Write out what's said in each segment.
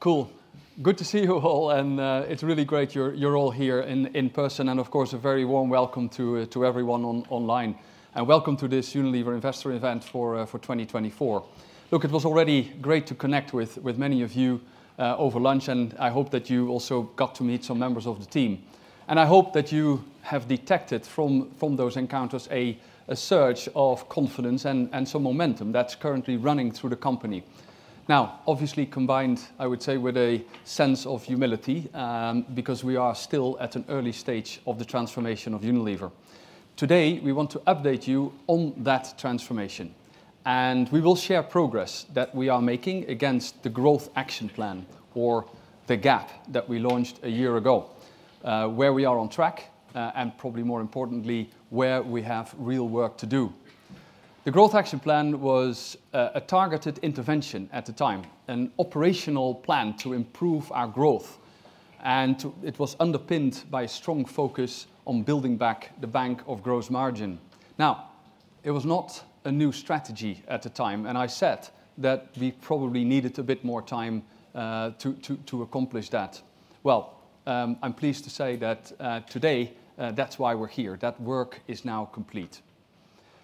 Cool. Good to see you all, and it's really great you're all here in person. And of course, a very warm welcome to everyone online. And welcome to this Unilever Investor Event for 2024. Look, it was already great to connect with many of you over lunch, and I hope that you also got to meet some members of the team. And I hope that you have detected from those encounters a surge of confidence and some momentum that's currently running through the company. Now, obviously combined, I would say, with a sense of humility, because we are still at an early stage of the transformation of Unilever. Today, we want to update you on that transformation. We will share progress that we are making against the Growth Action Plan, or the GAP that we launched a year ago, where we are on track, and probably more importantly, where we have real work to do. The Growth Action Plan was a targeted intervention at the time, an operational plan to improve our growth. It was underpinned by a strong focus on building back the bank of gross margin. Now, it was not a new strategy at the time, and I said that we probably needed a bit more time to accomplish that. I'm pleased to say that today, that's why we're here. That work is now complete.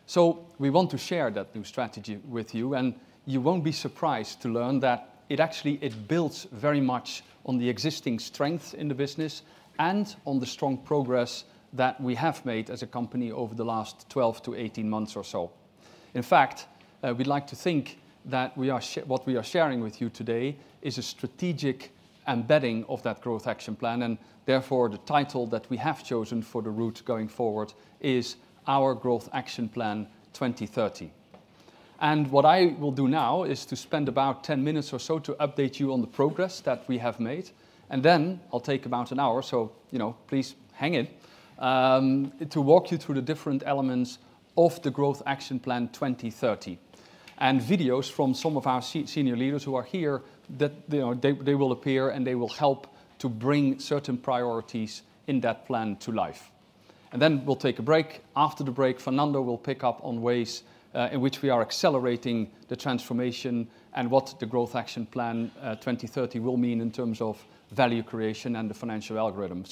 So we want to share that new strategy with you, and you won't be surprised to learn that it actually builds very much on the existing strengths in the business and on the strong progress that we have made as a company over the last 12-18 months or so. In fact, we'd like to think that what we are sharing with you today is a strategic embedding of that Growth Action Plan. And therefore, the title that we have chosen for the route going forward is Our Growth Action Plan 2030. And what I will do now is to spend about 10 minutes or so to update you on the progress that we have made. And then I'll take about an hour, so please hang in, to walk you through the different elements of the Growth Action Plan 2030. Videos from some of our senior leaders who are here; they will appear, and they will help to bring certain priorities in that plan to life. Then we'll take a break. After the break, Fernando will pick up on ways in which we are accelerating the transformation and what the Growth Action Plan 2030 will mean in terms of value creation and the financial algorithm.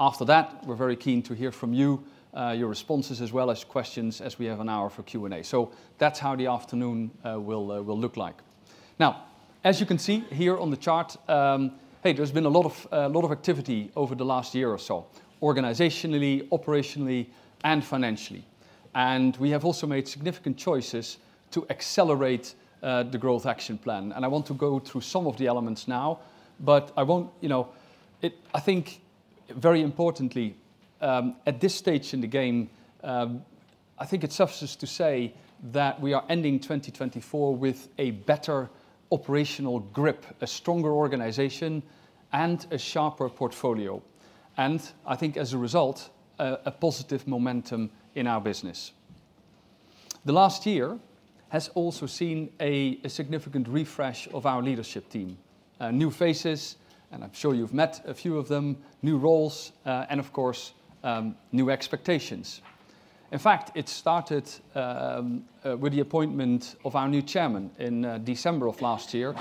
After that, we're very keen to hear from you, your responses, as well as questions, as we have an hour for Q&A. That's how the afternoon will look like. Now, as you can see here on the chart, hey, there's been a lot of activity over the last year or so, organizationally, operationally, and financially. We have also made significant choices to accelerate the Growth Action Plan. I want to go through some of the elements now, but I think very importantly, at this stage in the game, I think it suffices to say that we are ending 2024 with a better operational grip, a stronger organization, and a sharper portfolio. I think as a result, a positive momentum in our business. The last year has also seen a significant refresh of our leadership team, new faces, and I'm sure you've met a few of them, new roles, and of course, new expectations. In fact, it started with the appointment of our new chairman in December of last year.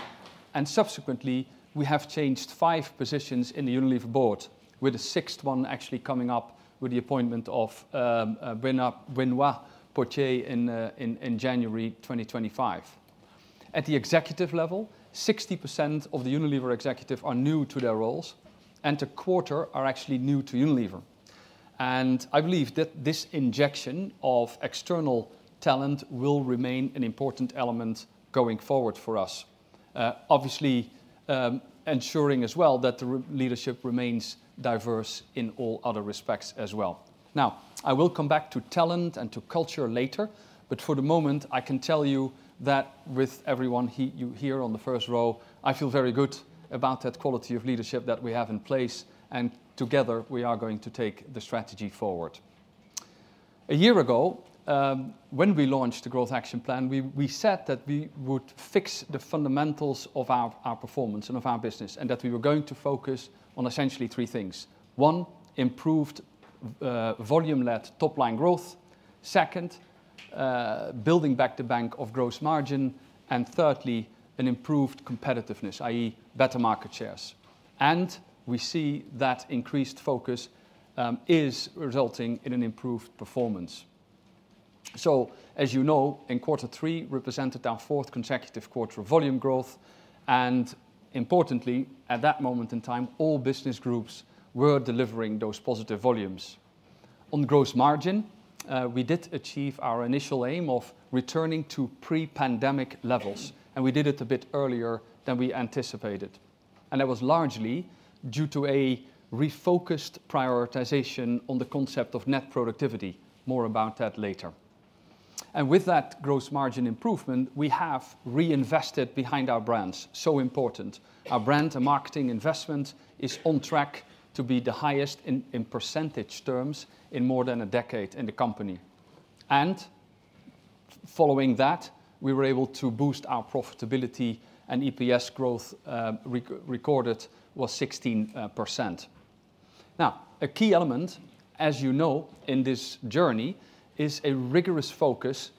Subsequently, we have changed five positions in the Unilever board, with the sixth one actually coming up with the appointment of Benoît Potier in January 2025. At the executive level, 60% of the Unilever executives are new to their roles, and a quarter are actually new to Unilever, and I believe that this injection of external talent will remain an important element going forward for us, obviously ensuring as well that the leadership remains diverse in all other respects as well. Now, I will come back to talent and to culture later, but for the moment, I can tell you that with everyone here on the first row, I feel very good about that quality of leadership that we have in place, and together, we are going to take the strategy forward. A year ago, when we launched the Growth Action Plan, we said that we would fix the fundamentals of our performance and of our business, and that we were going to focus on essentially three things. One, improved volume-led top-line growth. Second, building back the bank of Gross Margin. And thirdly, an improved competitiveness, i.e., better market shares. And we see that increased focus is resulting in an improved performance. So, as you know, in quarter three, we presented our fourth consecutive quarter of volume growth. And importantly, at that moment in time, all business groups were delivering those positive volumes. On Gross Margin, we did achieve our initial aim of returning to pre-pandemic levels. And we did it a bit earlier than we anticipated. And that was largely due to a refocused prioritization on the concept of Net Productivity, more about that later. And with that Gross Margin improvement, we have reinvested behind our brands. So important. Our brand, our marketing investment, is on track to be the highest in percentage terms in more than a decade in the company. Following that, we were able to boost our profitability, and EPS growth recorded was 16%. Now, a key element, as you know, in this journey is a rigorous focus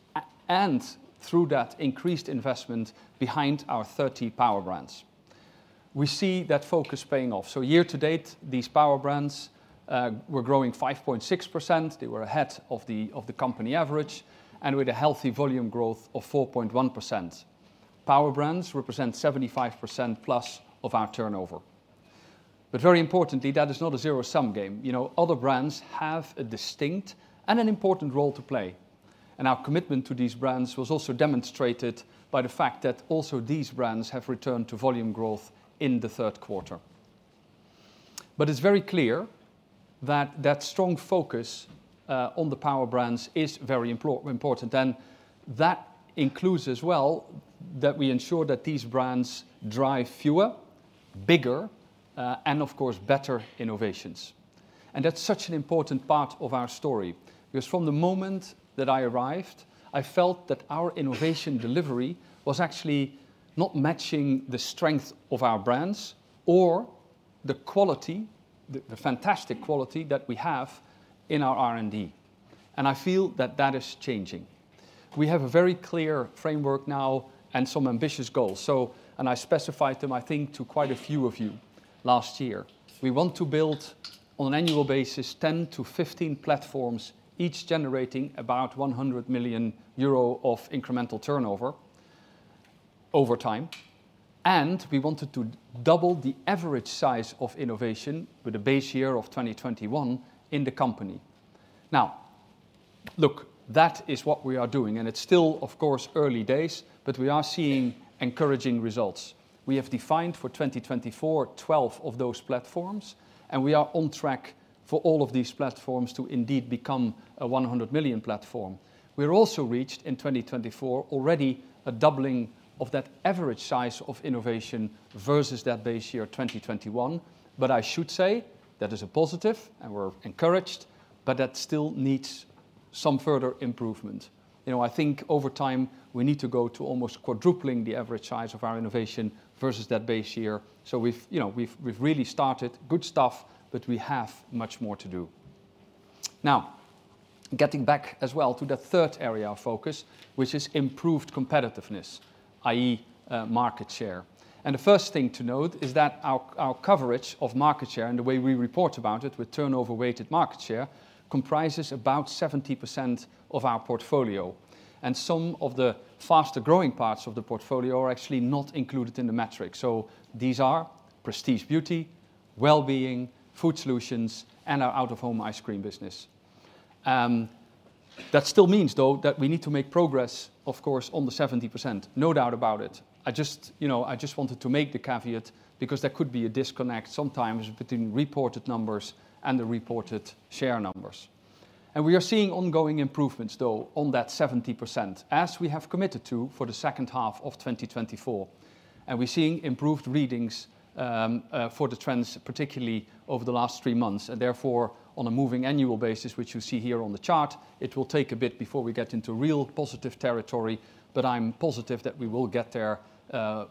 and through that increased investment behind our 30 Power Brands. We see that focus paying off. Year to date, these Power Brands were growing 5.6%. They were ahead of the company average, and with a healthy volume growth of 4.1%. Power Brands represent 75% plus of our turnover. Very importantly, that is not a zero-sum game. Other brands have a distinct and an important role to play. Our commitment to these brands was also demonstrated by the fact that also these brands have returned to volume growth in the third quarter. It's very clear that that strong focus on the Power Brands is very important. And that includes as well that we ensure that these brands drive fewer, bigger, and of course, better innovations. And that's such an important part of our story. Because from the moment that I arrived, I felt that our innovation delivery was actually not matching the strength of our brands or the quality, the fantastic quality that we have in our R&D. And I feel that that is changing. We have a very clear framework now and some ambitious goals. And I specified them, I think, to quite a few of you last year. We want to build on an annual basis, 10 to 15 platforms, each generating about 100 million euro of incremental turnover over time. And we wanted to double the average size of innovation with a base year of 2021 in the company. Now, look, that is what we are doing. And it's still, of course, early days, but we are seeing encouraging results. We have defined for 2024, 12 of those platforms, and we are on track for all of these platforms to indeed become a 100 million platform. We have also reached in 2024 already a doubling of that average size of innovation versus that base year 2021. But I should say that is a positive, and we're encouraged, but that still needs some further improvement. I think over time, we need to go to almost quadrupling the average size of our innovation versus that base year. So we've really started good stuff, but we have much more to do. Now, getting back as well to the third area of focus, which is improved competitiveness, i.e., market share. And the first thing to note is that our coverage of market share and the way we report about it with turnover-weighted market share comprises about 70% of our portfolio. And some of the faster-growing parts of the portfolio are actually not included in the metric. So these are prestige beauty, well-being, food solutions, and our out-of-home Ice Cream business. That still means, though, that we need to make progress, of course, on the 70%. No doubt about it. I just wanted to make the caveat because there could be a disconnect sometimes between reported numbers and the reported share numbers. And we are seeing ongoing improvements, though, on that 70%, as we have committed to for the second half of 2024. And we're seeing improved readings for the trends, particularly over the last three months. And therefore, on a moving annual basis, which you see here on the chart, it will take a bit before we get into real positive territory. But I'm positive that we will get there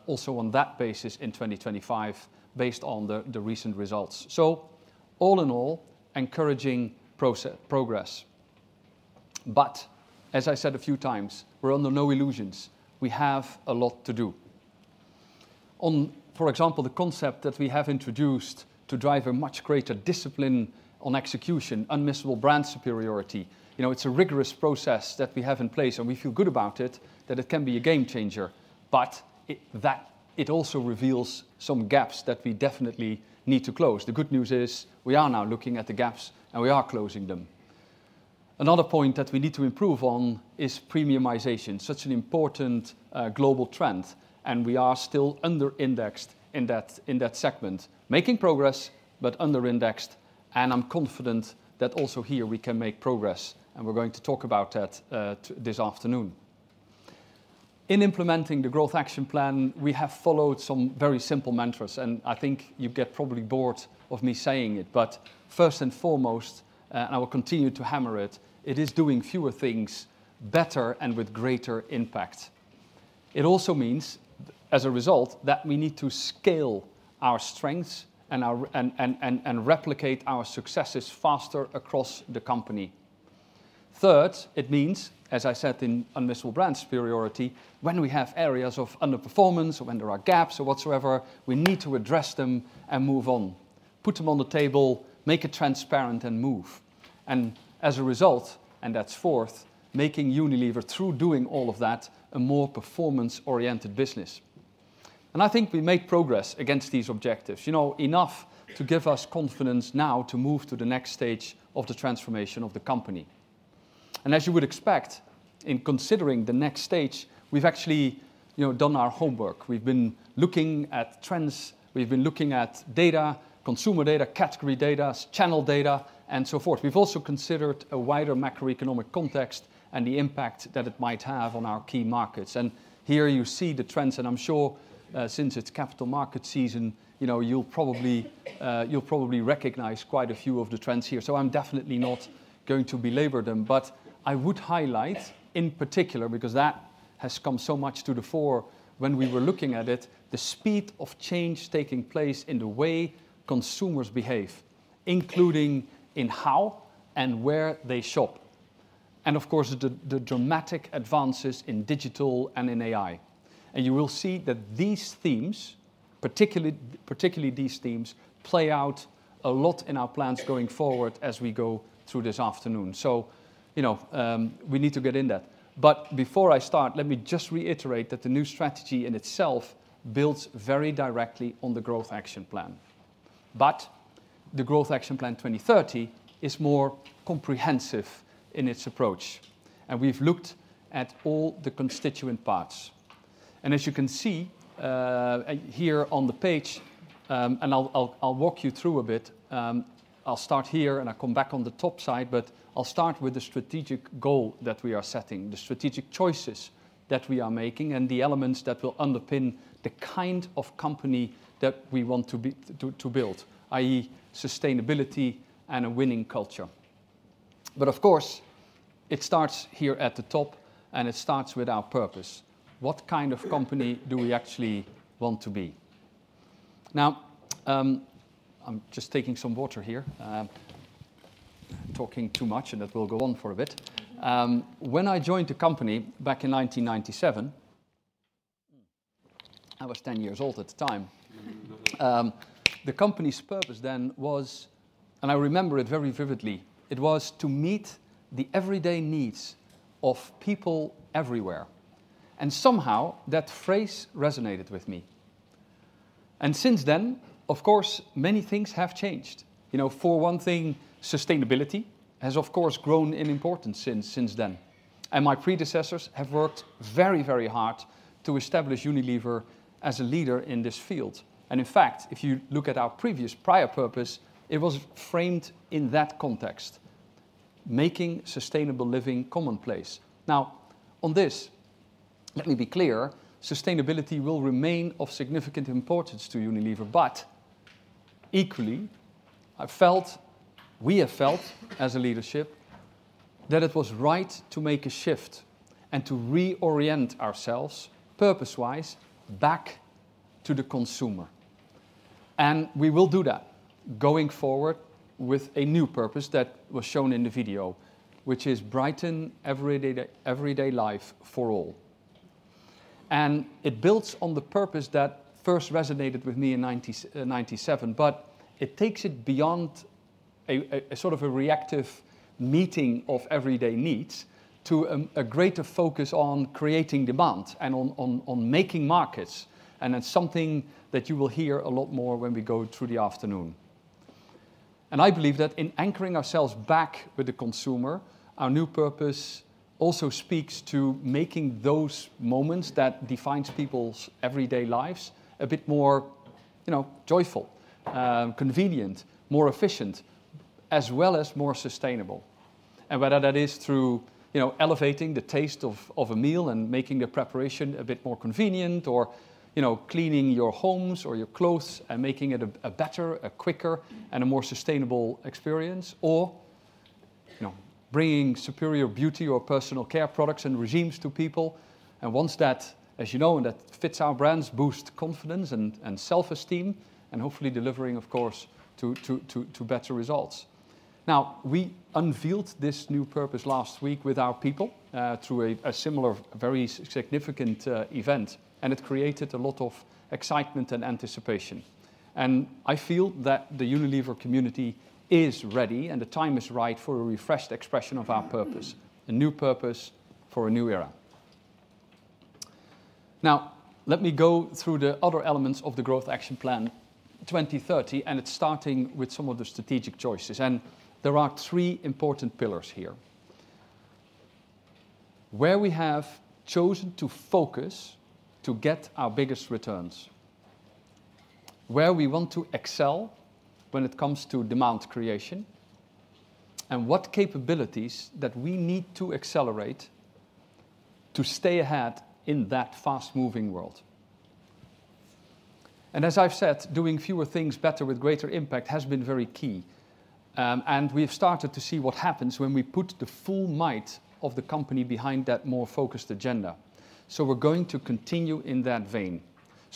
also on that basis in 2025, based on the recent results. So all in all, encouraging progress. But as I said a few times, we're under no illusions. We have a lot to do. For example, the concept that we have introduced to drive a much greater discipline on execution, Unmissable Brand Superiority. It's a rigorous process that we have in place, and we feel good about it that it can be a game changer. But it also reveals some gaps that we definitely need to close. The good news is we are now looking at the gaps, and we are closing them. Another point that we need to improve on is premiumization, such an important global trend. And we are still under-indexed in that segment, making progress, but under-indexed. And I'm confident that also here we can make progress. And we're going to talk about that this afternoon. In implementing the Growth Action Plan, we have followed some very simple mantras. And I think you get probably bored of me saying it. But first and foremost, and I will continue to hammer it, it is doing fewer things better and with greater impact. It also means, as a result, that we need to scale our strengths and replicate our successes faster across the company. Third, it means, as I said, Unmissable Brand Superiority. When we have areas of underperformance, when there are gaps or whatsoever, we need to address them and move on, put them on the table, make it transparent, and move. And as a result, and that's fourth, making Unilever, through doing all of that, a more performance-oriented business. And I think we made progress against these objectives, enough to give us confidence now to move to the next stage of the transformation of the company. And as you would expect, in considering the next stage, we've actually done our homework. We've been looking at trends. We've been looking at data, consumer data, category data, channel data, and so forth. We've also considered a wider macroeconomic context and the impact that it might have on our key markets. And here you see the trends. And I'm sure since it's capital market season, you'll probably recognize quite a few of the trends here. So I'm definitely not going to belabor them. But I would highlight in particular, because that has come so much to the fore when we were looking at it, the speed of change taking place in the way consumers behave, including in how and where they shop. And of course, the dramatic advances in digital and in AI. And you will see that these themes, particularly these themes, play out a lot in our plans going forward as we go through this afternoon. So we need to get in that. But before I start, let me just reiterate that the new strategy in itself builds very directly on the Growth Action Plan. But the Growth Action Plan 2030 is more comprehensive in its approach. And we've looked at all the constituent parts. As you can see here on the page, and I'll walk you through a bit. I'll start here and I'll come back on the top side, but I'll start with the strategic goal that we are setting, the strategic choices that we are making, and the elements that will underpin the kind of company that we want to build, i.e., sustainability and a winning culture. Of course, it starts here at the top, and it starts with our purpose. What kind of company do we actually want to be? Now, I'm just taking some water here. Talking too much, and it will go on for a bit. When I joined the company back in 1997, I was 10 years old at the time. The company's purpose then was, and I remember it very vividly, it was to meet the everyday needs of people everywhere. And somehow, that phrase resonated with me. And since then, of course, many things have changed. For one thing, sustainability has, of course, grown in importance since then. And my predecessors have worked very, very hard to establish Unilever as a leader in this field. And in fact, if you look at our previous purpose, it was framed in that context, making sustainable living commonplace. Now, on this, let me be clear, sustainability will remain of significant importance to Unilever. But equally, I felt, we have felt as a leadership that it was right to make a shift and to reorient ourselves purpose-wise back to the consumer. And we will do that going forward with a new purpose that was shown in the video, which is brighten everyday life for all. And it builds on the purpose that first resonated with me in 1997. But it takes it beyond a sort of a reactive meeting of everyday needs to a greater focus on creating demand and on making markets. And that's something that you will hear a lot more when we go through the afternoon. And I believe that in anchoring ourselves back with the consumer, our new purpose also speaks to making those moments that define people's everyday lives a bit more joyful, convenient, more efficient, as well as more sustainable. And whether that is through elevating the taste of a meal and making the preparation a bit more convenient, or cleaning your homes or your clothes and making it a better, a quicker, and a more sustainable experience, or bringing superior beauty or personal care products and regimes to people. And once that, as you know, and that fits our brands, boosts confidence and self-esteem, and hopefully delivering, of course, to better results. Now, we unveiled this new purpose last week with our people through a similar very significant event. And it created a lot of excitement and anticipation. And I feel that the Unilever community is ready, and the time is right for a refreshed expression of our purpose, a new purpose for a new era. Now, let me go through the other elements of the Growth Action Plan 2030, and it's starting with some of the strategic choices. And there are three important pillars here: where we have chosen to focus to get our biggest returns, where we want to excel when it comes to demand creation, and what capabilities that we need to accelerate to stay ahead in that fast-moving world. As I've said, doing fewer things better with greater impact has been very key. We have started to see what happens when we put the full might of the company behind that more focused agenda. We're going to continue in that vein.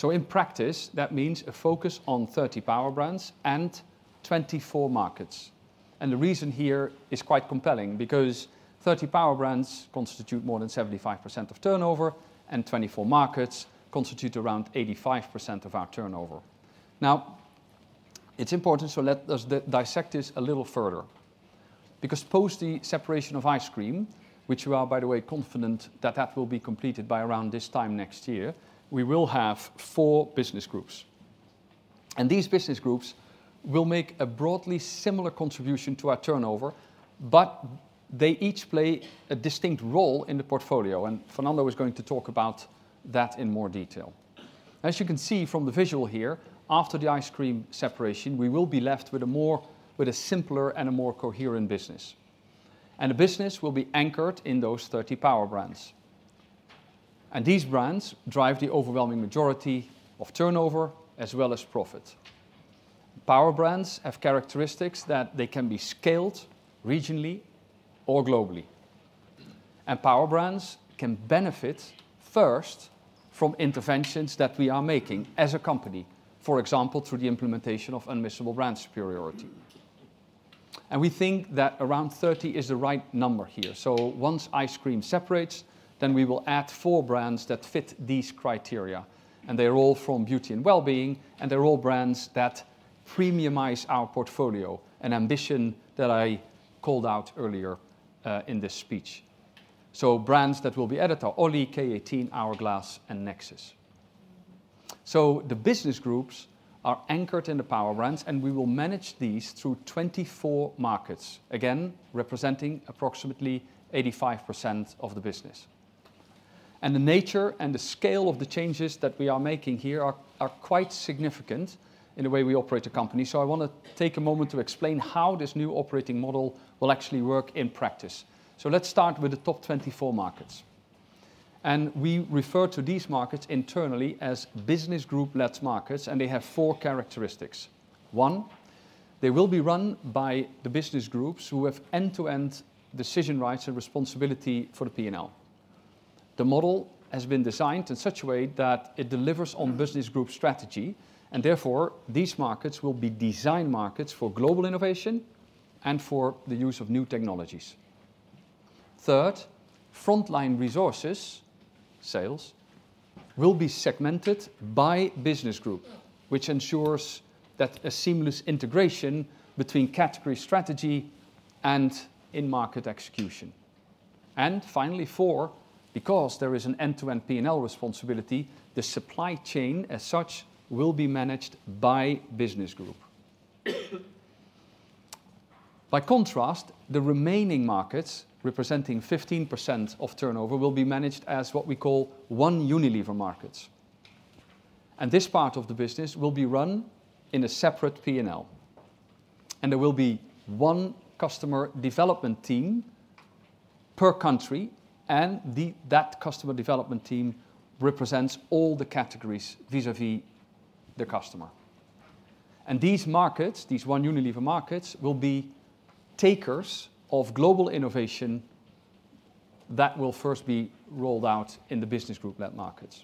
In practice, that means a focus on 30 Power Brands and 24 markets. The reason here is quite compelling because 30 Power Brands constitute more than 75% of turnover, and 24 markets constitute around 85% of our turnover. Now, it's important, so let us dissect this a little further. Because post the separation of Ice Cream, which we are, by the way, confident that that will be completed by around this time next year, we will have four Business Groups. These Business Groups will make a broadly similar contribution to our turnover, but they each play a distinct role in the portfolio. Fernando is going to talk about that in more detail. As you can see from the visual here, after the Ice Cream separation, we will be left with a simpler and a more coherent business. The business will be anchored in those 30 Power Brands. These brands drive the overwhelming majority of turnover as well as profit. Power Brands have characteristics that they can be scaled regionally or globally. Power Brands can benefit first from interventions that we are making as a company, for example, through the implementation of Unmissable Brand Superiority. We think that around 30 is the right number here. Once Ice Cream separates, then we will add four brands that fit these criteria. They're all from Beauty & Well-being, and they're all brands that premiumize our portfolio, an ambition that I called out earlier in this speech. Brands that will be added are OLI, K18, Hourglass, and Nexus. The business groups are anchored in the power brands, and we will manage these through 24 markets, again, representing approximately 85% of the business. The nature and the scale of the changes that we are making here are quite significant in the way we operate the company. I want to take a moment to explain how this new operating model will actually work in practice. Let's start with the top 24 markets. We refer to these markets internally as business group-led markets, and they have four characteristics. One, they will be run by the business groups who have end-to-end decision rights and responsibility for the P&L. The model has been designed in such a way that it delivers on business group strategy. And therefore, these markets will be design markets for global innovation and for the use of new technologies. Third, frontline resources, sales, will be segmented by business group, which ensures that a seamless integration between category strategy and in-market execution. And finally, four, because there is an end-to-end P&L responsibility, the supply chain as such will be managed by business group. By contrast, the remaining markets representing 15% of turnover will be managed as what we call One Unilever markets. And this part of the business will be run in a separate P&L. And there will be one customer development team per country, and that customer development team represents all the categories vis-à-vis the customer. And these markets, these One Unilever markets, will be takers of global innovation that will first be rolled out in the business group-led markets.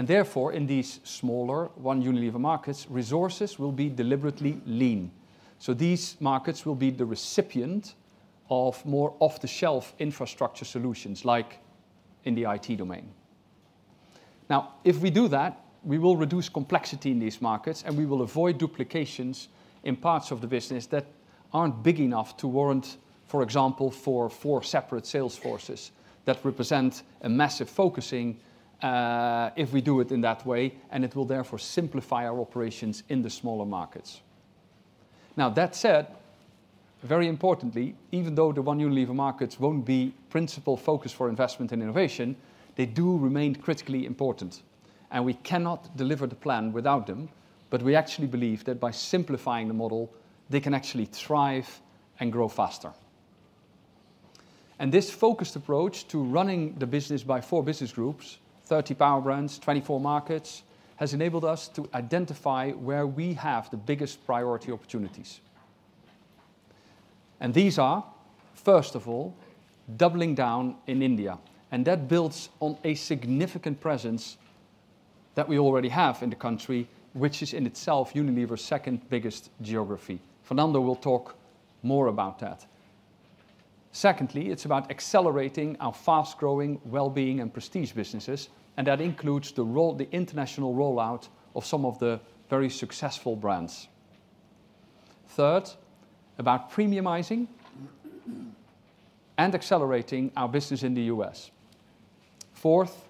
Therefore, in these smaller One Unilever markets, resources will be deliberately lean. So these markets will be the recipient of more off-the-shelf infrastructure solutions like in the IT domain. Now, if we do that, we will reduce complexity in these markets, and we will avoid duplications in parts of the business that aren't big enough to warrant, for example, for four separate sales forces that represent a massive costing if we do it in that way. And it will therefore simplify our operations in the smaller markets. Now, that said, very importantly, even though the One Unilever markets won't be principal focus for investment and innovation, they do remain critically important. And we cannot deliver the plan without them, but we actually believe that by simplifying the model, they can actually thrive and grow faster. And this focused approach to running the business by four Business Groups, 30 Power Brands, 24 markets, has enabled us to identify where we have the biggest priority opportunities. And these are, first of all, doubling down in India. And that builds on a significant presence that we already have in the country, which is in itself Unilever's second biggest geography. Fernando will talk more about that. Secondly, it's about accelerating our fast-growing well-being and prestige businesses. And that includes the international rollout of some of the very successful brands. Third, about premiumizing and accelerating our business in the U.S. Fourth,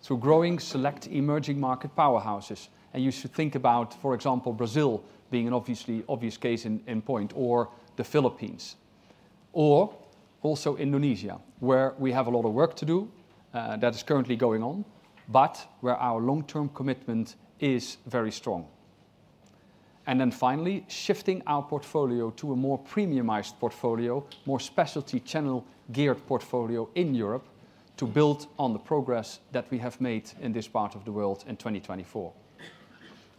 through growing select emerging market powerhouses. And you should think about, for example, Brazil being an obvious case in point, or the Philippines, or also Indonesia, where we have a lot of work to do that is currently going on, but where our long-term commitment is very strong. And then finally, shifting our portfolio to a more premiumized portfolio, more specialty channel-geared portfolio in Europe to build on the progress that we have made in this part of the world in 2024.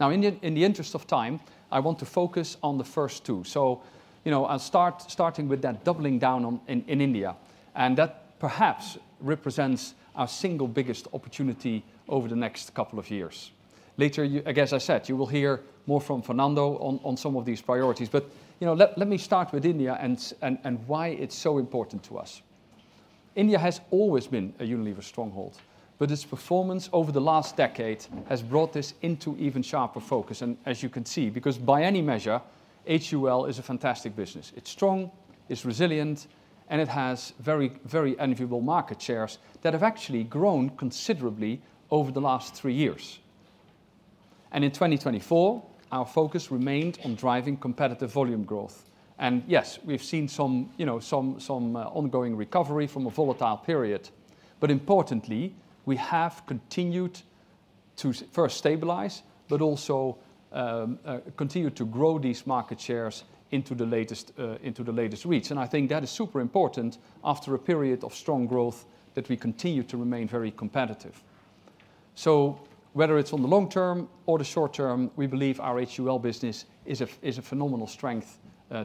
Now, in the interest of time, I want to focus on the first two. So I'll start with that doubling down in India. And that perhaps represents our single biggest opportunity over the next couple of years. Later, as I said, you will hear more from Fernando on some of these priorities. But let me start with India and why it's so important to us. India has always been a Unilever stronghold, but its performance over the last decade has brought this into even sharper focus, as you can see, because by any measure, HUL is a fantastic business. It's strong, it's resilient, and it has very enviable market shares that have actually grown considerably over the last three years, and in 2024, our focus remained on driving competitive volume growth, and yes, we've seen some ongoing recovery from a volatile period, but importantly, we have continued to first stabilize, but also continued to grow these market shares into the latest reach, and I think that is super important after a period of strong growth that we continue to remain very competitive, so whether it's on the long term or the short term, we believe our HUL business is a phenomenal strength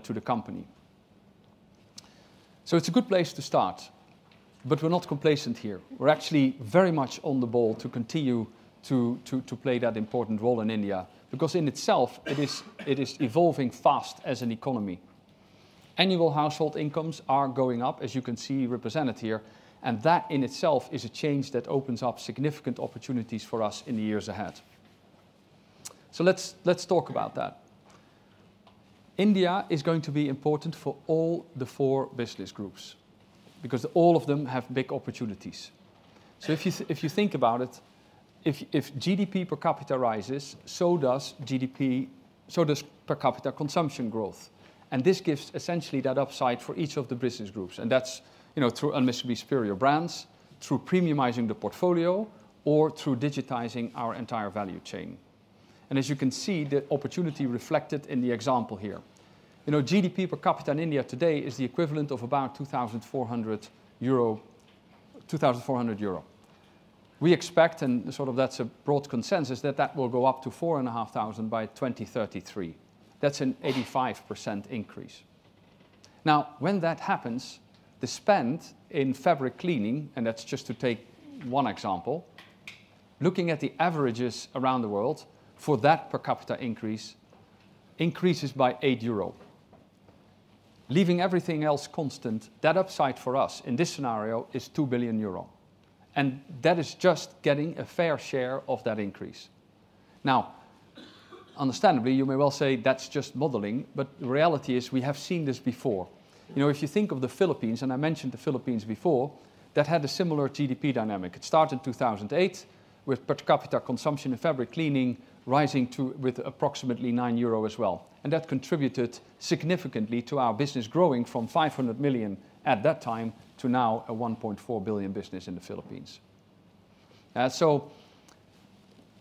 to the company, so it's a good place to start, but we're not complacent here. We're actually very much on the ball to continue to play that important role in India because in itself, it is evolving fast as an economy. Annual household incomes are going up, as you can see represented here. And that in itself is a change that opens up significant opportunities for us in the years ahead. So let's talk about that. India is going to be important for all the four business groups because all of them have big opportunities. So if you think about it, if GDP per capita rises, so does GDP, so does per capita consumption growth. And this gives essentially that upside for each of the business groups. And that's through unmissable superior brands, through premiumizing the portfolio, or through digitizing our entire value chain. And as you can see, the opportunity reflected in the example here. GDP per capita in India today is the equivalent of about 2,400 euro. We expect, and sort of that's a broad consensus, that that will go up to 4,500 by 2033. That's an 85% increase. Now, when that happens, the spend in fabric cleaning, and that's just to take one example, looking at the averages around the world for that per capita increase, increases by 8 euro. Leaving everything else constant, that upside for us in this scenario is 2 billion euro. And that is just getting a fair share of that increase. Now, understandably, you may well say that's just modeling, but the reality is we have seen this before. If you think of the Philippines, and I mentioned the Philippines before, that had a similar GDP dynamic. It started in 2008 with per capita consumption and fabric cleaning rising to with approximately 9 euro as well. And that contributed significantly to our business growing from 500 million at that time to now a 1.4 billion business in the Philippines. So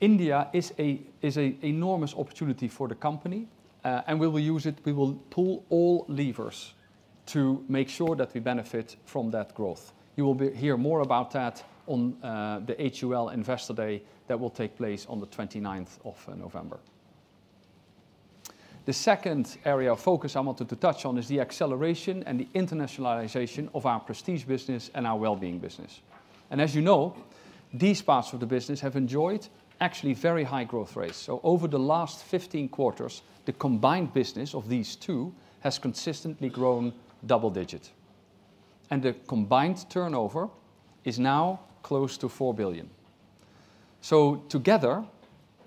India is an enormous opportunity for the company. And we will use it. We will pull all levers to make sure that we benefit from that growth. You will hear more about that on the HUL Investor Day that will take place on the 29th of November. The second area of focus I wanted to touch on is the acceleration and the internationalization of our prestige business and our well-being business, and as you know, these parts of the business have enjoyed actually very high growth rates, so over the last 15 quarters, the combined business of these two has consistently grown double-digit, and the combined turnover is now close to 4 billion, so together,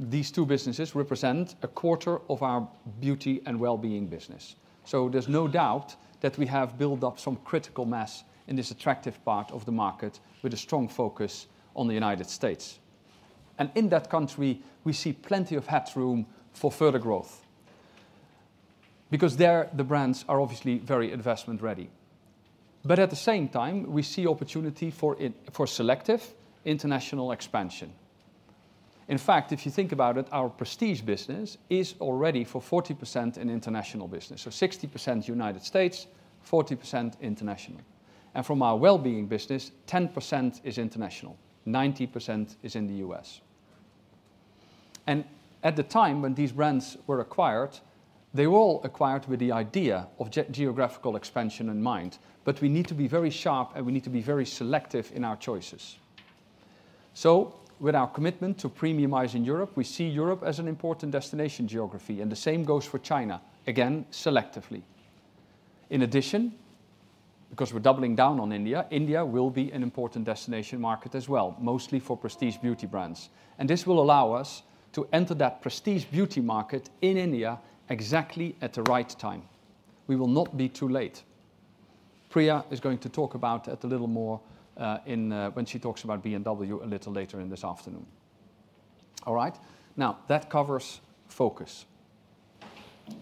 these two businesses represent a quarter of our Beauty & Wellbeing business, so there's no doubt that we have built up some critical mass in this attractive part of the market with a strong focus on the United States. In that country, we see plenty of headroom for further growth because there, the brands are obviously very investment-ready. At the same time, we see opportunity for selective international expansion. In fact, if you think about it, our prestige business is already for 40% in international business, so 60% United States, 40% international. From our well-being business, 10% is international, 90% is in the US. At the time when these brands were acquired, they were all acquired with the idea of geographical expansion in mind. We need to be very sharp, and we need to be very selective in our choices. With our commitment to premiumizing Europe, we see Europe as an important destination geography. The same goes for China, again, selectively. In addition, because we're doubling down on India, India will be an important destination market as well, mostly for prestige beauty brands. And this will allow us to enter that prestige beauty market in India exactly at the right time. We will not be too late. Priya is going to talk about it a little more when she talks about B&W a little later this afternoon. All right. Now, that covers focus.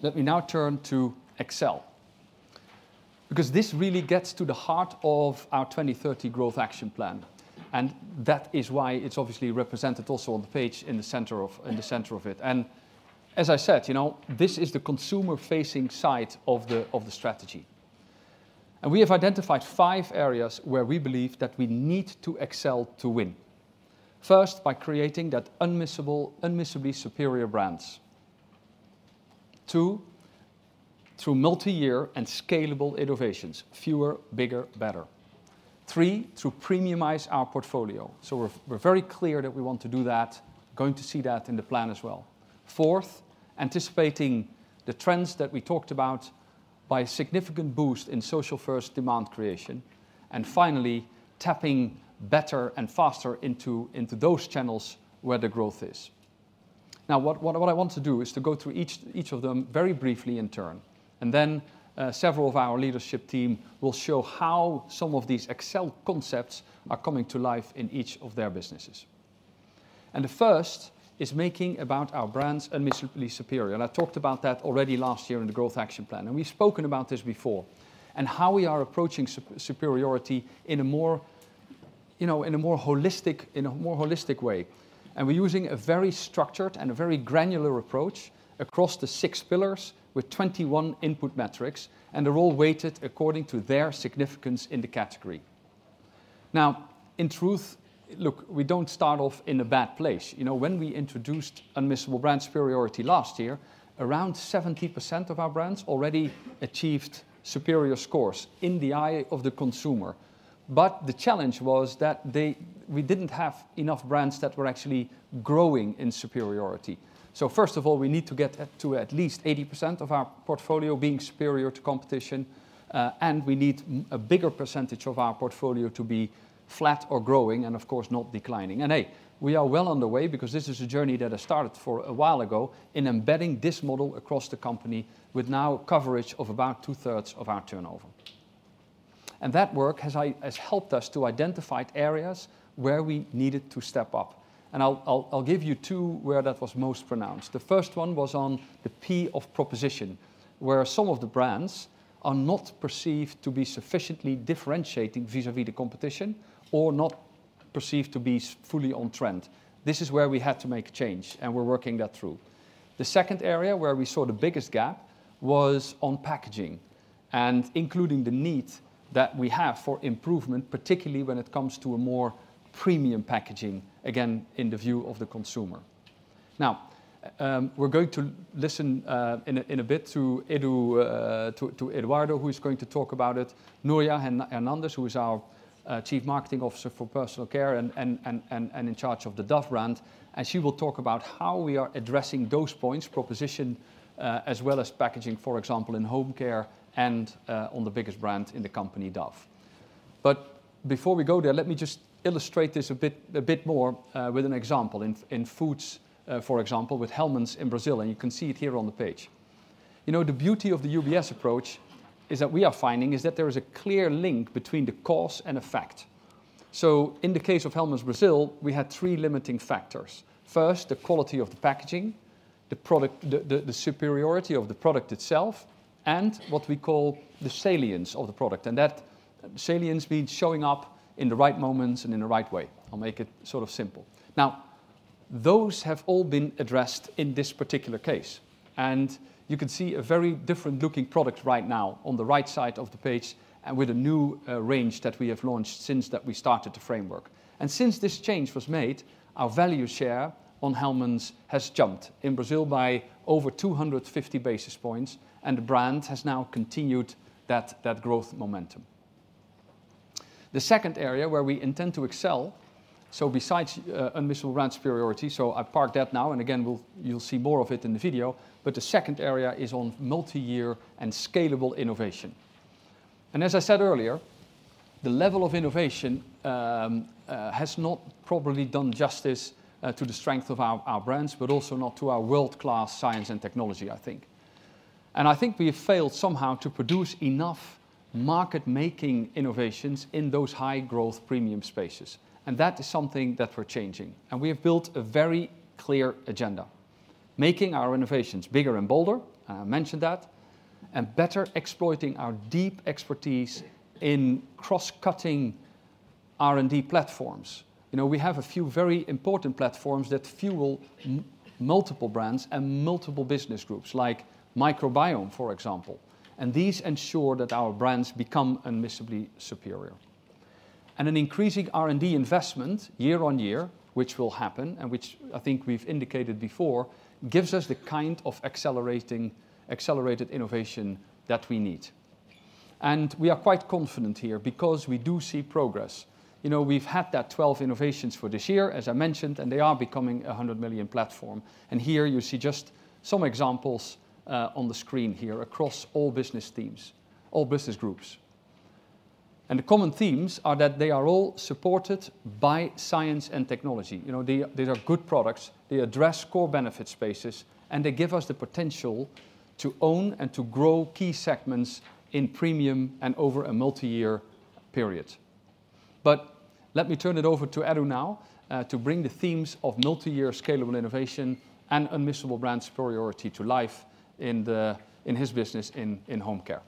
Let me now turn to excellence because this really gets to the heart of our 2030 growth action plan. And that is why it's obviously represented also on the page in the center of it. And as I said, this is the consumer-facing side of the strategy. And we have identified five areas where we believe that we need to excel to win. First, by creating that unmissable superior brands. Two, through multi-year and scalable innovations, fewer, bigger, better. Three, through premiumizing our portfolio. We're very clear that we want to do that, going to see that in the plan as well. Fourth, anticipating the trends that we talked about by a significant boost in social-first demand creation. Finally, tapping better and faster into those channels where the growth is. Now, what I want to do is to go through each of them very briefly in turn. Several of our leadership team will show how some of these concepts are coming to life in each of their businesses. The first is making our brands unmissable superior. I talked about that already last year in the Growth Action Plan. We've spoken about this before and how we are approaching superiority in a more holistic way. We're using a very structured and a very granular approach across the six pillars with 21 input metrics. They're all weighted according to their significance in the category. Now, in truth, look, we don't start off in a bad place. When we introduced Unmissable Brand Superiority last year, around 70% of our brands already achieved superior scores in the eye of the consumer. The challenge was that we didn't have enough brands that were actually growing in superiority. First of all, we need to get to at least 80% of our portfolio being superior to competition. We need a bigger percentage of our portfolio to be flat or growing and, of course, not declining. Hey, we are well on the way because this is a journey that has started for a while ago in embedding this model across the company with now coverage of about two-thirds of our turnover. That work has helped us to identify areas where we needed to step up. I'll give you two where that was most pronounced. The first one was on the P of proposition, where some of the brands are not perceived to be sufficiently differentiating vis-à-vis the competition or not perceived to be fully on trend. This is where we had to make a change, and we're working that through. The second area where we saw the biggest gap was on packaging and including the need that we have for improvement, particularly when it comes to a more premium packaging, again, in the view of the consumer. Now, we're going to listen in a bit to Eduardo, who is going to talk about it, Nuria Hernández, who is our Chief Marketing Officer for Personal Care and in charge of the Dove brand. And she will talk about how we are addressing those points, proposition, as well as packaging, for example, in Home Care and on the biggest brand in the company, Dove. But before we go there, let me just illustrate this a bit more with an example in foods, for example, with Hellmann's in Brazil. And you can see it here on the page. The beauty of the UBS approach is that we are finding is that there is a clear link between the cause and effect. So in the case of Hellmann's Brazil, we had three limiting factors. First, the quality of the packaging, the superiority of the product itself, and what we call the salience of the product. And that salience means showing up in the right moments and in the right way. I'll make it sort of simple. Now, those have all been addressed in this particular case. And you can see a very different-looking product right now on the right side of the page and with a new range that we have launched since that we started the framework. And since this change was made, our value share on Hellmann's has jumped in Brazil by over 250 basis points. And the brand has now continued that growth momentum. The second area where we intend to excel, so besides unmissable brand superiority, so I parked that now. And again, you'll see more of it in the video. But the second area is on multi-year and scalable innovation. And as I said earlier, the level of innovation has not properly done justice to the strength of our brands, but also not to our world-class science and technology, I think. And I think we have failed somehow to produce enough market-making innovations in those high-growth premium spaces. And that is something that we're changing. And we have built a very clear agenda, making our innovations bigger and bolder, and I mentioned that, and better exploiting our deep expertise in cross-cutting R&D platforms. We have a few very important platforms that fuel multiple brands and multiple business groups, like Microbiome, for example. And these ensure that our brands become unmissably superior. And an increasing R&D investment year on year, which will happen and which I think we've indicated before, gives us the kind of accelerated innovation that we need. We are quite confident here because we do see progress. We've had that 12 innovations for this year, as I mentioned, and they are becoming a 100 million platform. Here you see just some examples on the screen here across all business teams, all business groups. The common themes are that they are all supported by science and technology. These are good products. They address core benefit spaces, and they give us the potential to own and to grow key segments in premium and over a multi-year period. Let me turn it over to Edu now to bring the themes of multi-year scalable innovation and unmissable brand superiority to life in his business in Home Care.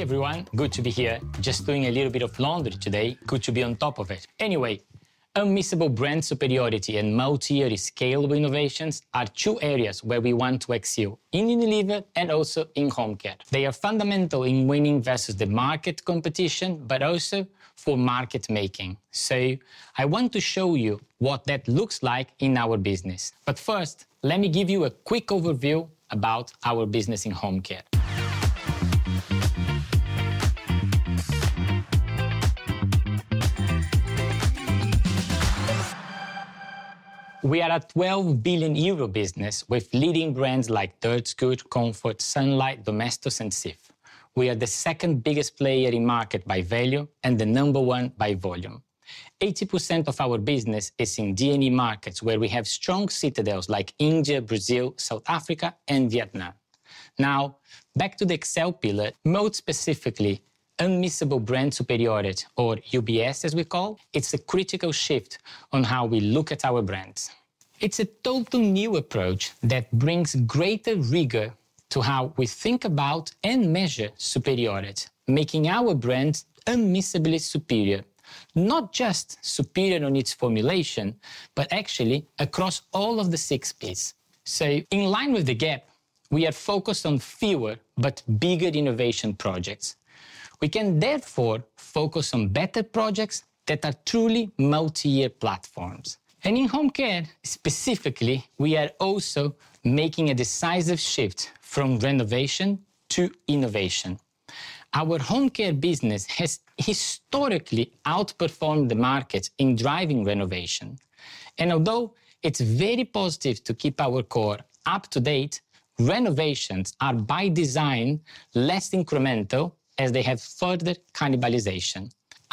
Hey, everyone. Good to be here. Just doing a little bit of laundry today. Good to be on top of it. Anyway, Unmissable Brand Superiority and multi-year scalable innovations are two areas where we want to excel in Unilever and also in Home Care. They are fundamental in winning versus the market competition, but also for market-making. So I want to show you what that looks like in our business. But first, let me give you a quick overview about our business in Home Care. We are a 12 billion euro business with leading brands like Dirt Scout, Comfort, Sunlight, Domestos, and Cif. We are the second biggest player in market by value and the number one by volume. 80% of our business is in D&E markets where we have strong citadels like India, Brazil, South Africa, and Vietnam. Now, back to the excellence pillar, most specifically, Unmissable Brand Superiority, or UBS, as we call it, it's a critical shift on how we look at our brands. It's a totally new approach that brings greater rigor to how we think about and measure superiority, making our brand unmissably superior, not just superior on its formulation, but actually across all of the six pillars. So in line with the GAP, we are focused on fewer but bigger innovation projects. We can therefore focus on better projects that are truly multi-year platforms. And in Home Care specifically, we are also making a decisive shift from renovation to innovation. Our Home Care business has historically outperformed the market in driving renovation. And although it's very positive to keep our core up to date, renovations are by design less incremental as they have further cannibalization.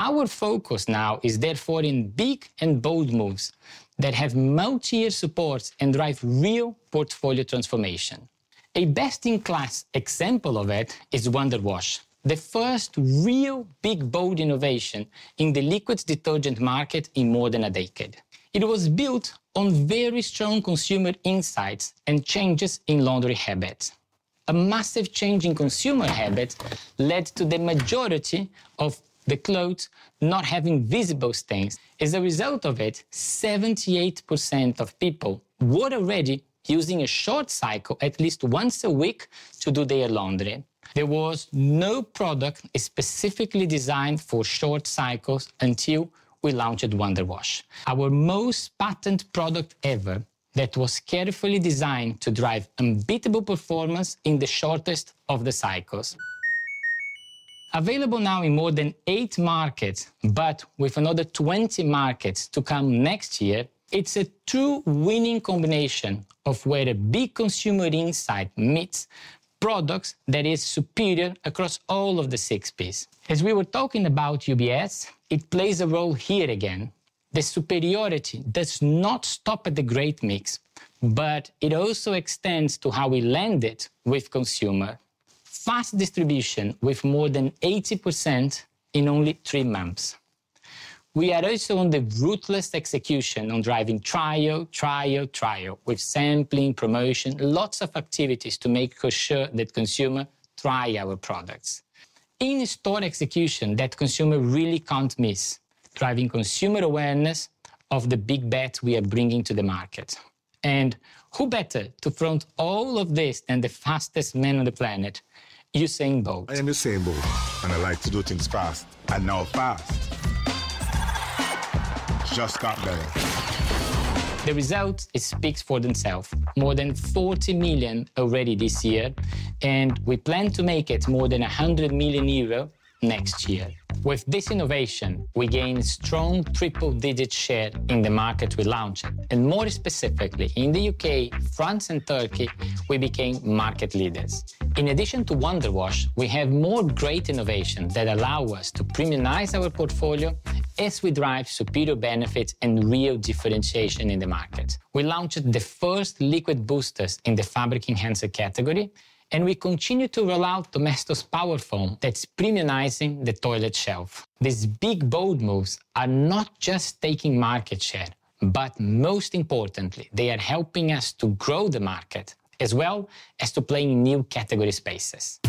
Our focus now is therefore in big and bold moves that have multi-year supports and drive real portfolio transformation. A best-in-class example of it is Wonder Wash, the first real big bold innovation in the liquid detergent market in more than a decade. It was built on very strong consumer insights and changes in laundry habits. A massive change in consumer habits led to the majority of the clothes not having visible stains. As a result of it, 78% of people were already using a short cycle at least once a week to do their laundry. There was no product specifically designed for short cycles until we launched Wonder Wash, our most patented product ever that was carefully designed to drive unbeatable performance in the shortest of the cycles. Available now in more than eight markets, but with another 20 markets to come next year, it's a true winning combination of where a big consumer insight meets products that are superior across all of the six pillars. As we were talking about UBS, it plays a role here again. The superiority does not stop at the great mix, but it also extends to how we land it with consumer fast distribution with more than 80% in only three months. We are also on the ruthless execution on driving trial, trial, trial with sampling, promotion, lots of activities to make sure that consumers try our products. In-store execution that consumers really can't miss, driving consumer awareness of the big bet we are bringing to the market. Who better to front all of this than the fastest man on the planet, Usain Bolt? I am Usain Bolt, and I like to do things fast. And now fast. Just got there. The results speak for themselves. More than 40 million already this year, and we plan to make it more than 100 million euro next year. With this innovation, we gain a strong triple-digit share in the market we launched, and more specifically, in the UK, France, and Turkey, we became market leaders. In addition to Wonder Wash, we have more great innovations that allow us to premiumize our portfolio as we drive superior benefits and real differentiation in the market. We launched the first liquid boosters in the fabric enhancer category, and we continue to roll out Domestos Power Foam that's premiumizing the toilet shelf. These big bold moves are not just taking market share, but most importantly, they are helping us to grow the market as well as to play in new category spaces.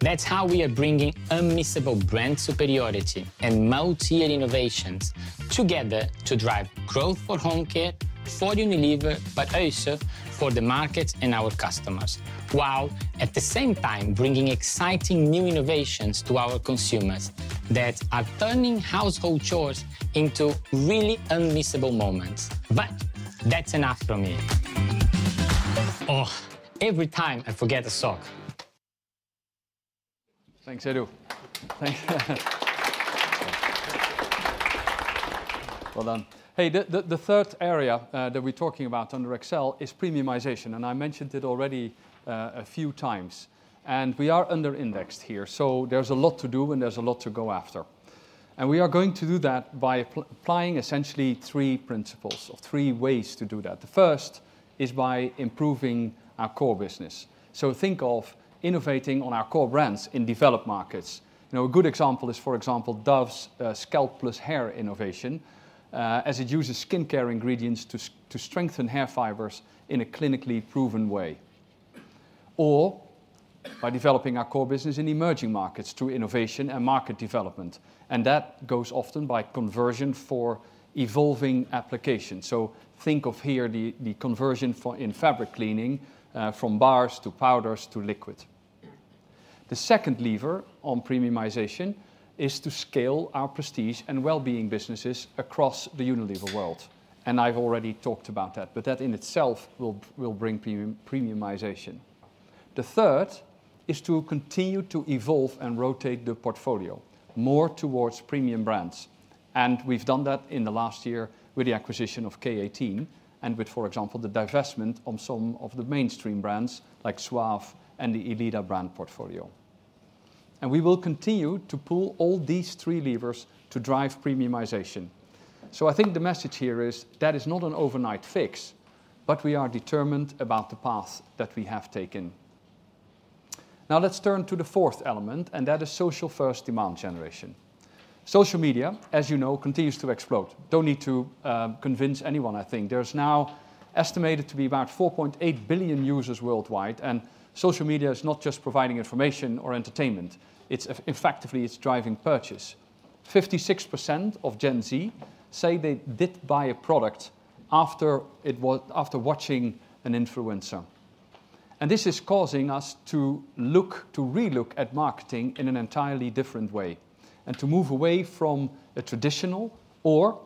That's how we are bringing Unmissable Brand Superiority and multi-year innovations together to drive growth for Home Care, for Unilever, but also for the market and our customers, while at the same time bringing exciting new innovations to our consumers that are turning household chores into really unmissable moments. But that's enough from me. Oh, every time I forget a sock. Thanks, Edu. Well done. Hey, the third area that we're talking about under Excel is premiumization, and I mentioned it already a few times, and we are under-indexed here. So there's a lot to do, and there's a lot to go after, and we are going to do that by applying essentially three principles or three ways to do that. The first is by improving our core business. So think of innovating on our core brands in developed markets. A good example is, for example, Dove's scalp-less hair innovation, as it uses skincare ingredients to strengthen hair fibers in a clinically proven way, or by developing our core business in emerging markets through innovation and market development, and that goes often by conversion for evolving applications, so think of here the conversion in fabric cleaning from bars to powders to liquid. The second lever on premiumization is to scale our prestige and well-being businesses across the Unilever world. And I've already talked about that, but that in itself will bring premiumization. The third is to continue to evolve and rotate the portfolio more towards premium brands. And we've done that in the last year with the acquisition of K18 and with, for example, the divestment of some of the mainstream brands like Suave and the Elida brand portfolio. We will continue to pull all these three levers to drive premiumization. I think the message here is that is not an overnight fix, but we are determined about the path that we have taken. Now let's turn to the fourth element, and that is social-first demand generation. Social media, as you know, continues to explode. Don't need to convince anyone, I think. There's now estimated to be about 4.8 billion users worldwide. Social media is not just providing information or entertainment. It's effectively driving purchase. 56% of Gen Z say they did buy a product after watching an influencer. And this is causing us to look, to relook at marketing in an entirely different way and to move away from the traditional or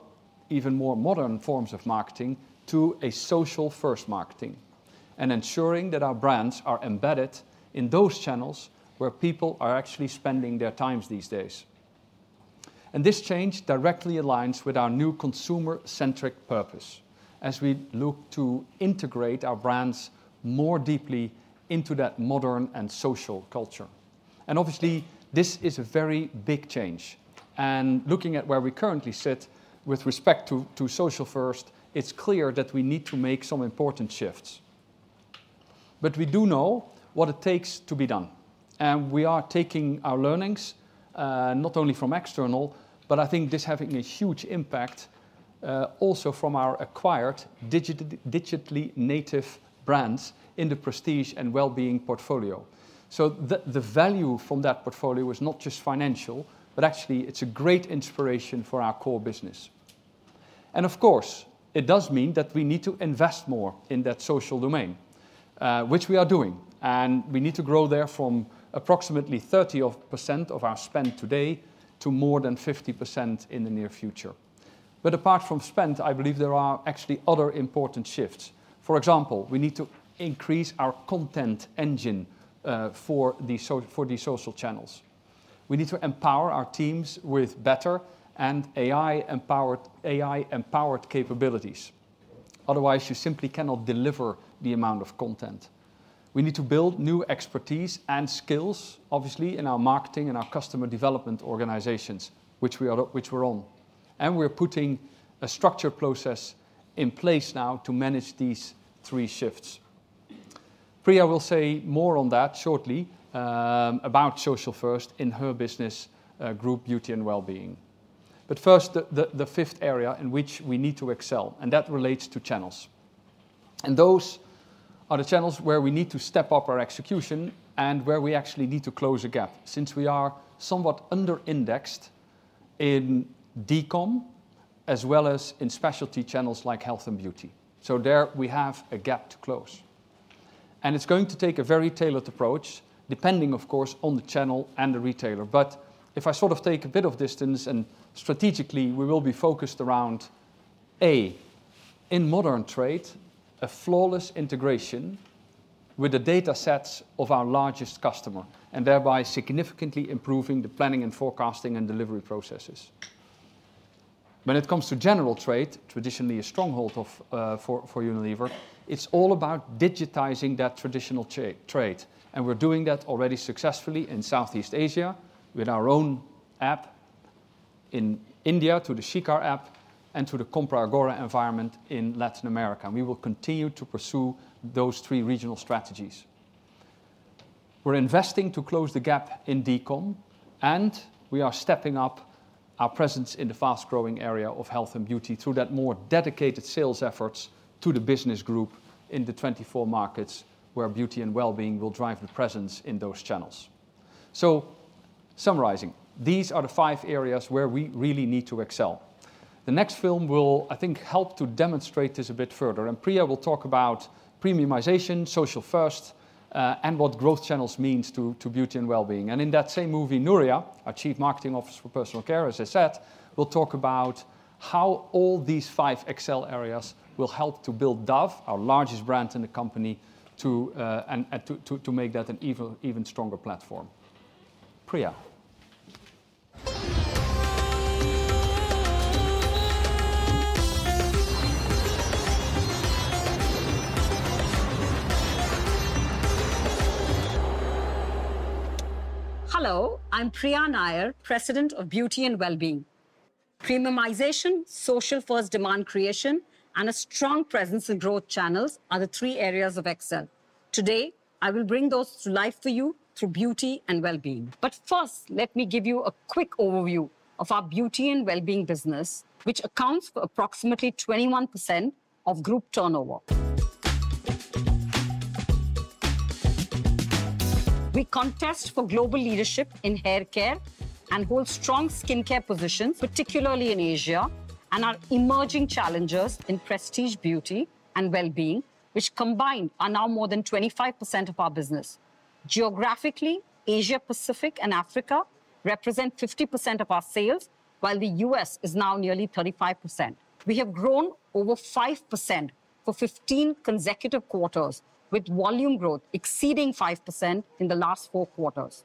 even more modern forms of marketing to a social-first marketing and ensuring that our brands are embedded in those channels where people are actually spending their times these days. And this change directly aligns with our new consumer-centric purpose as we look to integrate our brands more deeply into that modern and social culture. And obviously, this is a very big change. And looking at where we currently sit with respect to social-first, it's clear that we need to make some important shifts. But we do know what it takes to be done. And we are taking our learnings not only from external, but I think this is having a huge impact also from our acquired digitally native brands in the prestige and well-being portfolio. So the value from that portfolio is not just financial, but actually it's a great inspiration for our core business. And of course, it does mean that we need to invest more in that social domain, which we are doing. And we need to grow there from approximately 30% of our spend today to more than 50% in the near future. But apart from spend, I believe there are actually other important shifts. For example, we need to increase our content engine for the social channels. We need to empower our teams with better and AI-empowered capabilities. Otherwise, you simply cannot deliver the amount of content. We need to build new expertise and skills, obviously, in our marketing and our customer development organizations, which we're on. And we're putting a structured process in place now to manage these three shifts. Priya will say more on that shortly about social-first in her business group, Beauty & Well-being. But first, the fifth area in which we need to excel, and that relates to channels. And those are the channels where we need to step up our execution and where we actually need to close a gap since we are somewhat under-indexed in DCOM as well as in specialty channels like health and beauty. So there we have a gap to close. And it's going to take a very tailored approach, depending, of course, on the channel and the retailer. But if I sort of take a bit of distance and strategically, we will be focused around, A, in modern trade, a flawless integration with the data sets of our largest customer and thereby significantly improving the planning and forecasting and delivery processes. When it comes to general trade, traditionally a stronghold for Unilever, it's all about digitizing that traditional trade. And we're doing that already successfully in Southeast Asia with our own app in India to the Shikhar app and to the ComprAgora environment in Latin America. And we will continue to pursue those three regional strategies. We're investing to close the gap in DCOM, and we are stepping up our presence in the fast-growing area of health and beauty through that more dedicated sales efforts to the business group in the 24 markets where Beauty & Wellbeing will drive the presence in those channels. So summarizing, these are the five areas where we really need to excel. The next film will, I think, help to demonstrate this a bit further. And Priya will talk about premiumization, social-first, and what growth channels mean to Beauty & Wellbeing. In that same movie, Nuria, our Chief Marketing Officer for Personal Care, as I said, will talk about how all these five excel areas will help to build Dove, our largest brand in the company, and to make that an even stronger platform. Priya. Hello. I'm Priya Nair, President of Beauty & Wellbeing. Premiumization, social-first demand creation, and a strong presence in growth channels are the three areas of excel. Today, I will bring those to life for you through Beauty & Wellbeing. But first, let me give you a quick overview of our Beauty & Wellbeing business, which accounts for approximately 21% of group turnover. We contest for global leadership in hair care and hold strong skincare positions, particularly in Asia, and are emerging challengers in prestige Beauty & Wellbeing, which combined are now more than 25% of our business. Geographically, Asia-Pacific and Africa represent 50% of our sales, while the U.S. is now nearly 35%. We have grown over 5% for 15 consecutive quarters, with volume growth exceeding 5% in the last four quarters.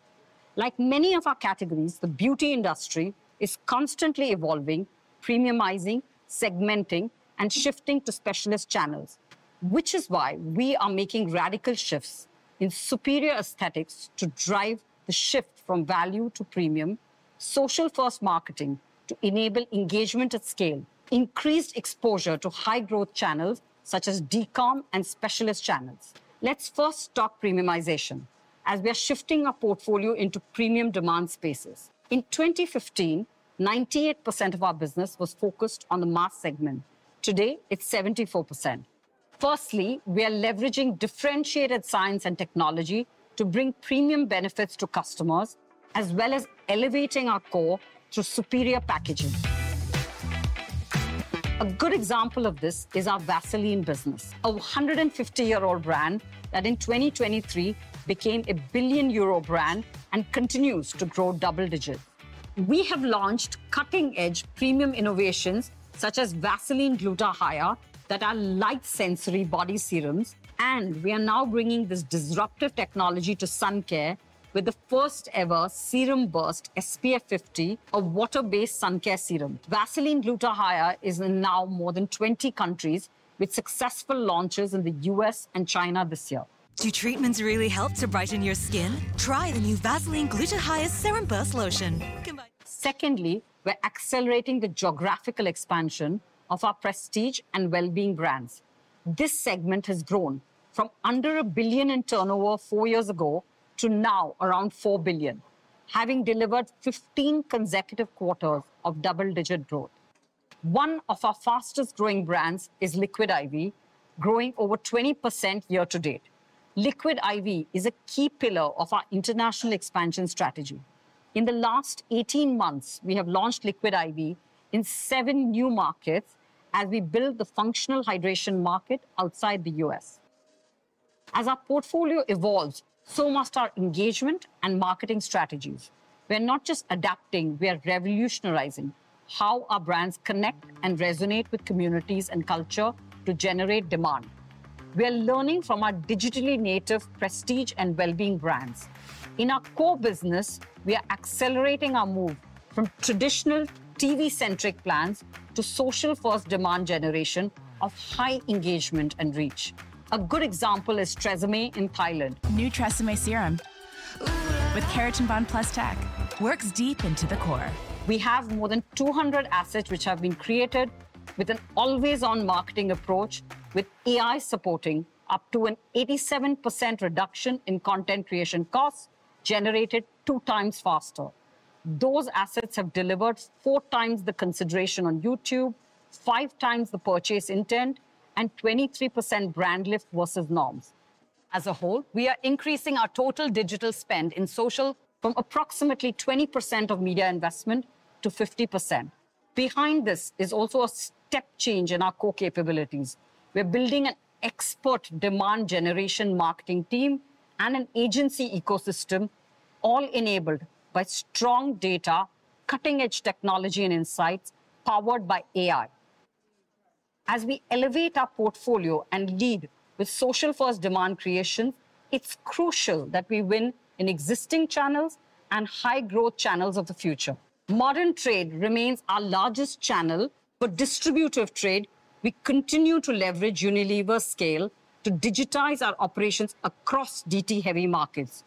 Like many of our categories, the beauty industry is constantly evolving, premiumizing, segmenting, and shifting to specialist channels, which is why we are making radical shifts in superior aesthetics to drive the shift from value to premium, social-first marketing to enable engagement at scale, increased exposure to high-growth channels such as DCOM and specialist channels. Let's first talk premiumization, as we are shifting our portfolio into premium demand spaces. In 2015, 98% of our business was focused on the mass segment. Today, it's 74%. Firstly, we are leveraging differentiated science and technology to bring premium benefits to customers, as well as elevating our core through superior packaging. A good example of this is our Vaseline business, a 150-year-old brand that in 2023 became a 1 billion euro brand and continues to grow double digits. We have launched cutting-edge premium innovations such as Vaseline Gluta-Hya that are light-sensory body serums. And we are now bringing this disruptive technology to sun care with the first-ever Serum Burst SPF 50, a water-based sun care serum. Vaseline Gluta-Hya is now in more than 20 countries with successful launches in the U.S. and China this year. Do treatments really help to brighten your skin? Try the new Vaseline Gluta-Hya Serum Burst lotion. Secondly, we're accelerating the geographical expansion of our prestige and well-being brands. This segment has grown from under 1 billion in turnover four years ago to now around 4 billion, having delivered 15 consecutive quarters of double-digit growth. One of our fastest-growing brands is Liquid I.V., growing over 20% year-to-date. Liquid I.V. is a key pillar of our international expansion strategy. In the last 18 months, we have launched Liquid I.V. in seven new markets as we build the functional hydration market outside the U.S. As our portfolio evolves, so must our engagement and marketing strategies. We're not just adapting. We're revolutionizing how our brands connect and resonate with communities and culture to generate demand. We're learning from our digitally native prestige and well-being brands. In our core business, we are accelerating our move from traditional TV-centric plans to social-first demand generation of high engagement and reach. A good example is Tresemmé in Thailand. New Tresemmé serum with Keratin Bond Plus tech works deep into the core. We have more than 200 assets which have been created with an always-on marketing approach, with AI supporting up to an 87% reduction in content creation costs generated two times faster. Those assets have delivered four times the consideration on YouTube, five times the purchase intent, and 23% brand lift versus norms. As a whole, we are increasing our total digital spend in social from approximately 20% of media investment to 50%. Behind this is also a step change in our core capabilities. We're building an expert demand generation marketing team and an agency ecosystem, all enabled by strong data, cutting-edge technology, and insights powered by AI. As we elevate our portfolio and lead with social-first demand creation, it's crucial that we win in existing channels and high-growth channels of the future. Modern trade remains our largest channel, but distributive trade, we continue to leverage Unilever's scale to digitize our operations across DT-heavy markets.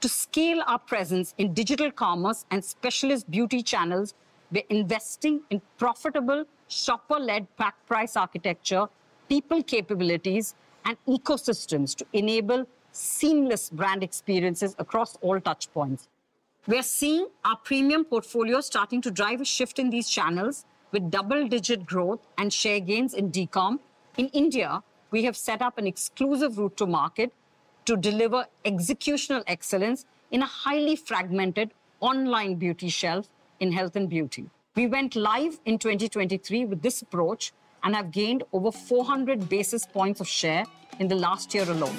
To scale our presence in digital commerce and specialist beauty channels, we're investing in profitable shopper-led pack price architecture, people capabilities, and ecosystems to enable seamless brand experiences across all touchpoints. We're seeing our premium portfolio starting to drive a shift in these channels with double-digit growth and share gains in DCOM. In India, we have set up an exclusive route to market to deliver executional excellence in a highly fragmented online beauty shelf in health and beauty. We went live in 2023 with this approach and have gained over 400 basis points of share in the last year alone.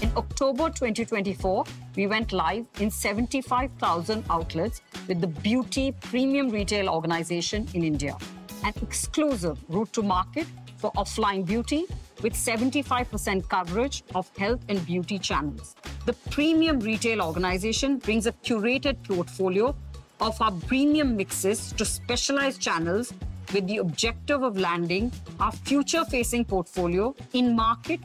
In October 2024, we went live in 75,000 outlets with the Beauty Premium Retail Organization in India, an exclusive route to market for offline beauty with 75% coverage of health and beauty channels. The Premium Retail Organization brings a curated portfolio of our premium mixes to specialized channels with the objective of landing our future-facing portfolio in market.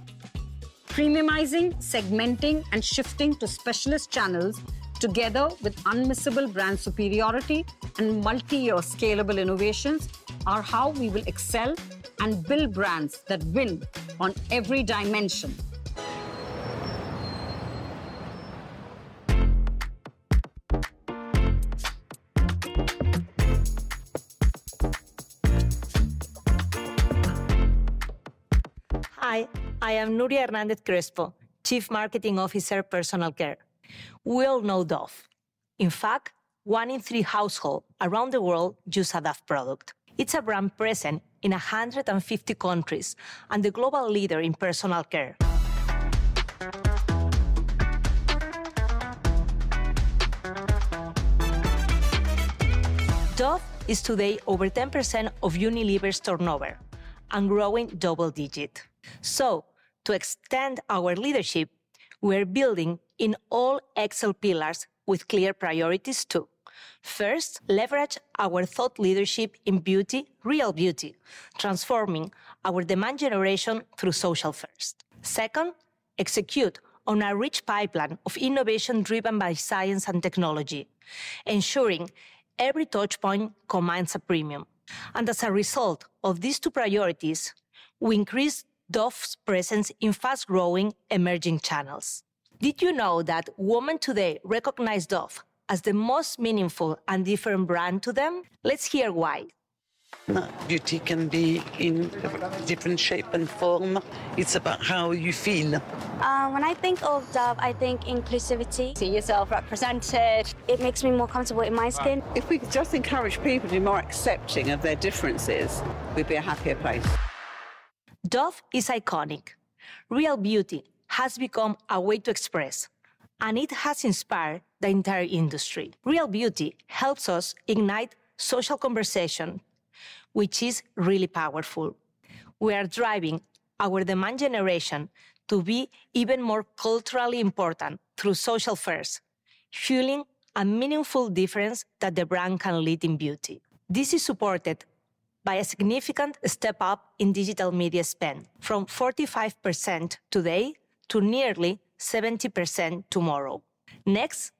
Premiumizing, segmenting, and shifting to specialist channels together with unmissable brand superiority and multi-year scalable innovations are how we will excel and build brands that win on every dimension. H`i, I am Nuria Hernández Crespo, Chief Marketing Officer of Personal Care. We all know Dove. In fact, one in three households around the world use a Dove product. It's a brand present in 150 countries and the global leader in personal care. Dove is today over 10% of Unilever's turnover and growing double-digit. So, to extend our leadership, we are building in all Excel pillars with clear priorities too. First, leverage our thought leadership in beauty, real beauty, transforming our demand generation through social-first. Second, execute on a rich pipeline of innovation driven by science and technology, ensuring every touchpoint combines a premium. And as a result of these two priorities, we increase Dove's presence in fast-growing emerging channels. Did you know that women today recognize Dove as the most meaningful and different brand to them? Let's hear why. Beauty can be in different shape and form. It's about how you feel. When I think of Dove, I think inclusivity. See yourself represented. It makes me more comfortable in my skin. If we could just encourage people to be more accepting of their differences, we'd be a happier place. Dove is iconic. Real beauty has become a way to express, and it has inspired the entire industry. Real beauty helps us ignite social conversation, which is really powerful. We are driving our demand generation to be even more culturally important through social-first, fueling a meaningful difference that the brand can lead in beauty. This is supported by a significant step up in digital media spend from 45% today to nearly 70% tomorrow. Next,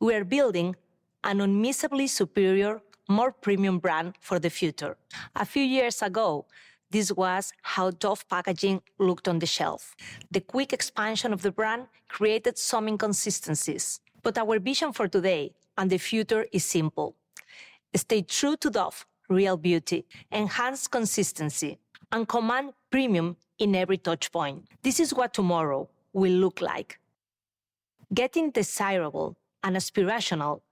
we are building an unmissably superior, more premium brand for the future. A few years ago, this was how Dove packaging looked on the shelf. The quick expansion of the brand created some inconsistencies. But our vision for today and the future is simple. Stay true to Dove real beauty, enhance consistency, and command premium in every touchpoint. This is what tomorrow will look like. Getting desirable and aspirational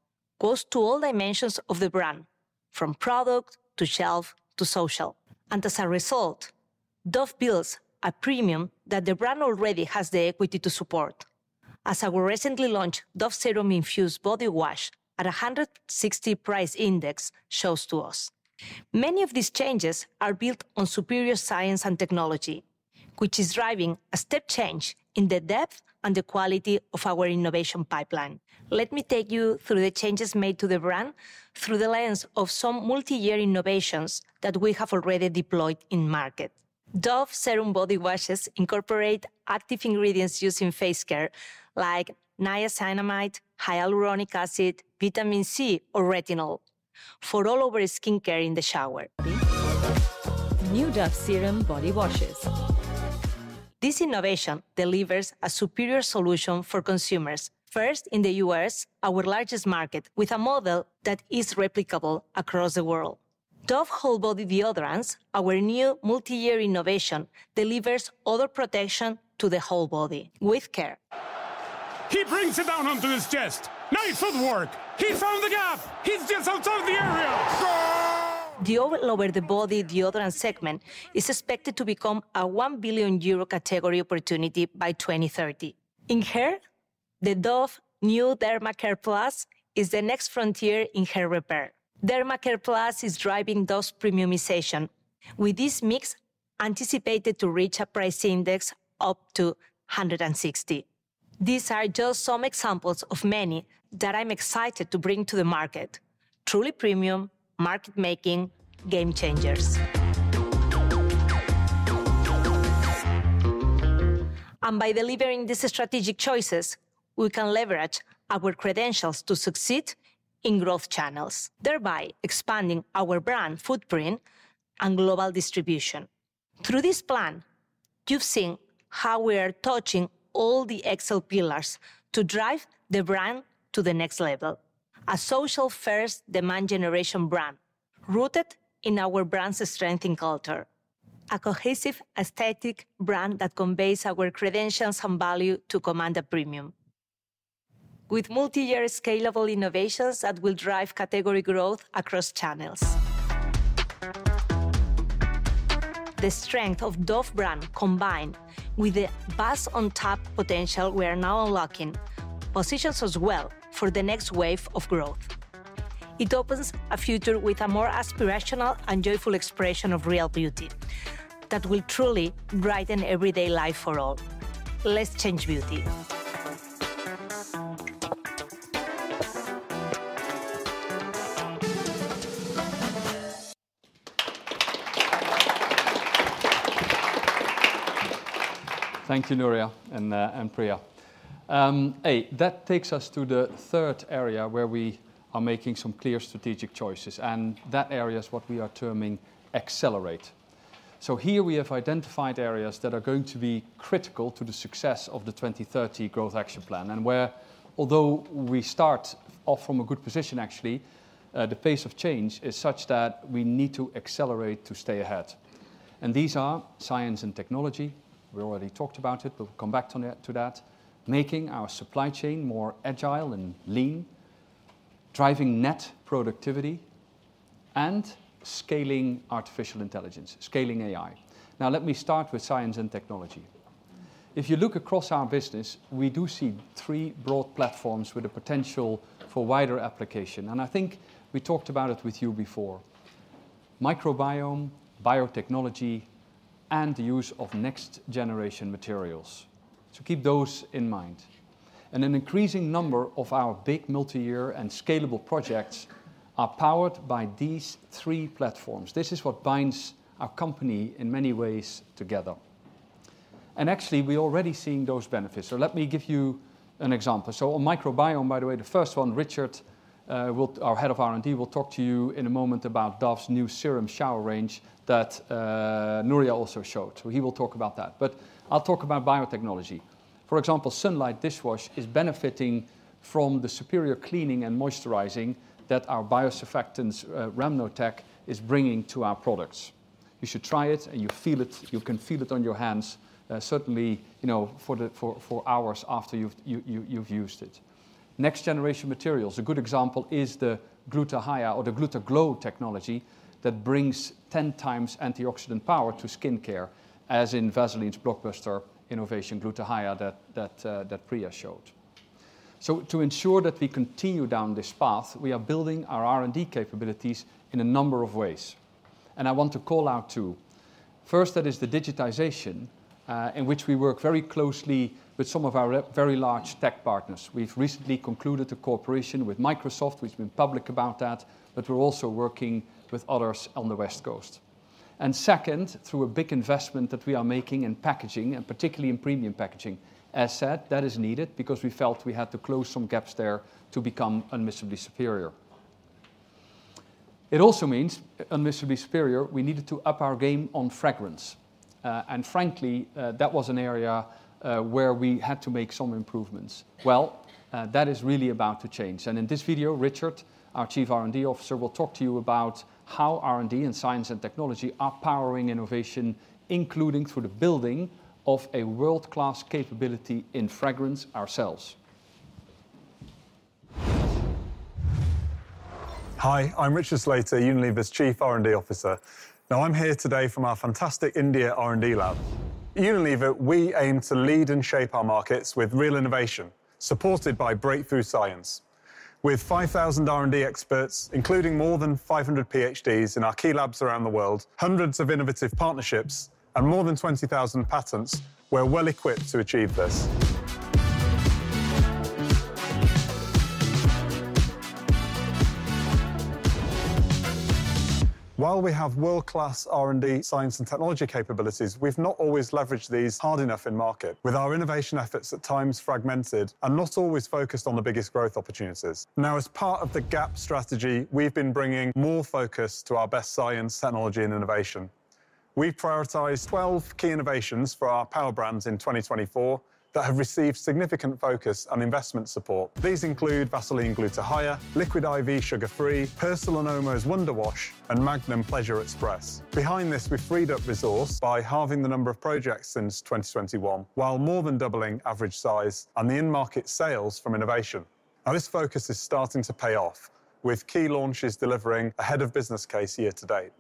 goes to all dimensions of the brand, from product to shelf to social. And as a result, Dove builds a premium that the brand already has the equity to support. As our recently launched Dove Serum Infused Body Wash at a 160 price index shows to us. Many of these changes are built on superior science and technology, which is driving a step change in the depth and the quality of our innovation pipeline. Let me take you through the changes made to the brand through the lens of some multi-year innovations that we have already deployed in market. Dove Serum Body Washes incorporate active ingredients used in face care like niacinamide, hyaluronic acid, vitamin C, or retinol for all over skincare in the shower. New Dove Serum Body Washes. This innovation delivers a superior solution for consumers, first in the U.S., our largest market, with a model that is replicable across the world. Dove Whole Body Deodorants, our new multi-year innovation, delivers odor protection to the whole body with care. He brings it down onto his chest. Nice footwork. He found the gap. He's just outside the area. The all-over-the-body deodorant segment is expected to become a 1 billion euro category opportunity by 2030. In hair, the Dove new DermaCare Plus is the next frontier in hair repair. DermaCare Plus is driving Dove's premiumization with this mix anticipated to reach a price index up to 160. These are just some examples of many that I'm excited to bring to the market. Truly premium, market-making game changers. And by delivering these strategic choices, we can leverage our credentials to succeed in growth channels, thereby expanding our brand footprint and global distribution. Through this plan, you've seen how we are touching all the Excel pillars to drive the brand to the next level. A social-first demand generation brand rooted in our brand's strength in culture. A cohesive aesthetic brand that conveys our credentials and value to command a premium. With multi-year scalable innovations that will drive category growth across channels. The strength of Dove brand combined with the buzz-on-top potential we are now unlocking positions us well for the next wave of growth. It opens a future with a more aspirational and joyful expression of real beauty that will truly brighten everyday life for all. Let's change beauty. Thank you, Nuria and Priya. That takes us to the third area where we are making some clear strategic choices. And that area is what we are terming accelerate. So here we have identified areas that are going to be critical to the success of the 2030 Growth Action Plan. And where, although we start off from a good position, actually, the pace of change is such that we need to accelerate to stay ahead. And these are science and technology. We already talked about it, but we'll come back to that. Making our supply chain more agile and lean, driving net productivity, and scaling artificial intelligence, scaling AI. Now, let me start with science and technology. If you look across our business, we do see three broad platforms with a potential for wider application. And I think we talked about it with you before: microbiome, biotechnology, and the use of next-generation materials. So keep those in mind. And an increasing number of our big multi-year and scalable projects are powered by these three platforms. This is what binds our company in many ways together. And actually, we are already seeing those benefits. So let me give you an example. So on microbiome, by the way, the first one, Richard, our head of R&D, will talk to you in a moment about Dove's new serum shower range that Nuria also showed. So he will talk about that. But I'll talk about biotechnology. For example, Sunlight Dishwash is benefiting from the superior cleaning and moisturizing that our biosurfactants, Remnotec, are bringing to our products. You should try it, and you feel it. You can feel it on your hands, certainly for hours after you've used it. Next-generation materials, a good example is the Glutathione or the GlutaGlow technology that brings 10 times antioxidant power to skincare, as in Vaseline's blockbuster innovation, Glutathione that Priya showed. So to ensure that we continue down this path, we are building our R&D capabilities in a number of ways. And I want to call out two. First, that is the digitization in which we work very closely with some of our very large tech partners. We've recently concluded a cooperation with Microsoft. We've been public about that, but we're also working with others on the West Coast. And second, through a big investment that we are making in packaging, and particularly in premium packaging, as said, that is needed because we felt we had to close some gaps there to become unmissably superior. It also means unmissably superior we needed to up our game on fragrance. And frankly, that was an area where we had to make some improvements. Well, that is really about to change. And in this video, Richard, our Chief R&D Officer, will talk to you about how R&D and science and technology are powering innovation, including through the building of a world-class capability in fragrance ourselves. Hi, I'm Richard Slater, Unilever's Chief R&D Officer. Now, I'm here today from our fantastic India R&D lab. At Unilever, we aim to lead and shape our markets with real innovation supported by breakthrough science. With 5,000 R&D experts, including more than 500 PhDs in our key labs around the world, hundreds of innovative partnerships, and more than 20,000 patents, we're well equipped to achieve this. While we have world-class R&D, science, and technology capabilities, we've not always leveraged these hard enough in market with our innovation efforts at times fragmented and not always focused on the biggest growth opportunities. Now, as part of the GAP strategy, we've been bringing more focus to our best science, technology, and innovation. We've prioritized 12 key innovations for our power brands in 2024 that have received significant focus and investment support. These include Vaseline Glutathione, Liquid I.V. Sugar Free, Persil & Omo's Wonder Wash, and Magnum Pleasure Express. Behind this, we've freed up resource by halving the number of projects since 2021, while more than doubling average size and the in-market sales from innovation. Now, this focus is starting to pay off with key launches delivering a head-of-business case year to date.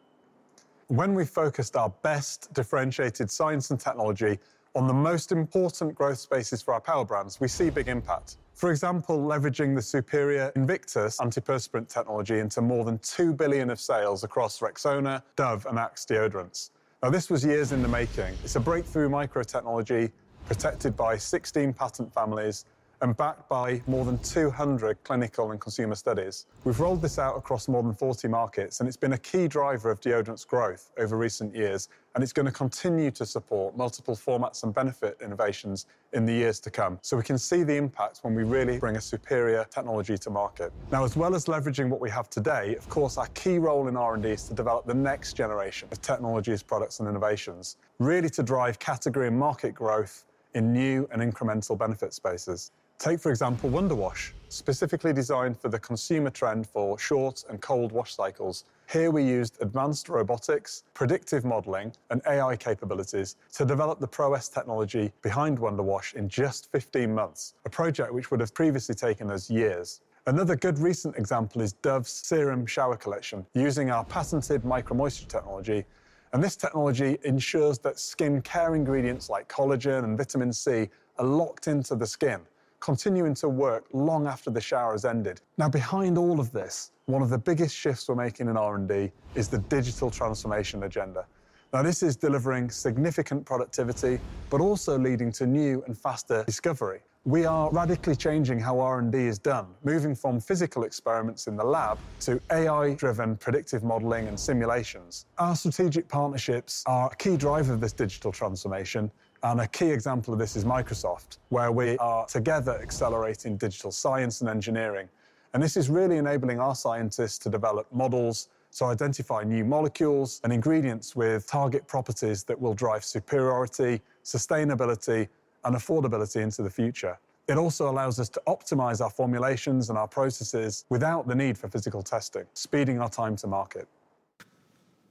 When we focused our best differentiated science and technology on the most important growth spaces for our Power Brands, we see big impact. For example, leveraging the superior Invictus anti-perspirant technology into more than two billion of sales across Rexona, Dove, and Axe deodorants. Now, this was years in the making. It's a breakthrough microtechnology protected by 16 patent families and backed by more than 200 clinical and consumer studies. We've rolled this out across more than 40 markets, and it's been a key driver of deodorants' growth over recent years. And it's going to continue to support multiple formats and benefit innovations in the years to come. So we can see the impact when we really bring a superior technology to market. Now, as well as leveraging what we have today, of course, our key role in R&D is to develop the next generation of technologies, products, and innovations, really to drive category and market growth in new and incremental benefit spaces. Take, for example, Wonder Wash, specifically designed for the consumer trend for short and cold wash cycles. Here, we used advanced robotics, predictive modeling, and AI capabilities to develop the Pro-S technology behind Wonder Wash in just 15 months, a project which would have previously taken us years. Another good recent example is Dove's Serum Shower Collection using our patented MicroMoisture technology. And this technology ensures that skincare ingredients like collagen and vitamin C are locked into the skin, continuing to work long after the shower has ended. Now, behind all of this, one of the biggest shifts we're making in R&D is the digital transformation agenda. Now, this is delivering significant productivity, but also leading to new and faster discovery. We are radically changing how R&D is done, moving from physical experiments in the lab to AI-driven predictive modeling and simulations. Our strategic partnerships are a key driver of this digital transformation. And a key example of this is Microsoft, where we are together accelerating digital science and engineering. And this is really enabling our scientists to develop models to identify new molecules and ingredients with target properties that will drive superiority, sustainability, and affordability into the future. It also allows us to optimize our formulations and our processes without the need for physical testing, speeding our time to market.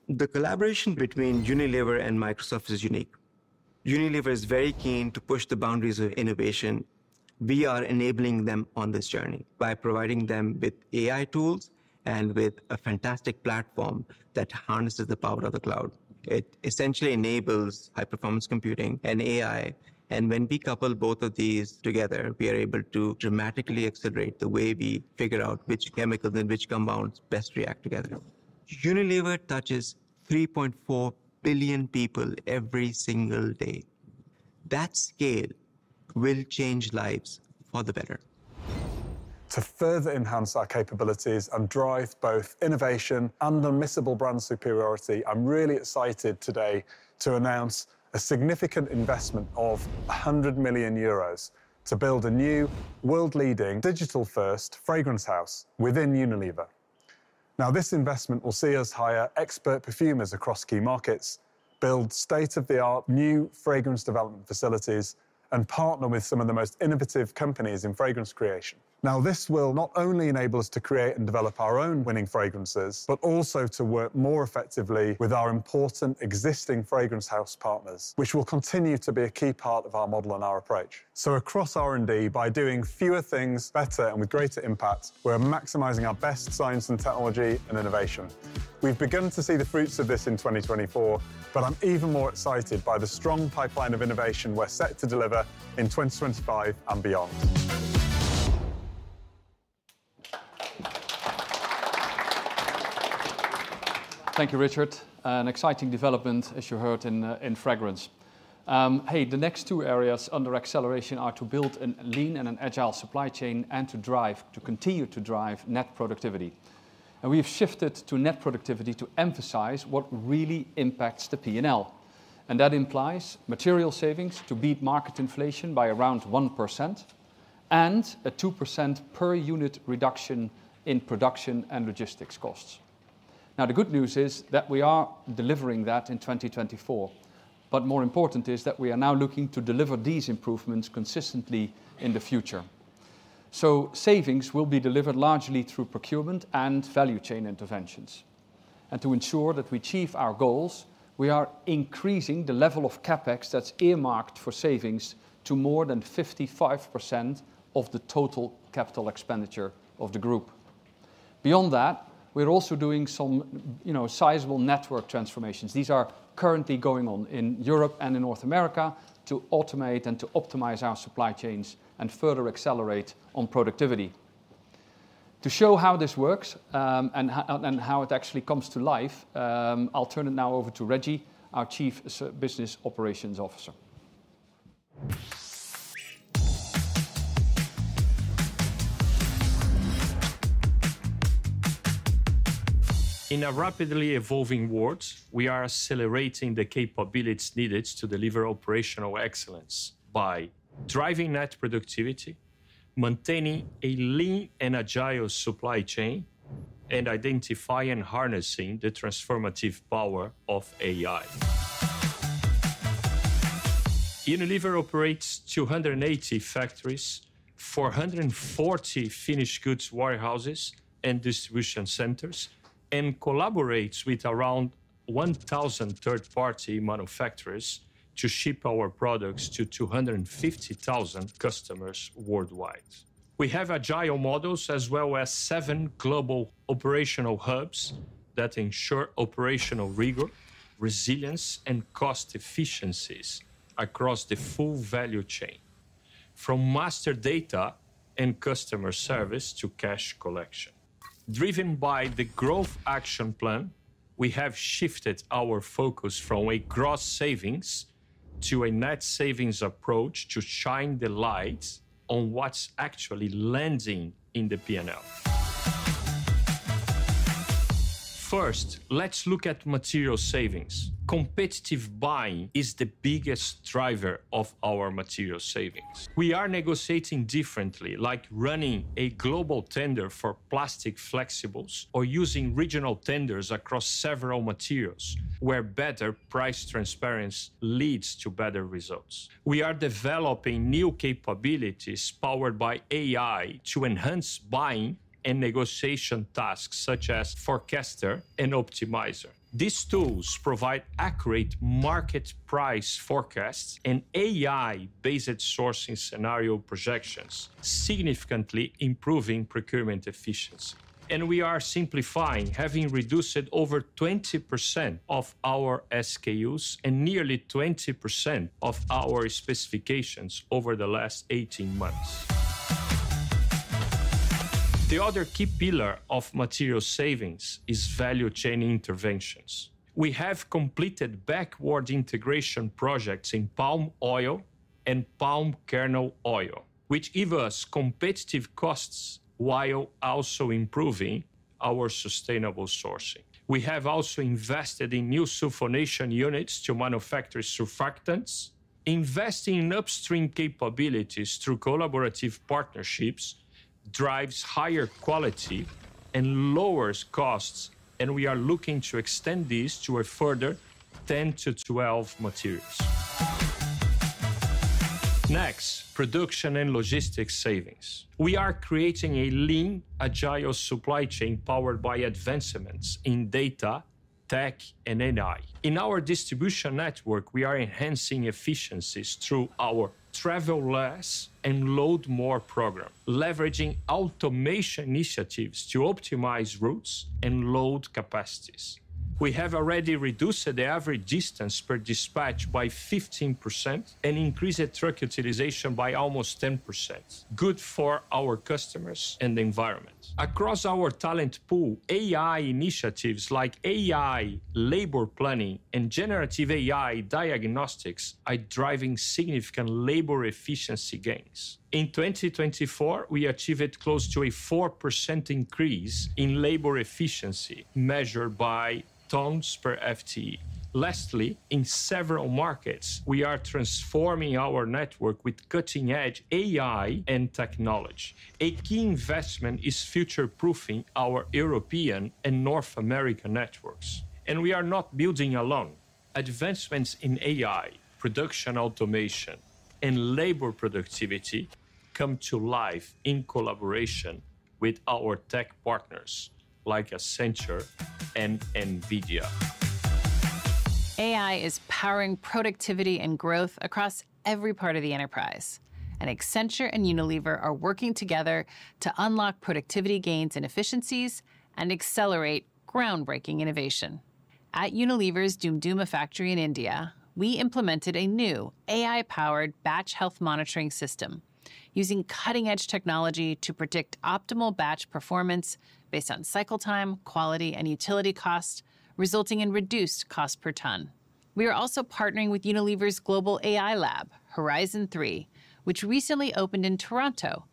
The collaboration between Unilever and Microsoft is unique. Unilever is very keen to push the boundaries of innovation. We are enabling them on this journey by providing them with AI tools and with a fantastic platform that harnesses the power of the cloud. It essentially enables high-performance computing and AI, and when we couple both of these together, we are able to dramatically accelerate the way we figure out which chemicals and which compounds best react together. Unilever touches 3.4 billion people every single day. That scale will change lives for the better. To further enhance our capabilities and drive both innovation and unmissable brand superiority, I'm really excited today to announce a significant investment of 100 million euros to build a new world-leading digital-first fragrance house within Unilever. Now, this investment will see us hire expert perfumers across key markets, build state-of-the-art new fragrance development facilities, and partner with some of the most innovative companies in fragrance creation. Now, this will not only enable us to create and develop our own winning fragrances, but also to work more effectively with our important existing fragrance house partners, which will continue to be a key part of our model and our approach. So across R&D, by doing fewer things better and with greater impact, we're maximizing our best science and technology and innovation. We've begun to see the fruits of this in 2024, but I'm even more excited by the strong pipeline of innovation we're set to deliver in 2025 and beyond. Thank you, Richard. An exciting development, as you heard, in fragrance. Hey, the next two areas under acceleration are to build a lean and an agile supply chain and to continue to drive net productivity. And we have shifted to net productivity to emphasize what really impacts the P&L. And that implies material savings to beat market inflation by around 1% and a 2% per unit reduction in production and logistics costs. Now, the good news is that we are delivering that in 2024. But more important is that we are now looking to deliver these improvements consistently in the future. So savings will be delivered largely through procurement and value chain interventions. And to ensure that we achieve our goals, we are increasing the level of CapEx that's earmarked for savings to more than 55% of the total capital expenditure of the group. Beyond that, we're also doing some sizable network transformations. These are currently going on in Europe and in North America to automate and to optimize our supply chains and further accelerate on productivity. To show how this works and how it actually comes to life, I'll turn it now over to Reggie, our Chief Business Operations Officer. In a rapidly evolving world, we are accelerating the capabilities needed to deliver operational excellence by driving net productivity, maintaining a lean and agile supply chain, and identifying and harnessing the transformative power of AI. Unilever operates 280 factories, 440 finished goods warehouses and distribution centers, and collaborates with around 1,000 third-party manufacturers to ship our products to 250,000 customers worldwide. We have agile models as well as seven global operational hubs that ensure operational rigor, resilience, and cost efficiencies across the full value chain, from master data and customer service to cash collection. Driven by the Growth Action Plan, we have shifted our focus from a gross savings to a net savings approach to shine the light on what's actually landing in the P&L. First, let's look at material savings. Competitive buying is the biggest driver of our material savings. We are negotiating differently, like running a global tender for plastic flexibles or using regional tenders across several materials where better price transparency leads to better results. We are developing new capabilities powered by AI to enhance buying and negotiation tasks such as Forecaster and Optimizer. These tools provide accurate market price forecasts and AI-based sourcing scenario projections, significantly improving procurement efficiency. And we are simplifying, having reduced over 20% of our SKUs and nearly 20% of our specifications over the last 18 months. The other key pillar of material savings is value chain interventions. We have completed backward integration projects in palm oil and palm kernel oil, which give us competitive costs while also improving our sustainable sourcing. We have also invested in new sulfonation units to manufacture surfactants. Investing in upstream capabilities through collaborative partnerships drives higher quality and lowers costs, and we are looking to extend these to a further 10 to 12 materials. Next, production and logistics savings. We are creating a lean, agile supply chain powered by advancements in data, tech, and AI. In our distribution network, we are enhancing efficiencies through our Travel Less and Load More program, leveraging automation initiatives to optimize routes and load capacities. We have already reduced the average distance per dispatch by 15% and increased truck utilization by almost 10%, good for our customers and the environment. Across our talent pool, AI initiatives like AI labor planning and generative AI diagnostics are driving significant labor efficiency gains. In 2024, we achieved close to a 4% increase in labor efficiency measured by tons per FTE. Lastly, in several markets, we are transforming our network with cutting-edge AI and technology. A key investment is future-proofing our European and North American networks, and we are not building alone. Advancements in AI, production automation, and labor productivity come to life in collaboration with our tech partners like Accenture and NVIDIA. AI is powering productivity and growth across every part of the enterprise, and Accenture and Unilever are working together to unlock productivity gains and efficiencies and accelerate groundbreaking innovation. At Unilever's Doom Dooma factory in India, we implemented a new AI-powered batch health monitoring system using cutting-edge technology to predict optimal batch performance based on cycle time, quality, and utility cost, resulting in reduced cost per ton. We are also partnering with Unilever's global AI lab, Horizon3, which recently opened in Toronto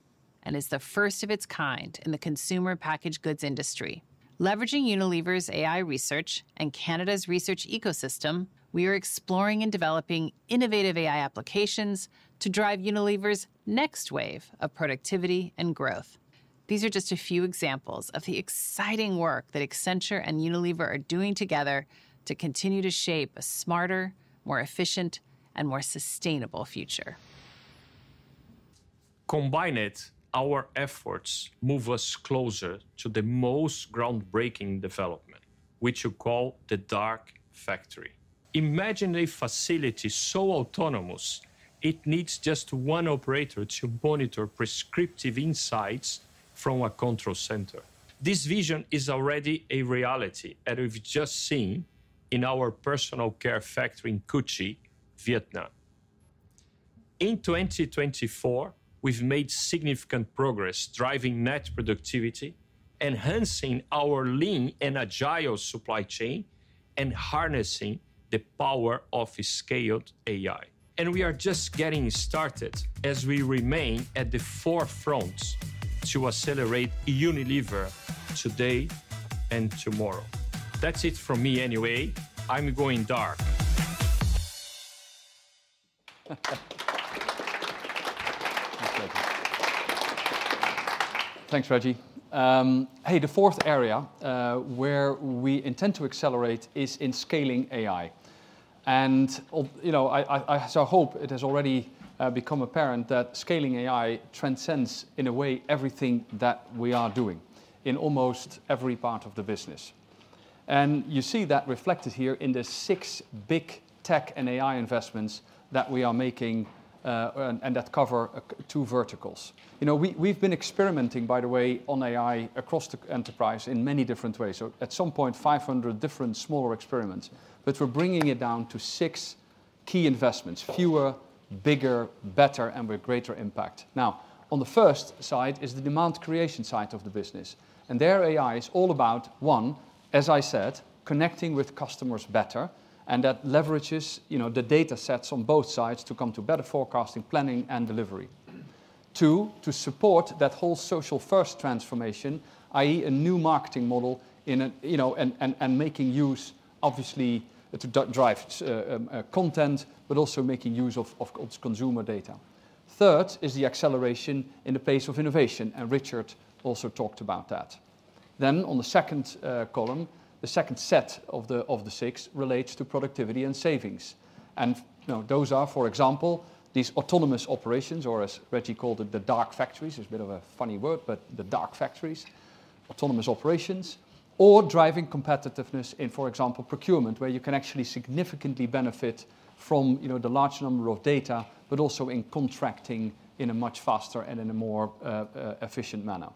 and is the first of its kind in the consumer packaged goods industry. Leveraging Unilever's AI research and Canada's research ecosystem, we are exploring and developing innovative AI applications to drive Unilever's next wave of productivity and growth. These are just a few examples of the exciting work that Accenture and Unilever are doing together to continue to shape a smarter, more efficient, and more sustainable future. Combined, our efforts move us closer to the most groundbreaking development, which you call the Dark Factory. Imagine a facility so autonomous it needs just one operator to monitor prescriptive insights from a control center. This vision is already a reality that we've just seen in our personal care factory in Cu Chi, Vietnam. In 2024, we've made significant progress driving net productivity, enhancing our lean and agile supply chain, and harnessing the power of scaled AI, and we are just getting started as we remain at the forefront to accelerate Unilever today and tomorrow. That's it from me anyway. I'm going dark. Thanks, Reggie. Hey, the fourth area where we intend to accelerate is in scaling AI, and you know, I so hope it has already become apparent that scaling AI transcends, in a way, everything that we are doing in almost every part of the business. You see that reflected here in the six big tech and AI investments that we are making and that cover two verticals. You know, we've been experimenting, by the way, on AI across the enterprise in many different ways. At some point, 500 different smaller experiments. But we're bringing it down to six key investments: fewer, bigger, better, and with greater impact. Now, on the first side is the demand creation side of the business. Their AI is all about, one, as I said, connecting with customers better, and that leverages the data sets on both sides to come to better forecasting, planning, and delivery. Two, to support that whole social-first transformation, i.e., a new marketing model in a, you know, and making use, obviously, to drive content, but also making use of consumer data. Third is the acceleration in the pace of innovation. Richard also talked about that. On the second column, the second set of the six relates to productivity and savings. Those are, for example, these autonomous operations, or as Reggie called it, the Dark Factories. It's a bit of a funny word, but the Dark Factories, autonomous operations, or driving competitiveness in, for example, procurement, where you can actually significantly benefit from the large number of data, but also in contracting in a much faster and in a more efficient manner.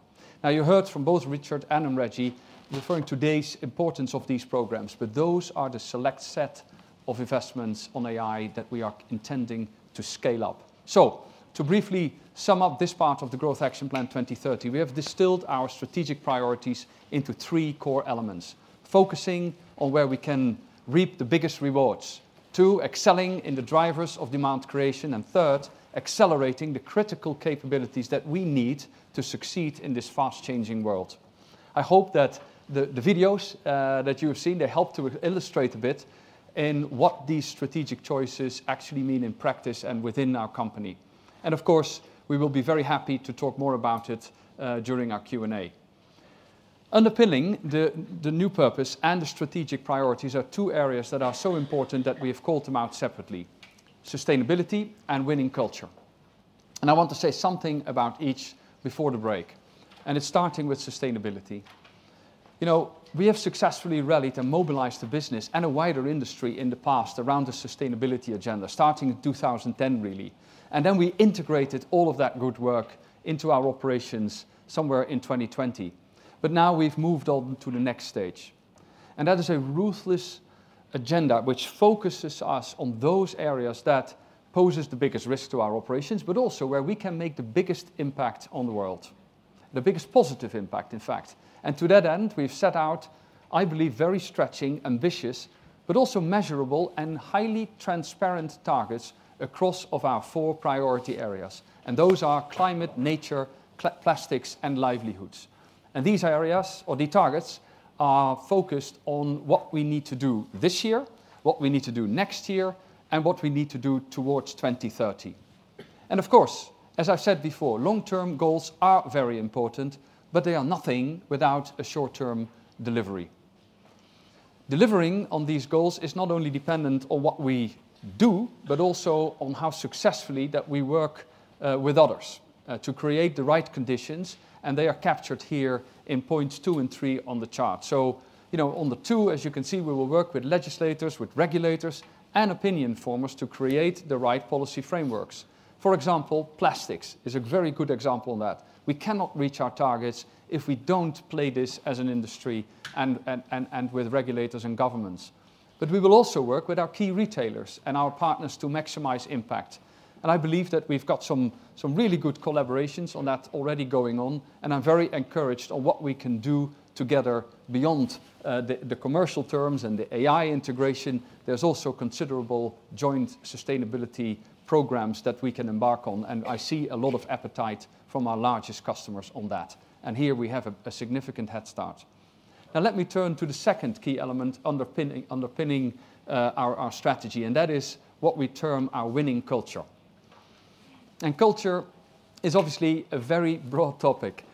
Now, you heard from both Richard and Reggie referring to today's importance of these programs, but those are the select set of investments on AI that we are intending to scale up. To briefly sum up this part of the Growth Action Plan 2030, we have distilled our strategic priorities into three core elements, focusing on where we can reap the biggest rewards: two, excelling in the drivers of demand creation, and third, accelerating the critical capabilities that we need to succeed in this fast-changing world. I hope that the videos that you have seen, they help to illustrate a bit in what these strategic choices actually mean in practice and within our company. And of course, we will be very happy to talk more about it during our Q&A. Underpinning the new purpose and the strategic priorities are two areas that are so important that we have called them out separately: sustainability and winning culture. And I want to say something about each before the break. And it's starting with sustainability. You know, we have successfully rallied and mobilized the business and a wider industry in the past around the sustainability agenda, starting in 2010, really. And then we integrated all of that good work into our operations somewhere in 2020. But now we've moved on to the next stage. And that is a ruthless agenda which focuses us on those areas that pose the biggest risk to our operations, but also where we can make the biggest impact on the world, the biggest positive impact, in fact. And to that end, we've set out, I believe, very stretching, ambitious, but also measurable and highly transparent targets across our four priority areas. And those are climate, nature, plastics, and livelihoods. And these areas, or the targets, are focused on what we need to do this year, what we need to do next year, and what we need to do towards 2030. Of course, as I've said before, long-term goals are very important, but they are nothing without a short-term delivery. Delivering on these goals is not only dependent on what we do, but also on how successfully we work with others to create the right conditions. They are captured here in points two and three on the chart. You know, on the two, as you can see, we will work with legislators, with regulators, and opinion formers to create the right policy frameworks. For example, plastics is a very good example of that. We cannot reach our targets if we don't play this as an industry and with regulators and governments. We will also work with our key retailers and our partners to maximize impact. I believe that we've got some really good collaborations on that already going on. I'm very encouraged on what we can do together beyond the commercial terms and the AI integration. There's also considerable joint sustainability programs that we can embark on. I see a lot of appetite from our largest customers on that. Here we have a significant head start. Now, let me turn to the second key element underpinning our strategy. That is what we term our winning culture. Culture is obviously a very broad topic.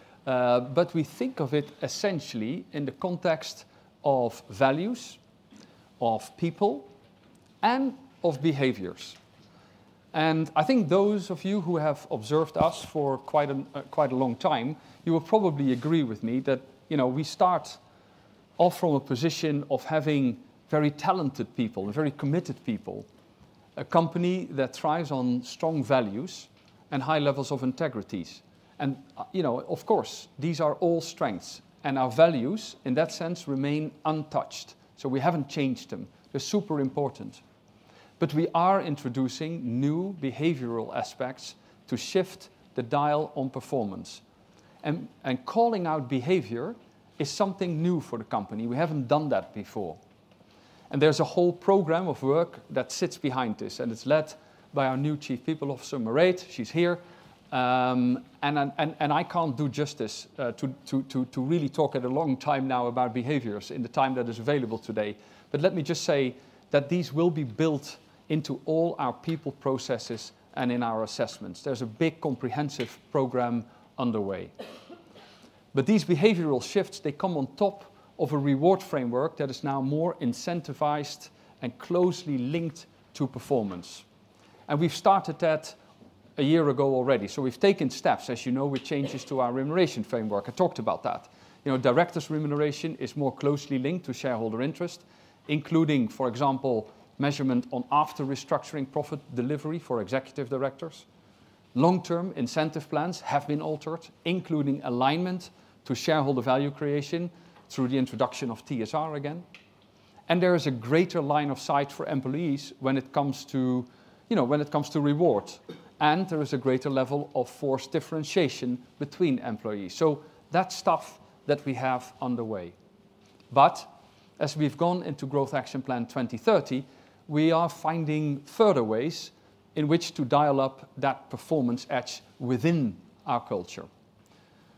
We think of it essentially in the context of values, of people, and of behaviors. I think those of you who have observed us for quite a long time will probably agree with me that, you know, we start off from a position of having very talented people, very committed people, a company that thrives on strong values and high levels of integrity. You know, of course, these are all strengths. Our values, in that sense, remain untouched. So we haven't changed them. They're super important. But we are introducing new behavioral aspects to shift the dial on performance. Calling out behavior is something new for the company. We haven't done that before. There's a whole program of work that sits behind this. It's led by our new Chief People Officer, Mireille. She's here. I can't do justice to really talk at a long time now about behaviors in the time that is available today. But let me just say that these will be built into all our people processes and in our assessments. There's a big comprehensive program underway. These behavioral shifts come on top of a reward framework that is now more incentivized and closely linked to performance. We've started that a year ago already. So we've taken steps, as you know, with changes to our remuneration framework. I talked about that. You know, directors' remuneration is more closely linked to shareholder interest, including, for example, measurement on after-restructuring profit delivery for executive directors. Long-term incentive plans have been altered, including alignment to shareholder value creation through the introduction of TSR again. There is a greater line of sight for employees when it comes to, you know, when it comes to rewards. There is a greater level of forced differentiation between employees. So that's stuff that we have underway. As we've gone into Growth Action Plan 2030, we are finding further ways in which to dial up that performance edge within our culture.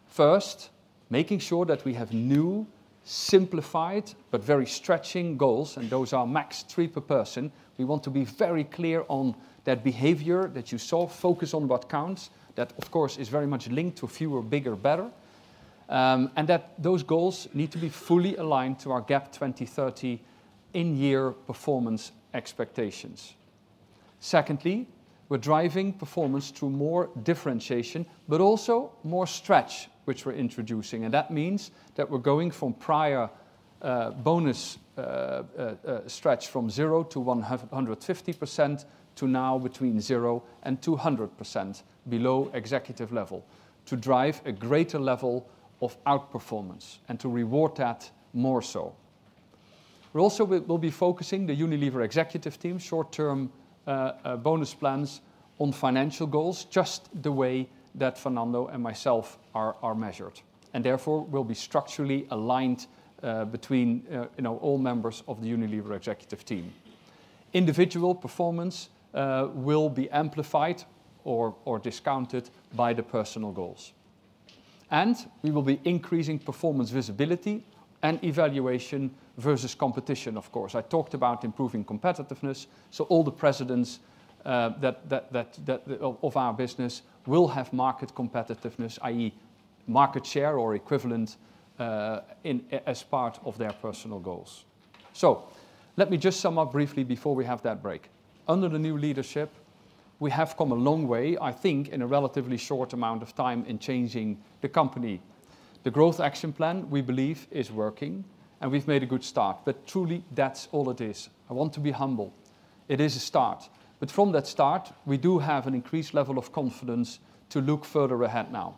First, making sure that we have new, simplified, but very stretching goals. Those are max three per person. We want to be very clear on that behavior that you saw, focus on what counts, that, of course, is very much linked to fewer, bigger, better, and that those goals need to be fully aligned to our GAP 2030 in-year performance expectations. Secondly, we're driving performance through more differentiation, but also more stretch, which we're introducing, and that means that we're going from prior bonus stretch from 0 to 150% to now between 0 and 200% below executive level to drive a greater level of outperformance and to reward that more so. We'll also be focusing the Unilever executive team short-term bonus plans on financial goals, just the way that Fernando and myself are measured, and therefore, we'll be structurally aligned between, you know, all members of the Unilever executive team. Individual performance will be amplified or discounted by the personal goals. And we will be increasing performance visibility and evaluation versus competition, of course. I talked about improving competitiveness. So all the presidents of our business will have market competitiveness, i.e., market share or equivalent as part of their personal goals. So let me just sum up briefly before we have that break. Under the new leadership, we have come a long way, I think, in a relatively short amount of time in changing the company. The Growth Action Plan, we believe, is working. And we've made a good start. But truly, that's all it is. I want to be humble. It is a start. But from that start, we do have an increased level of confidence to look further ahead now.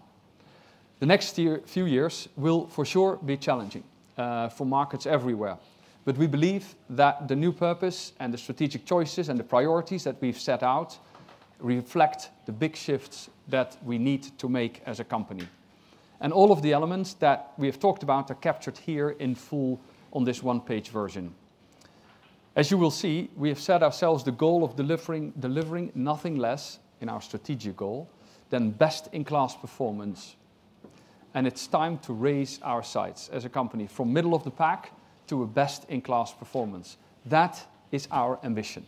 The next few years will for sure be challenging for markets everywhere. We believe that the new purpose and the strategic choices and the priorities that we've set out reflect the big shifts that we need to make as a company. All of the elements that we have talked about are captured here in full on this one-page version. As you will see, we have set ourselves the goal of delivering nothing less in our strategic goal than best-in-class performance. It's time to raise our sights as a company from middle of the pack to a best-in-class performance. That is our ambition.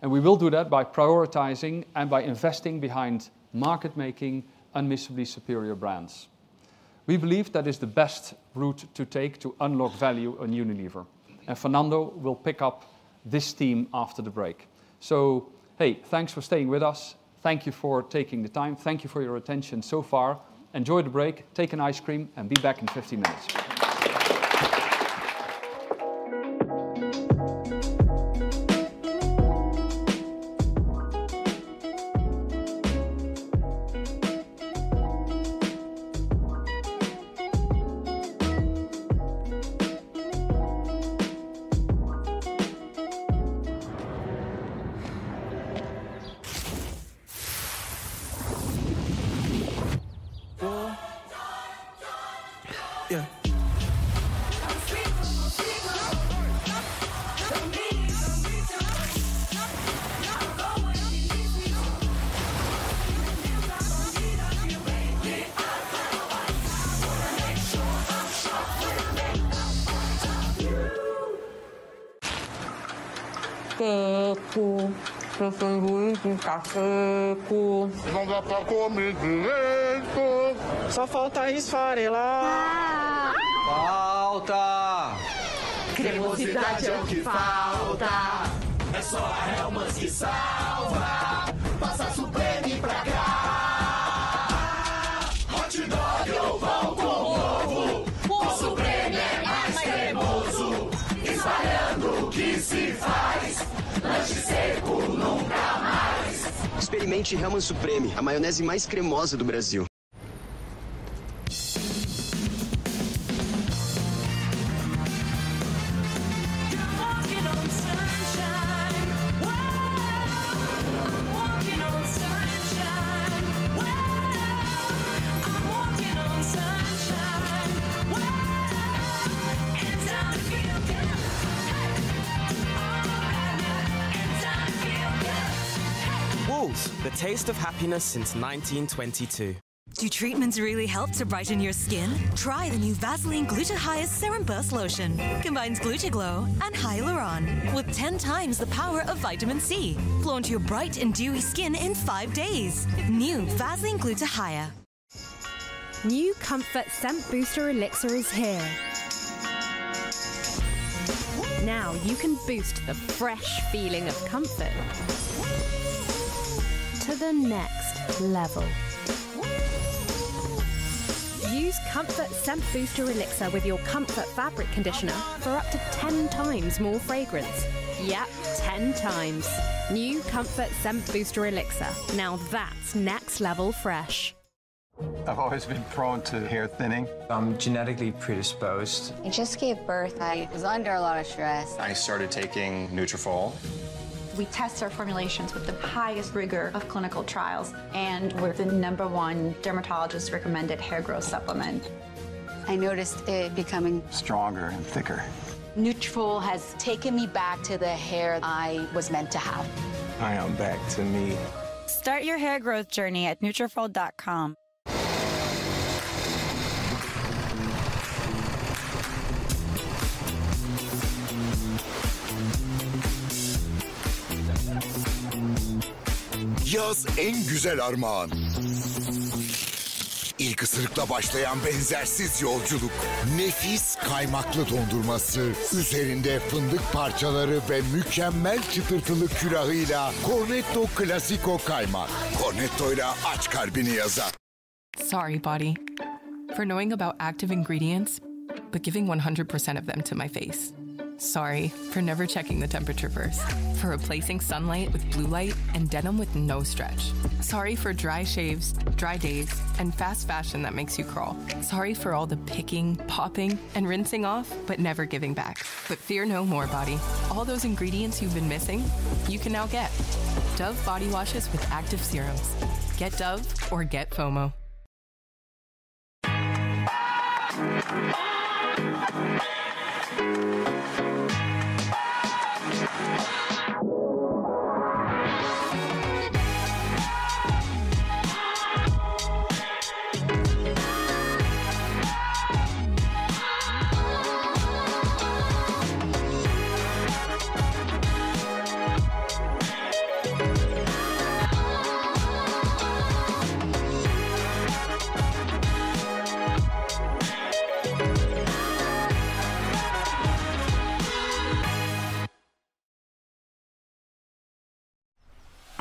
We will do that by prioritizing and by investing behind market-making unmissably superior brands. We believe that is the best route to take to unlock value on Unilever. Fernando will pick up this theme after the break. Hey, thanks for staying with us. Thank you for taking the time. Thank you for your attention so far. Enjoy the break. Take an ice cream and be back in 15 minutes. Só falta isso farelar. Falta! Cremosidade é o que falta. É só a Hellmann's que salva. Passa Supreme pra cá. Hot Dog ou pão com ovo. O Supreme é mais cremoso. Espalhando o que se faz. Lanche seco nunca mais. Experimente Hellmann's Supreme, a maionese mais cremosa do Brasil. I'm walking on sunshine. Whoa! I'm walking on sunshine. Whoa! I'm walking on sunshine. Whoa! And I feel good. Hey! Oh, I feel good. Whoa! The taste of happiness since 1922. Do treatments really help to brighten your skin? Try the new Vaseline Glutathione Serum Burst Lotion. Combines GlutaGlow and Hyaluron with 10 times the power of Vitamin C. Glow into your bright and dewy skin in five days. New Vaseline Glutathione. New Comfort Scent Booster Elixir is here. Now you can boost the fresh feeling of comfort to the next level. Use Comfort Scent Booster Elixir with your Comfort Fabric Conditioner for up to 10 times more fragrance. Yep, 10 times. New Comfort Scent Booster Elixir. Now that's next-level fresh. I've always been prone to hair thinning. I'm genetically predisposed. I just gave birth. I was under a lot of stress. I started taking Nutrafol. We test our formulations with the highest rigor of clinical trials, and we're the number one dermatologist-recommended hair growth supplement. I noticed it becoming stronger and thicker. Nutrafol has taken me back to the hair I was meant to have. I am back to me. Start your hair growth journey at nutrafol.com. Yaz en güzel armağan. İlk ısırıkla başlayan benzersiz yolculuk. Nefis kaymaklı dondurması, üzerinde fındık parçaları ve mükemmel çıtırtılı kürahıyla Cornetto Classico kaymak. Cornetto'yla aç kalbini yazar. Sorry, body, for knowing about active ingredients, but giving 100% of them to my face. Sorry for never checking the temperature first. For replacing sunlight with blue light and denim with no stretch. Sorry for dry shaves, dry days, and fast fashion that makes you crawl. Sorry for all the picking, popping, and rinsing off, but never giving back. But fear no more, body. All those ingredients you've been missing, you can now get. Dove body washes with active serums. Get Dove or get FOMO.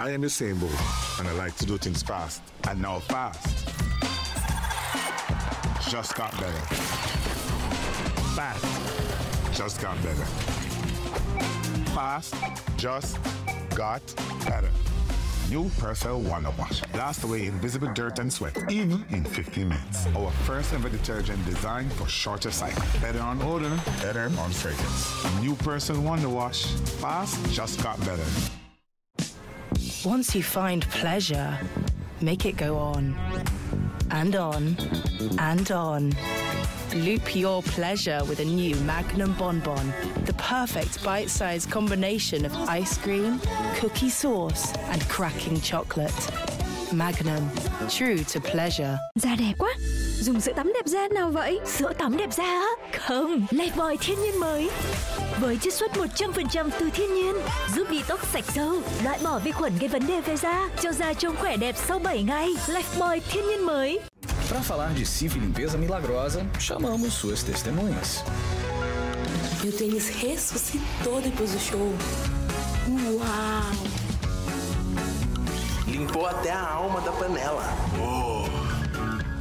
I am disabled, and I like to do things fast. And now fast just got better. Fast just got better. Fast just got better. New Persil Wonder Wash. Blast away invisible dirt and sweat even in 15 minutes. Our first-ever detergent designed for shorter cycle. Better on odor, better on fragrance. New Persil Wonder Wash. Fast just got better. Once you find pleasure, make it go on. And on. And on. Loop your pleasure with a new Magnum Bonbon. The perfect bite-sized combination of ice cream, cookie sauce, and cracking chocolate. Magnum, true to pleasure. Da đẹp quá! Dùng sữa tắm đẹp da nào vậy? Sữa tắm đẹp da á? Không! Lifebuoy Thiên Nhiên Mới. Với chiết xuất 100% từ thiên nhiên, giúp detox sạch sâu, loại bỏ vi khuẩn gây vấn đề về da, cho da trông khỏe đẹp sau 7 ngày. Lifebuoy Thiên Nhiên Mới. Para falar de Cif e limpeza milagrosa, chamamos suas testemunhas. Eu tenho esse ressuscitou depois do show. Uau! Limpou até a alma da panela.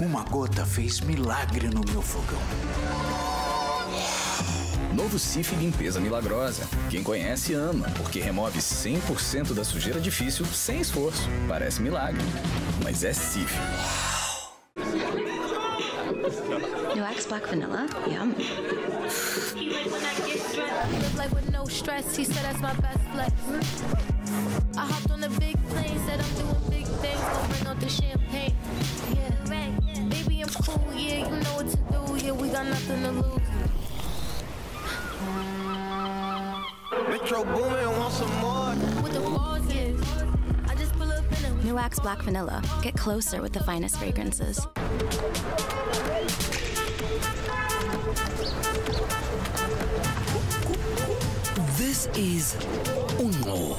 Uma gota fez milagre no meu fogão. Novo Cif e limpeza milagrosa. Quem conhece, ama porque remove 100% da sujeira difícil sem esforço. Parece milagre, mas é Cif. New Axe Black Vanilla, yeah. He like with no stress. He said that's my best flex. I hopped on a big plane, said I'm doing big things. Open up the champagne. Yeah, baby, I'm cool. Yeah, you know what to do. Yeah, we got nothing to lose. Metro Boomin want some more. With the bosses. I just pull up in a new. New X Black Vanilla. Get closer with the finest fragrances. This is Uno.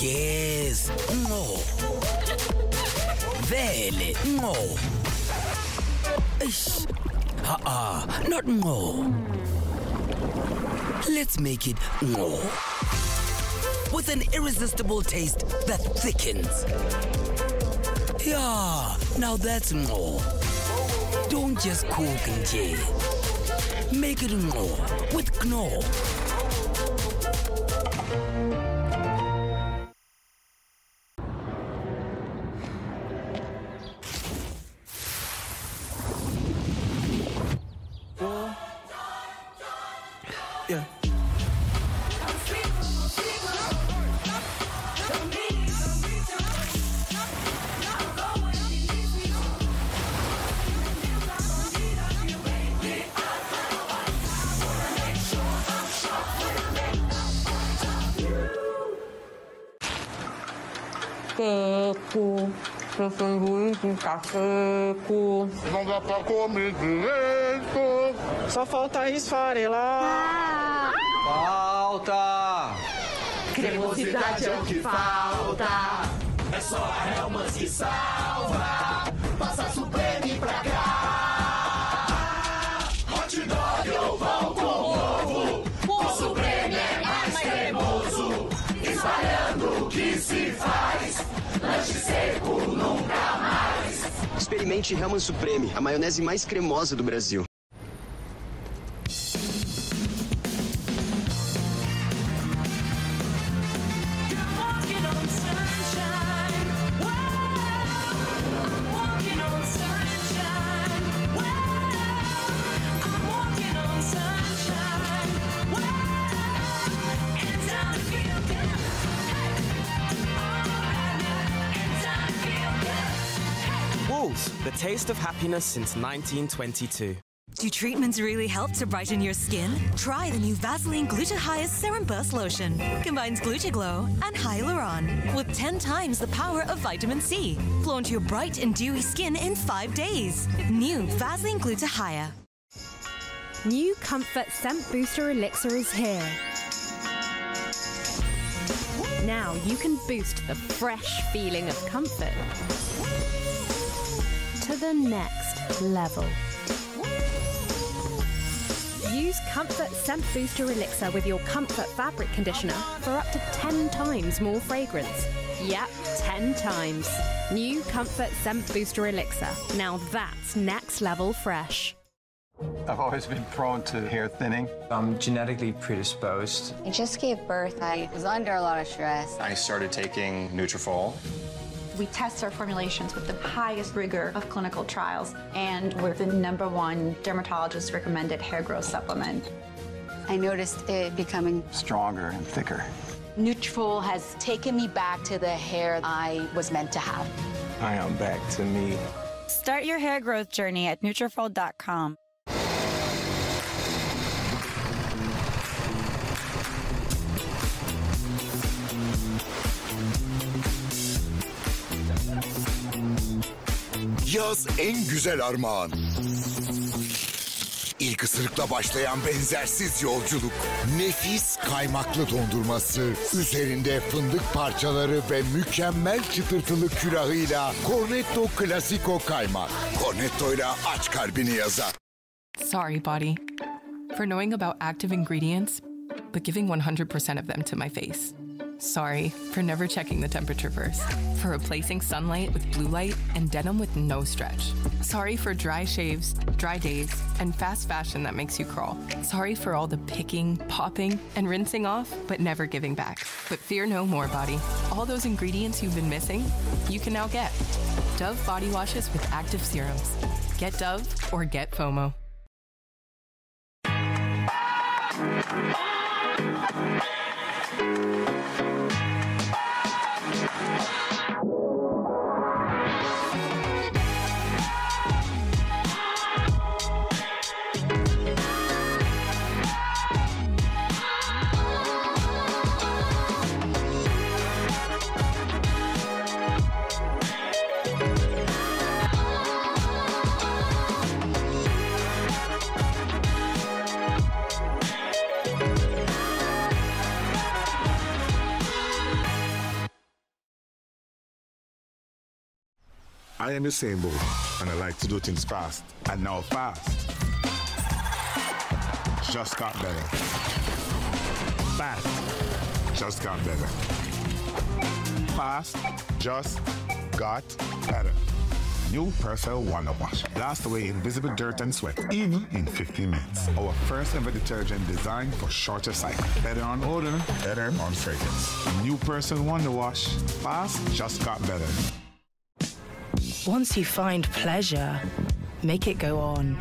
Yes, Uno. Very Uno. Uh-uh, not Uno. Let's make it Uno. With an irresistible taste that thickens. Yeah, now that's Uno. Don't just cook and jay. Make it Uno with Uno. Só falta isso farelar. Falta! Cremosidade é o que falta. É só a Hellmann's que salva. Passa Supreme pra cá. Hot Dog ou pão com ovo. O Supreme é mais cremoso. Espalhando o que se faz. Lanche seco nunca mais. Experimente Hellmann's Supreme, a maionese mais cremosa do Brasil. I'm walking on sunshine. Whoa! I'm walking on sunshine. Whoa! And I feel good. Hey! Oh, I feel good. Whoa! The taste of happiness since 1922. Do treatments really help to brighten your skin? Try the new Vaseline Glutathione Serum Burst Lotion. Combines GlutaGlow and Hyaluron with 10 times the power of Vitamin C. Glow into your bright and dewy skin in five days. New Vaseline Glutathione. New Comfort Scent Booster Elixir is here. Now you can boost the fresh feeling of comfort to the next level. Use Comfort Scent Booster Elixir with your Comfort Fabric Conditioner for up to 10 times more fragrance. Yep, 10 times. New Comfort Scent Booster Elixir. Now that's next-level fresh. I've always been prone to hair thinning. I'm genetically predisposed. I just gave birth. I was under a lot of stress. I started taking Nutrafol. We test our formulations with the highest rigor of clinical trials. And we're the number one dermatologist-recommended hair growth supplement. I noticed it becoming stronger and thicker. Nutrafol has taken me back to the hair I was meant to have. I am back to me. Start your hair growth journey at nutrafol.com. Yaz en güzel armağan. İlk ısırıkla başlayan benzersiz yolculuk. Nefis kaymaklı dondurması, üzerinde fındık parçaları ve mükemmel çıtırtılı kürahıyla Cornetto Classico kaymak. Cornetto'yla aç kalbini yazar. Sorry, body, for knowing about active ingredients, but giving 100% of them to my face. Sorry for never checking the temperature first. For replacing sunlight with blue light and denim with no stretch. Sorry for dry shaves, dry days, and fast fashion that makes you crawl. Sorry for all the picking, popping, and rinsing off, but never giving back. But fear no more, body. All those ingredients you've been missing, you can now get. Dove body washes with active serums. Get Dove or get FOMO. I am disabled, and I like to do things fast. And now fast just got better. Fast just got better. Fast just got better. New Persil Wonder Wash. Blast away invisible dirt and sweat even in 15 minutes. Our first-ever detergent designed for shorter cycle. Better on odor, better on fragrance. New Persil Wonder Wash. Fast just got better. Once you find pleasure, make it go on.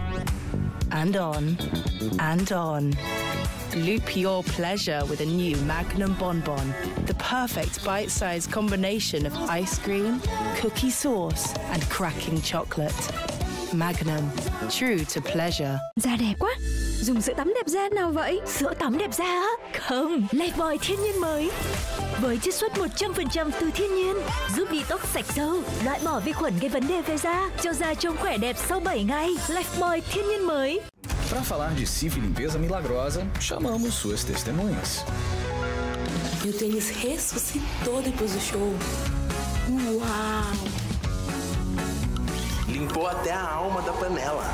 And on. And on. Loop your pleasure with a new Magnum Bon Bon. The perfect bite-sized combination of ice cream, cookie sauce, and cracking chocolate. Magnum, true to pleasure. Dạ đẹp quá! Dùng sữa tắm đẹp da nào vậy? Sữa tắm đẹp da á? Không! Lifebuoy Thiên Nhiên Mới. Với chiết xuất 100% từ thiên nhiên. Giúp detox sạch sâu, loại bỏ vi khuẩn gây vấn đề về da, cho da trông khỏe đẹp sau seven days. Lifebuoy Thiên Nhiên Mới. Para falar de Sif e limpeza milagrosa, chamamos suas testemunhas. Eu tenho esse ressuscitou depois do show. Uau! Limpou até a alma da panela.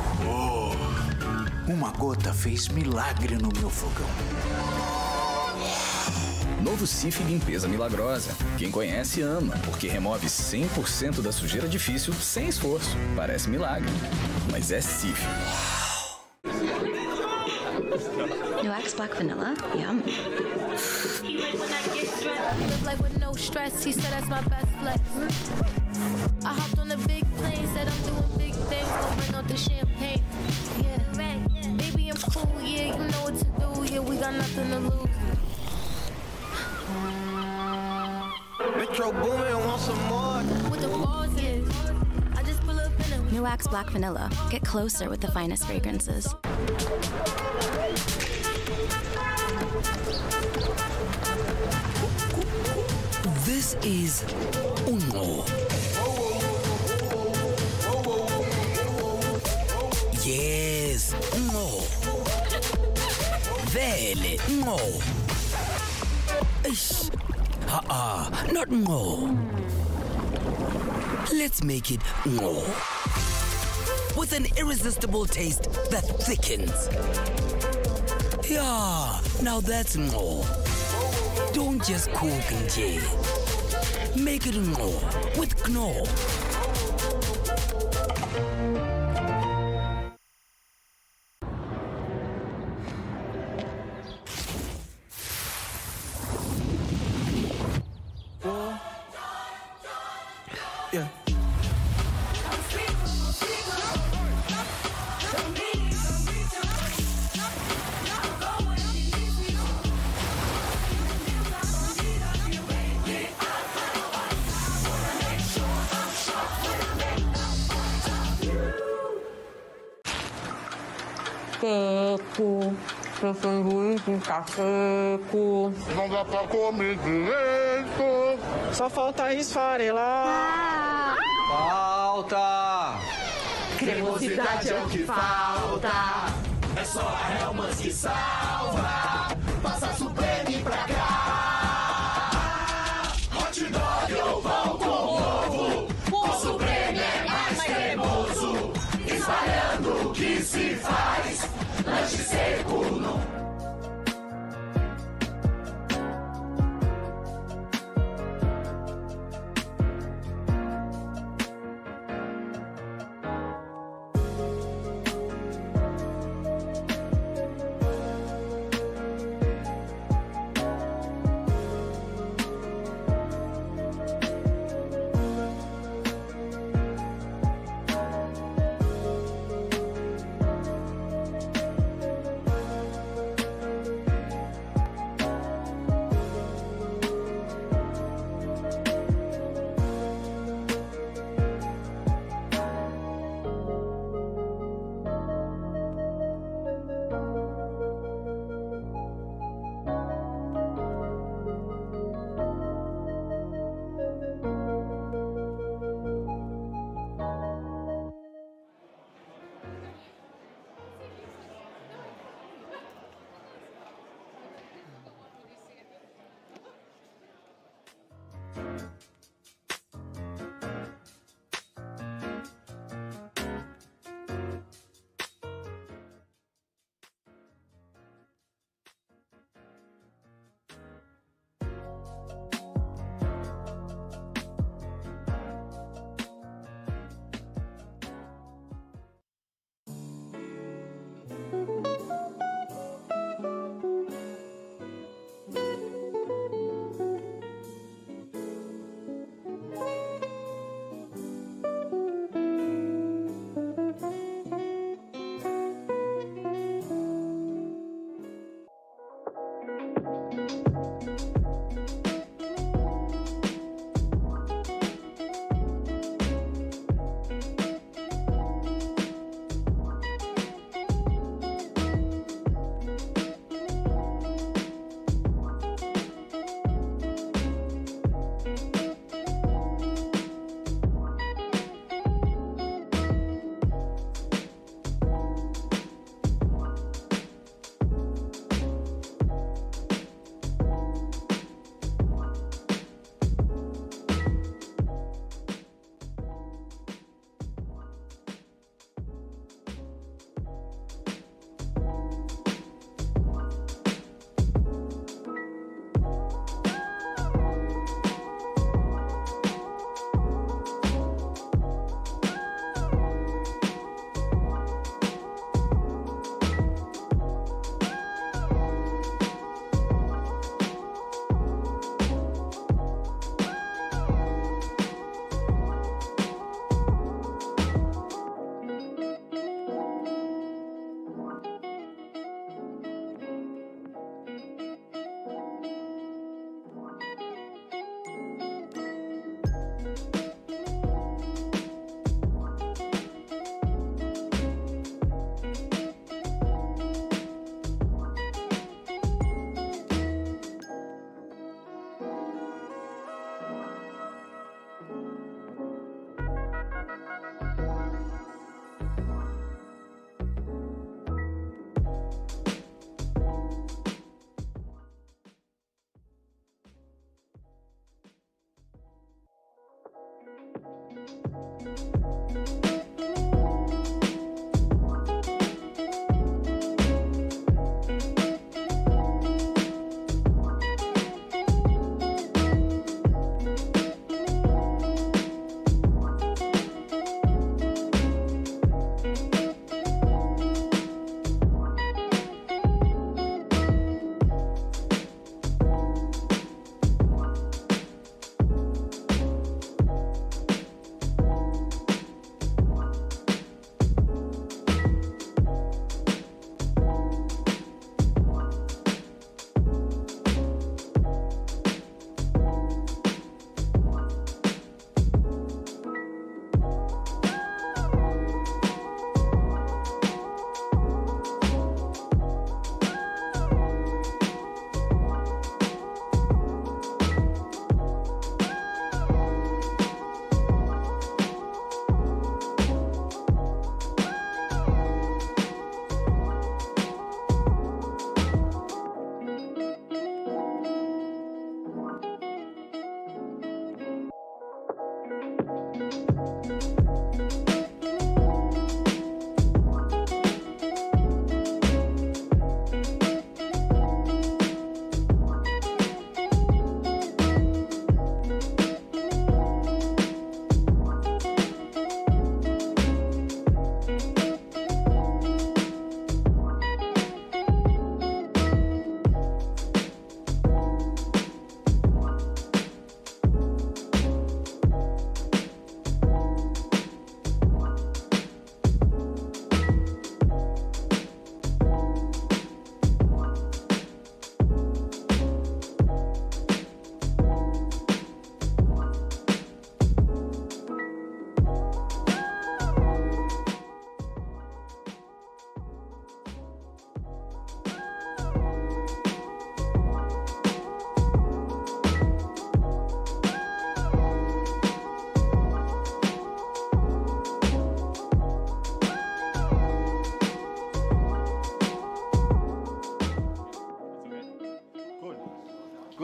Uma gota fez milagre no meu fogão. Novo Sif e limpeza milagrosa. Quem conhece, ama porque remove 100% da sujeira difícil sem esforço. Parece milagre, mas é Sif. New X Black Vanilla, yeah. He like with no stress. He said that's my best flex. I hopped on a big plane, said I'm doing big things. Open up the champagne. Yeah, baby, I'm cool. Yeah, you know what to do. Yeah, we got nothing to lose. Metro Boomin want some more. With the bosses. I just pull up in a new. New X Black Vanilla. Get closer with the finest fragrances. This is Uno. Yes, Uno. Very Uno. Uh-uh, not Uno. Let's make it Uno. With an irresistible taste that thickens. Yeah, now that's Uno. Don't just cook and já. Make it Uno with Uno. Só falta isso pra realçar. Falta! Cremosidade é o que falta. É só a Hellmann's que salva. Passa Supreme pra cá.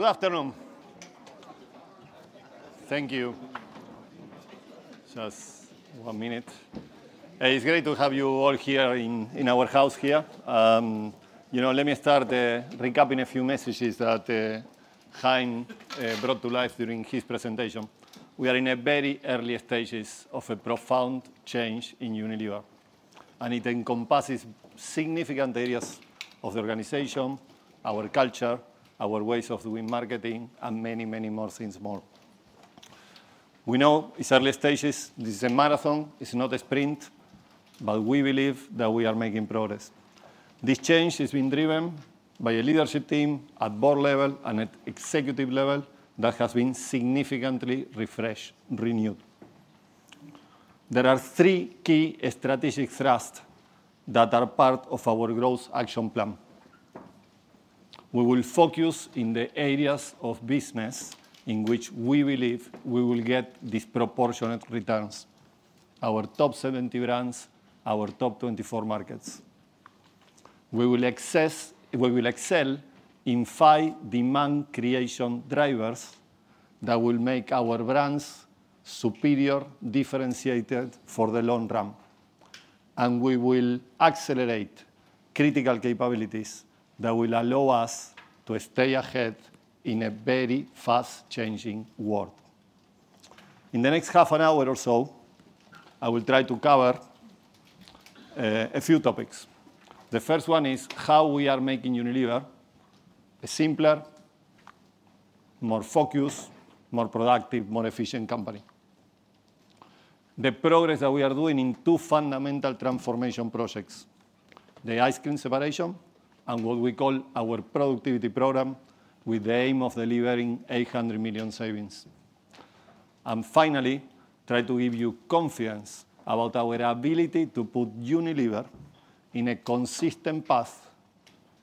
Hot Dog ou pão com ovo. O Supreme é mais cremoso. Espalhando o que se faz. Lanche seco não. Good afternoon. Thank you. Just one minute. It's great to have you all here in our house here. Let me start recapping a few messages that Hein brought to life during his presentation. We are in a very early stage of a profound change in Unilever, and it encompasses significant areas of the organization, our culture, our ways of doing marketing, and many, many more things more. We know it's early stages. This is a marathon. It's not a sprint, but we believe that we are making progress. This change has been driven by a leadership team at board level and at executive level that has been significantly refreshed, renewed. There are three key strategic thrusts that are part of our growth action plan. We will focus on the areas of business in which we believe we will get disproportionate returns: our top 70 brands, our top 24 markets. We will excel in five demand creation drivers that will make our brands superior, differentiated for the long run, and we will accelerate critical capabilities that will allow us to stay ahead in a very fast-changing world. In the next half an hour or so, I will try to cover a few topics. The first one is how we are making Unilever a simpler, more focused, more productive, more efficient company. The progress that we are doing in two fundamental transformation projects: the Ice Cream separation and what we call our productivity program with the aim of delivering 800 million savings. Finally, try to give you confidence about our ability to put Unilever in a consistent path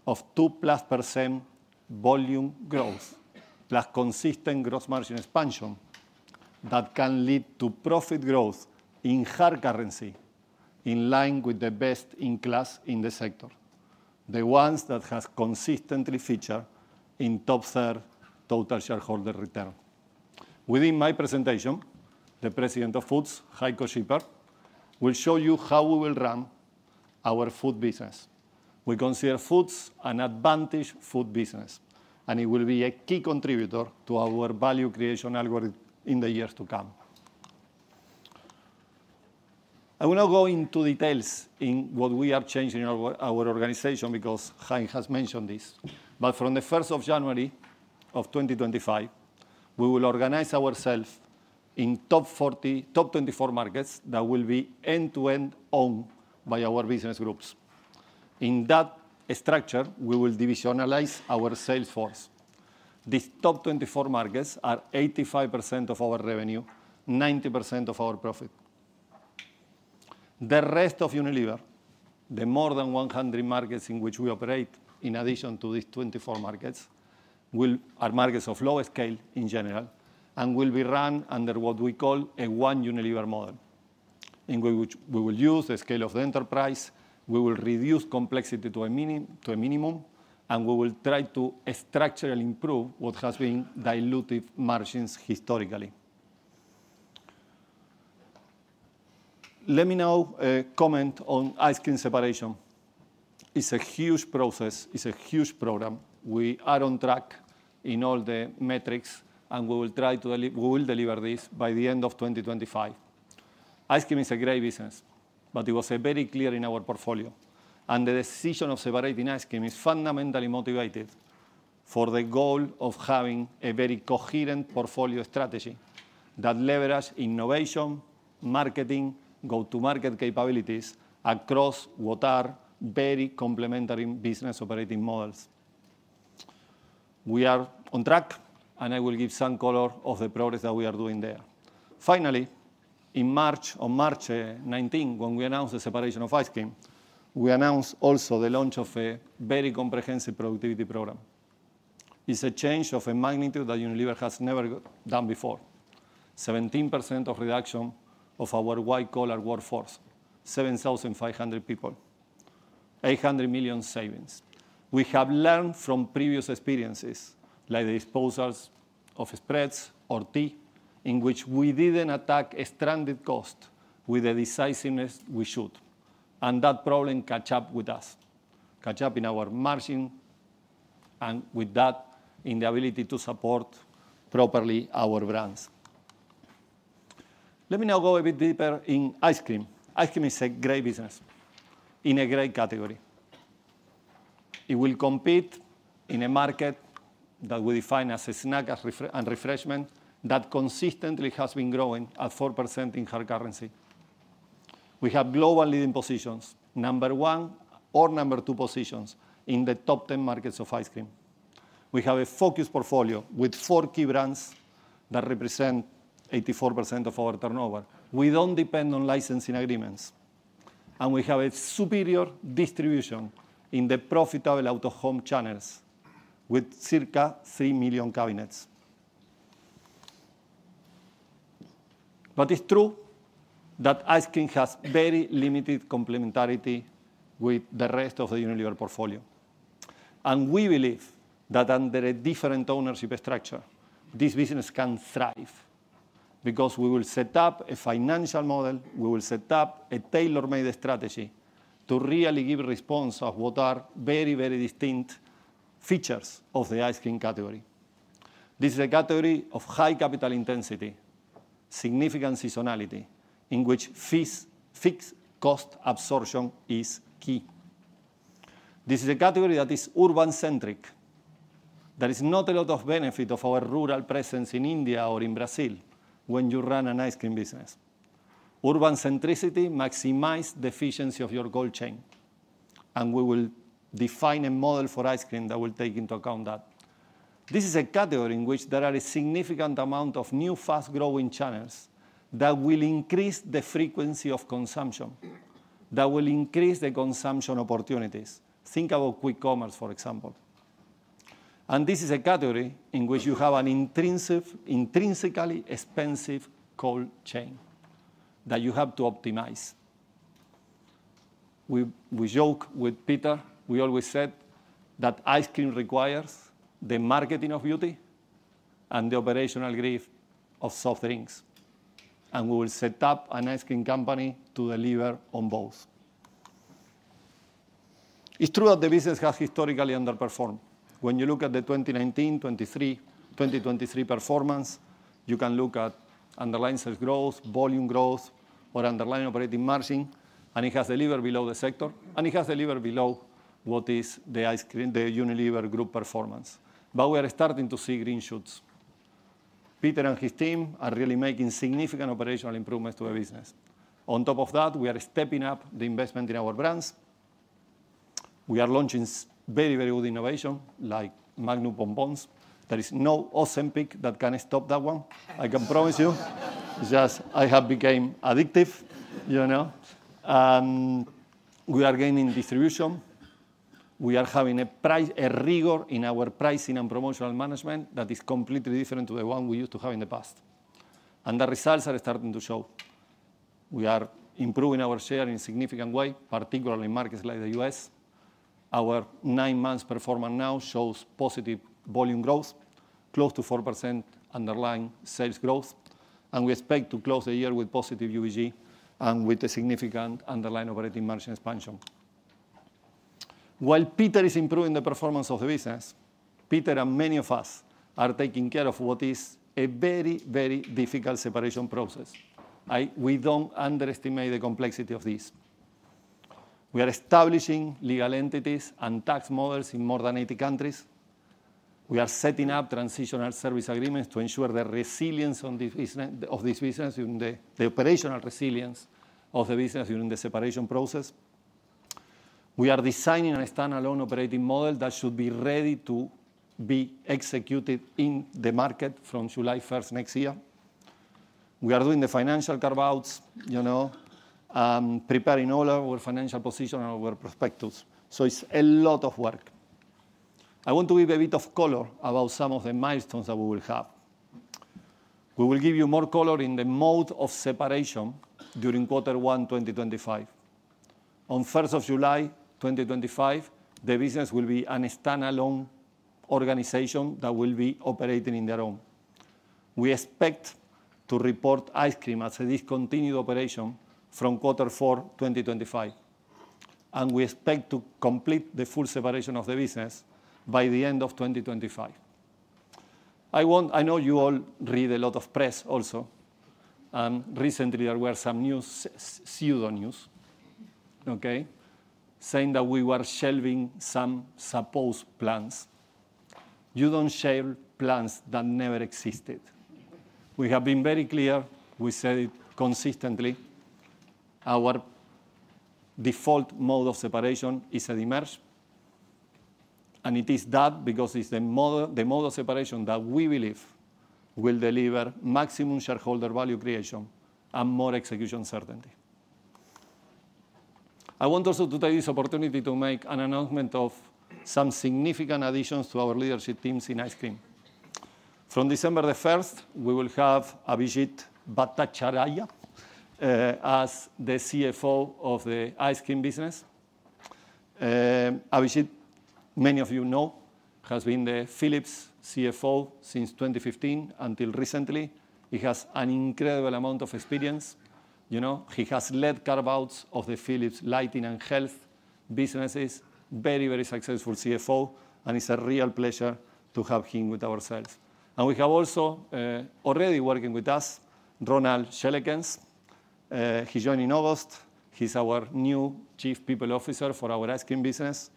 of 2% plus volume growth, plus consistent gross margin expansion that can lead to profit growth in hard currency in line with the best in class in the sector, the ones that have consistently featured in top-tier total shareholder return. Within my presentation, the President of Foods, Heiko Schipper, will show you how we will run our food business. We consider Foods an advantaged food business, and it will be a key contributor to our value creation algorithm in the years to come. I will not go into details in what we are changing in our organization because Hein has mentioned this. But from the 1st of January of 2025, we will organize ourselves in top 24 markets that will be end-to-end owned by our business groups. In that structure, we will divisionalize our sales force. These top 24 markets are 85% of our revenue, 90% of our profit. The rest of Unilever, the more than 100 markets in which we operate in addition to these 24 markets, are markets of lower scale in general and will be run under what we call a One Unilever model, in which we will use the scale of the enterprise. We will reduce complexity to a minimum, and we will try to structure and improve what has been diluted margins historically. Let me now comment on Ice Cream separation. It's a huge process. It's a huge program. We are on track in all the metrics, and we will try to deliver this by the end of 2025. Ice Cream is a great business, but it was very clear in our portfolio, and the decision of separating Ice Cream is fundamentally motivated for the goal of having a very coherent portfolio strategy that leverages innovation, marketing, and go-to-market capabilities across what are very complementary business operating models. We are on track, and I will give some color of the progress that we are doing there. Finally, in March, on March 19, when we announced the separation of Ice Cream, we announced also the launch of a very comprehensive productivity program. It's a change of a magnitude that Unilever has never done before: 17% of reduction of our white-collar workforce, 7,500 people, 800 million savings. We have learned from previous experiences like the disposals of spreads or tea, in which we didn't attack stranded costs with the decisiveness we should, and that problem caught up with us in our margin and with that in the ability to support properly our brands. Let me now go a bit deeper in Ice Cream. Ice cream is a great business in a great category. It will compete in a market that we define as a snack and refreshment that consistently has been growing at 4% in hard currency. We have global leading positions, number one or number two positions in the top 10 markets of Ice Cream. We have a focused portfolio with four key brands that represent 84% of our turnover. We don't depend on licensing agreements, and we have a superior distribution in the profitable out-of-home channels with circa 3 million cabinets. But it's true that Ice Cream has very limited complementarity with the rest of the Unilever portfolio. And we believe that under a different ownership structure, this business can thrive because we will set up a financial model. We will set up a tailor-made strategy to really give a response of what are very, very distinct features of the Ice Cream category. This is a category of high capital intensity, significant seasonality, in which fixed cost absorption is key. This is a category that is urban-centric. There is not a lot of benefit of our rural presence in India or in Brazil when you run anIce Cream business. Urban-centricity maximizes the efficiency of your cold chain, and we will define a model for Ice Cream that will take into account that. This is a category in which there are a significant amount of new fast-growing channels that will increase the frequency of consumption, that will increase the consumption opportunities. Think about quick commerce, for example. And this is a category in which you have an intrinsically expensive cold chain that you have to optimize. We joke with Peter. We always said that Ice Cream requires the marketing of beauty and the operational grief of soft drinks. And we will set up an Ice Cream company to deliver on both. It's true that the business has historically underperformed. When you look at the 2019, 2023, 2023 performance, you can look at underlying sales growth, volume growth, or underlying operating margin, and it has delivered below the sector, and it has delivered below what is the Unilever group performance. But we are starting to see green shoots. Peter and his team are really making significant operational improvements to the business. On top of that, we are stepping up the investment in our brands. We are launching very, very good innovation like Magnum BonBons. There is no Ozempic that can stop that one, I can promise you. Just I have become addictive. And we are gaining distribution. We are having a rigor in our pricing and promotional management that is completely different to the one we used to have in the past. And the results are starting to show. We are improving our share in a significant way, particularly in markets like the U.S. Our nine-month performance now shows positive volume growth, close to 4% underlying sales growth. And we expect to close the year with positive UVG and with a significant underlying operating margin expansion. While Peter is improving the performance of the business, Peter and many of us are taking care of what is a very, very difficult separation process. We don't underestimate the complexity of this. We are establishing legal entities and tax models in more than 80 countries. We are setting up transitional service agreements to ensure the resilience of this business, the operational resilience of the business during the separation process. We are designing a standalone operating model that should be ready to be executed in the market from July 1st next year. We are doing the financial carve-outs and preparing all our financial positions and our prospectus. So it's a lot of work. I want to give a bit of color about some of the milestones that we will have. We will give you more color in the mode of separation during quarter one, 2025. On 1st of July 2025, the business will be a standalone organization that will be operating on their own. We expect to report Ice Cream as a discontinued operation from quarter four, 2025. And we expect to complete the full separation of the business by the end of 2025. I know you all read a lot of press also. And recently, there were some news, pseudo-news, okay, saying that we were shelving some supposed plans. You don't shelve plans that never existed. We have been very clear. We said it consistently. Our default mode of separation is a demerger. And it is that because it's the mode of separation that we believe will deliver maximum shareholder value creation and more execution certainty. I want also to take this opportunity to make an announcement of some significant additions to our leadership teams in Ice Cream. From December the 1st, we will have Abhijit Bhattacharya as the CFO of the Ice Cream business. Abhijit, many of you know, has been the Philips CFO since 2015 until recently. He has an incredible amount of experience. He has led carve-outs of the Philips Lighting and health businesses, very, very successful CFO, and it's a real pleasure to have him with ourselves. We have also already working with us, Ronald Schellekens. He's joining August. He's our new Chief People Officer for our Ice Cream business.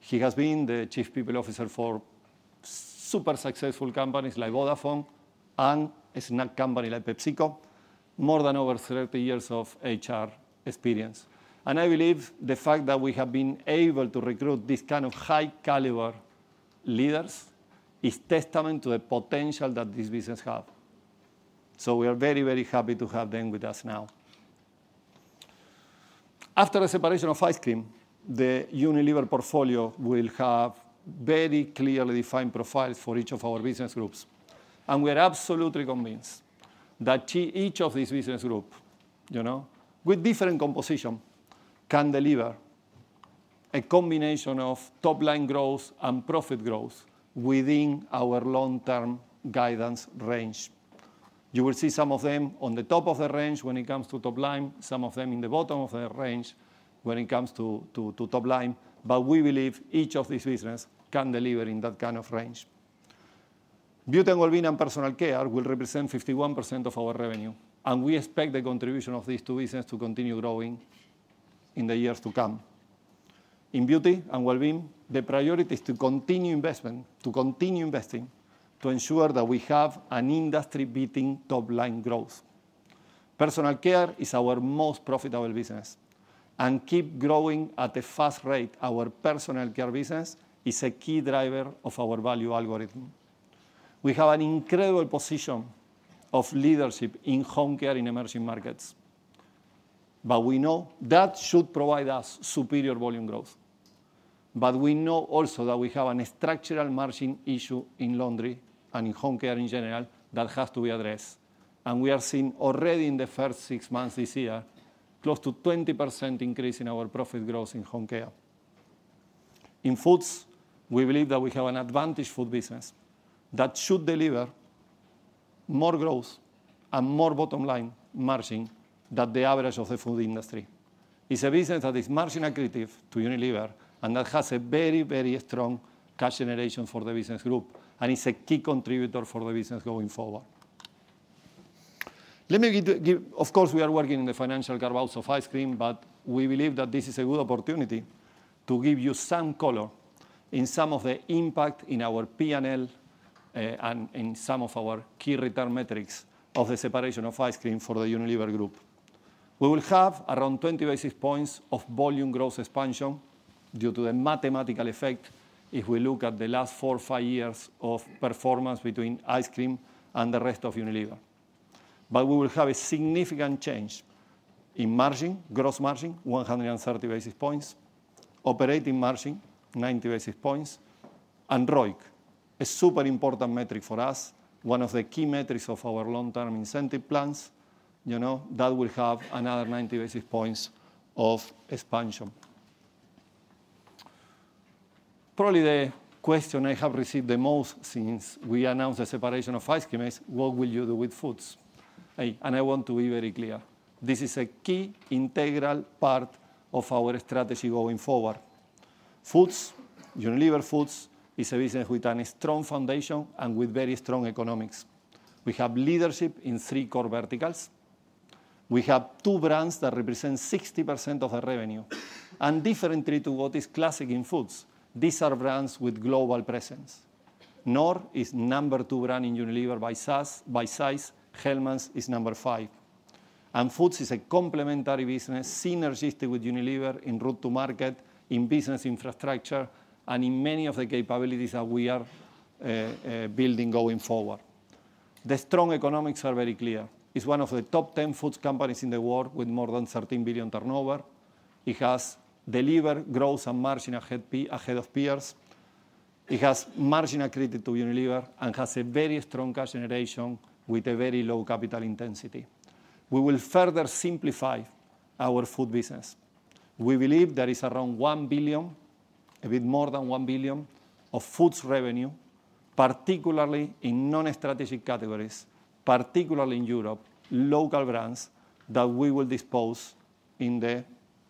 He has been the chief people officer for super successful companies like Vodafone and a snack company like PepsiCo, more than over 30 years of HR experience. I believe the fact that we have been able to recruit this kind of high-caliber leaders is a testament to the potential that this business has. So we are very, very happy to have them with us now. After the separation of Ice Cream, the Unilever portfolio will have very clearly defined profiles for each of our business groups. And we are absolutely convinced that each of these business groups, with different composition, can deliver a combination of top-line growth and profit growth within our long-term guidance range. You will see some of them on the top of the range when it comes to top-line, some of them in the bottom of the range when it comes to top-line. But we believe each of these businesses can deliver in that kind of range. Beauty & Wellbeing and Personal Care will represent 51% of our revenue. And we expect the contribution of these two businesses to continue growing in the years to come. In Beauty & Wellbeing, the priority is to continue investment, to continue investing, to ensure that we have an industry-beating top-line growth. Personal care is our most profitable business, and keep growing at a fast rate. Our personal care business is a key driver of our value algorithm. We have an incredible position of leadership in Home Care in emerging markets, but we know that should provide us superior volume growth, but we know also that we have a structural margin issue in laundry and in Home Care in general that has to be addressed, and we are seeing already in the first six months this year close to 20% increase in our profit growth in Home Care. In foods, we believe that we have an advantage food business that should deliver more growth and more bottom-line margin than the average of the food industry. It's a business that is margin-accretive to Unilever and that has a very, very strong cash generation for the business group, and it's a key contributor for the business going forward. Let me give you. Of course, we are working in the financial carve-outs of Ice Cream, but we believe that this is a good opportunity to give you some color in some of the impact in our P&L and in some of our key return metrics of the separation of Ice Cream for the Unilever group. We will have around 20 basis points of volume growth expansion due to the mathematical effect if we look at the last four or five years of performance between Ice Cream and the rest of Unilever. But we will have a significant change in margin, gross margin, 130 basis points, operating margin, 90 basis points, and ROIC, a super important metric for us, one of the key metrics of our long-term incentive plans that will have another 90 basis points of expansion. Probably the question I have received the most since we announced the separation of ice cream is, what will you do with foods? And I want to be very clear. This is a key integral part of our strategy going forward. Foods, Unilever Foods, is a business with a strong foundation and with very strong economics. We have leadership in three core verticals. We have two brands that represent 60% of the revenue. And differently to what is classic in foods, these are brands with global presence. Knorr is number two brand in Unilever by size. Hellmann's is number five. Foods is a complementary business synergistic with Unilever in route to market, in business infrastructure, and in many of the capabilities that we are building going forward. The strong economics are very clear. It's one of the top 10 foods companies in the world with more than 13 billion turnover. It has delivered growth and margin ahead of peers. It has margin accretive to Unilever and has a very strong cash generation with a very low capital intensity. We will further simplify our food business. We believe there is around one billion, a bit more than one billion of foods revenue, particularly in non-strategic categories, particularly in Europe, local brands that we will dispose in the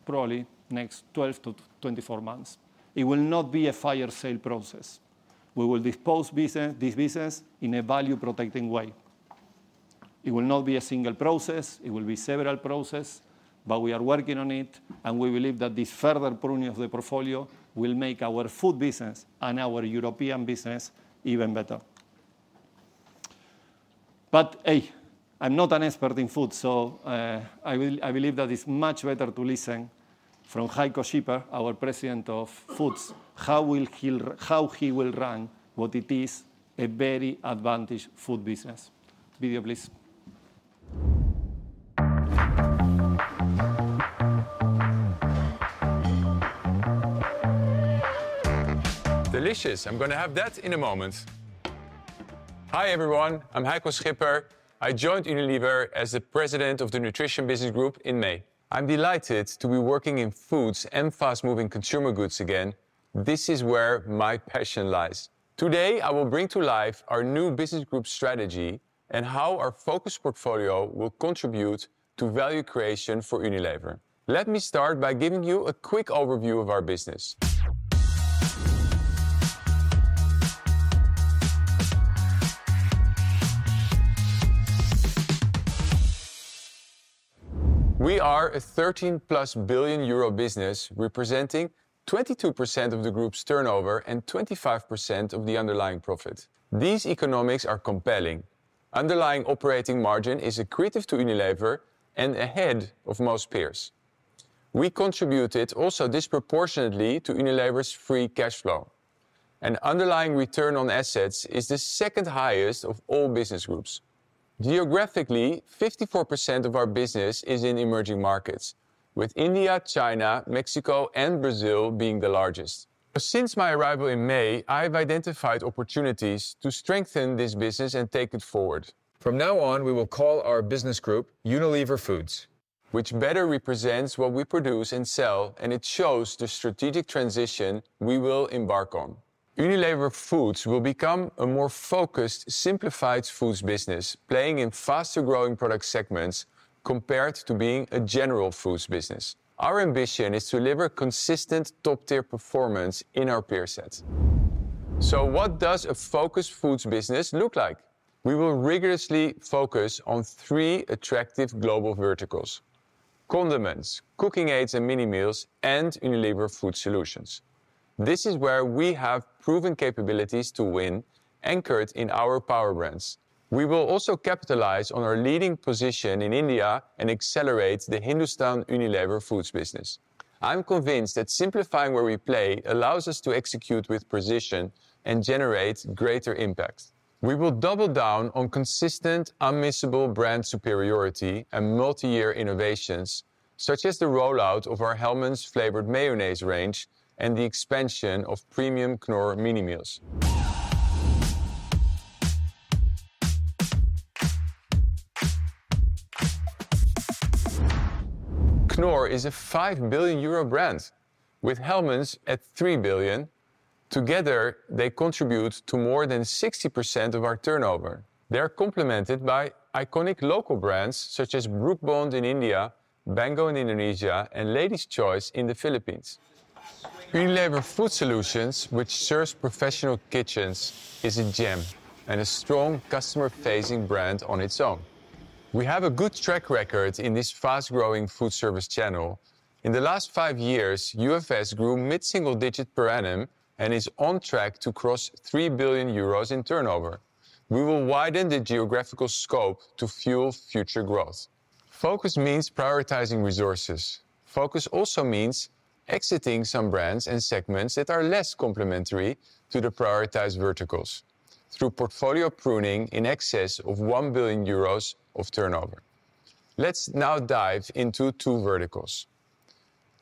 probably next 12-24 months. It will not be a fire sale process. We will dispose this business in a value-protecting way. It will not be a single process. It will be several processes, but we are working on it, and we believe that this further pruning of the portfolio will make our food business and our European business even better, but hey, I'm not an expert in food, so I believe that it's much better to hear from Heiko Schipper, our President of Foods, how he will run what it is, a very advantageous food business. Video, please. Delicious. I'm going to have that in a moment. Hi, everyone. I'm Heiko Schipper. I joined Unilever as the President of the Nutrition Business Group in May. I'm delighted to be working in foods and fast-moving consumer goods again. This is where my passion lies. Today, I will bring to life our new business group strategy and how our focus portfolio will contribute to value creation for Unilever. Let me start by giving you a quick overview of our business. We are a 13 billion euro plus business representing 22% of the group's turnover and 25% of the underlying profit. These economics are compelling. Underlying operating margin is accretive to Unilever and ahead of most peers. We contributed also disproportionately to Unilever's free cash flow. And underlying return on assets is the second highest of all business groups. Geographically, 54% of our business is in emerging markets, with India, China, Mexico, and Brazil being the largest. Since my arrival in May, I've identified opportunities to strengthen this business and take it forward. From now on, we will call our business group Unilever Foods, which better represents what we produce and sell, and it shows the strategic transition we will embark on. Unilever Foods will become a more focused, simplified foods business, playing in faster-growing product segments compared to being a general foods business. Our ambition is to deliver consistent top-tier performance in our peer set. So what does a focused foods business look like? We will rigorously focus on three attractive global verticals: condiments, cooking aids, and mini meals, and Unilever Food Solutions. This is where we have proven capabilities to win, anchored in our power brands. We will also capitalize on our leading position in India and accelerate the Hindustan Unilever Foods business. I'm convinced that simplifying where we play allows us to execute with precision and generate greater impact. We will double down on consistent, unmissable brand superiority and multi-year innovations, such as the rollout of our Hellmann's flavored mayonnaise range and the expansion of premium Knorr mini meals. Knorr is a 5 billion euro brand, with Hellmann's at 3 billion. Together, they contribute to more than 60% of our turnover. They're complemented by iconic local brands such as Brooke Bond in India, Bango in Indonesia, and Lady's Choice in the Philippines. Unilever Food Solutions, which serves professional kitchens, is a gem and a strong customer-facing brand on its own. We have a good track record in this fast-growing food service channel. In the last five years, UFS grew mid-single digit per annum and is on track to cross 3 billion euros in turnover. We will widen the geographical scope to fuel future growth. Focus means prioritizing resources. Focus also means exiting some brands and segments that are less complementary to the prioritized verticals through portfolio pruning in excess of 1 billion euros of turnover. Let's now dive into two verticals.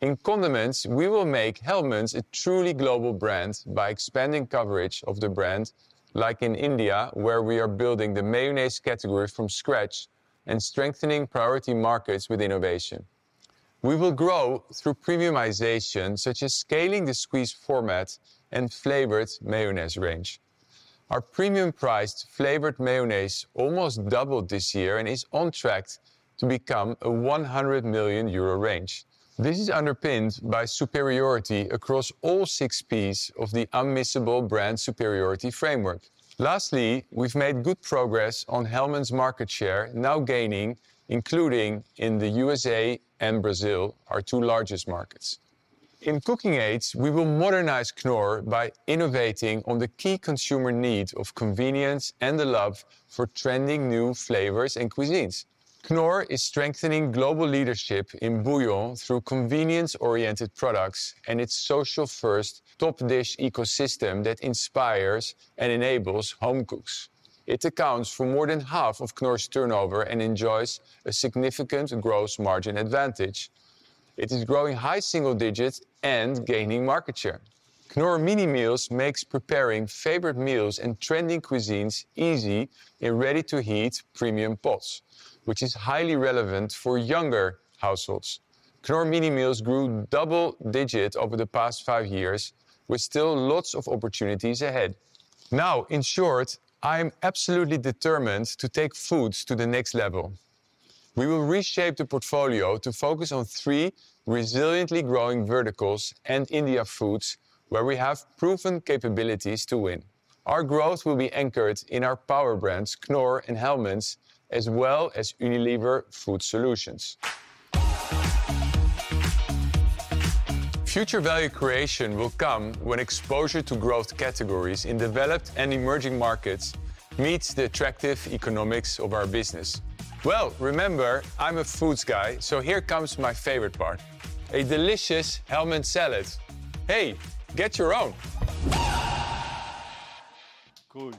In condiments, we will make Hellmann's a truly global brand by expanding coverage of the brand, like in India, where we are building the mayonnaise category from scratch and strengthening priority markets with innovation. We will grow through premiumization, such as scaling the squeeze format and flavored mayonnaise range. Our premium-priced flavored mayonnaise almost doubled this year and is on track to become a 100 million euro range. This is underpinned by superiority across all six P's of the Unmissable Brand Superiority framework. Lastly, we've made good progress on Hellmann's market share, now gaining, including in the USA and Brazil, our two largest markets. In cooking aids, we will modernize Knorr by innovating on the key consumer need of convenience and the love for trending new flavors and cuisines. Knorr is strengthening global leadership in bouillon through convenience-oriented products and its social-first top-dish ecosystem that inspires and enables home cooks. It accounts for more than half of Knorr's turnover and enjoys a significant gross margin advantage. It is growing high single digits and gaining market share. Knorr mini meals makes preparing favorite meals and trending cuisines easy in ready-to-heat premium pots, which is highly relevant for younger households. Knorr mini meals grew double digit over the past five years, with still lots of opportunities ahead. Now, in short, I am absolutely determined to take foods to the next level. We will reshape the portfolio to focus on three resiliently growing verticals and India foods, where we have proven capabilities to win. Our growth will be anchored in our power brands, Knorr and Hellmann's, as well as Unilever Food Solutions. Future value creation will come when exposure to growth categories in developed and emerging markets meets the attractive economics of our business. Remember, I'm a foods guy, so here comes my favorite part: a delicious Hellmann's salad. Hey, get your own. Cool.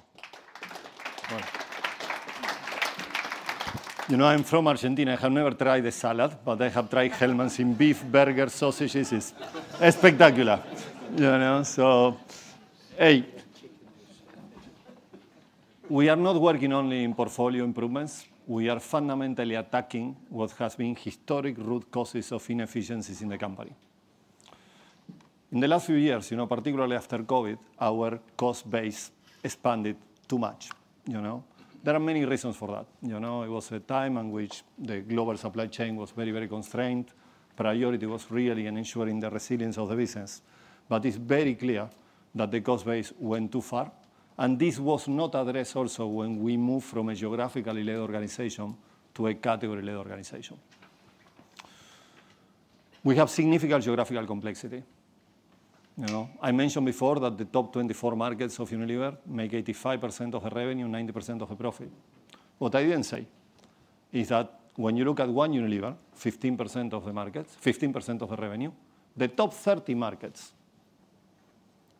You know, I'm from Argentina. I have never tried the salad, but I have tried Hellmann's in beef, burgers, sausages. It's spectacular. You know, so hey. We are not working only in portfolio improvements. We are fundamentally attacking what has been historic root causes of inefficiencies in the company. In the last few years, you know, particularly after COVID, our cost base expanded too much. You know, there are many reasons for that. You know, it was a time in which the global supply chain was very, very constrained. Priority was really in ensuring the resilience of the business. But it's very clear that the cost base went too far. And this was not addressed also when we moved from a geographically led organization to a category-led organization. We have significant geographical complexity. You know, I mentioned before that the top 24 markets of Unilever make 85% of the revenue and 90% of the profit. What I didn't say is that when you look at One Unilever, 15% of the markets, 15% of the revenue, the top 30 markets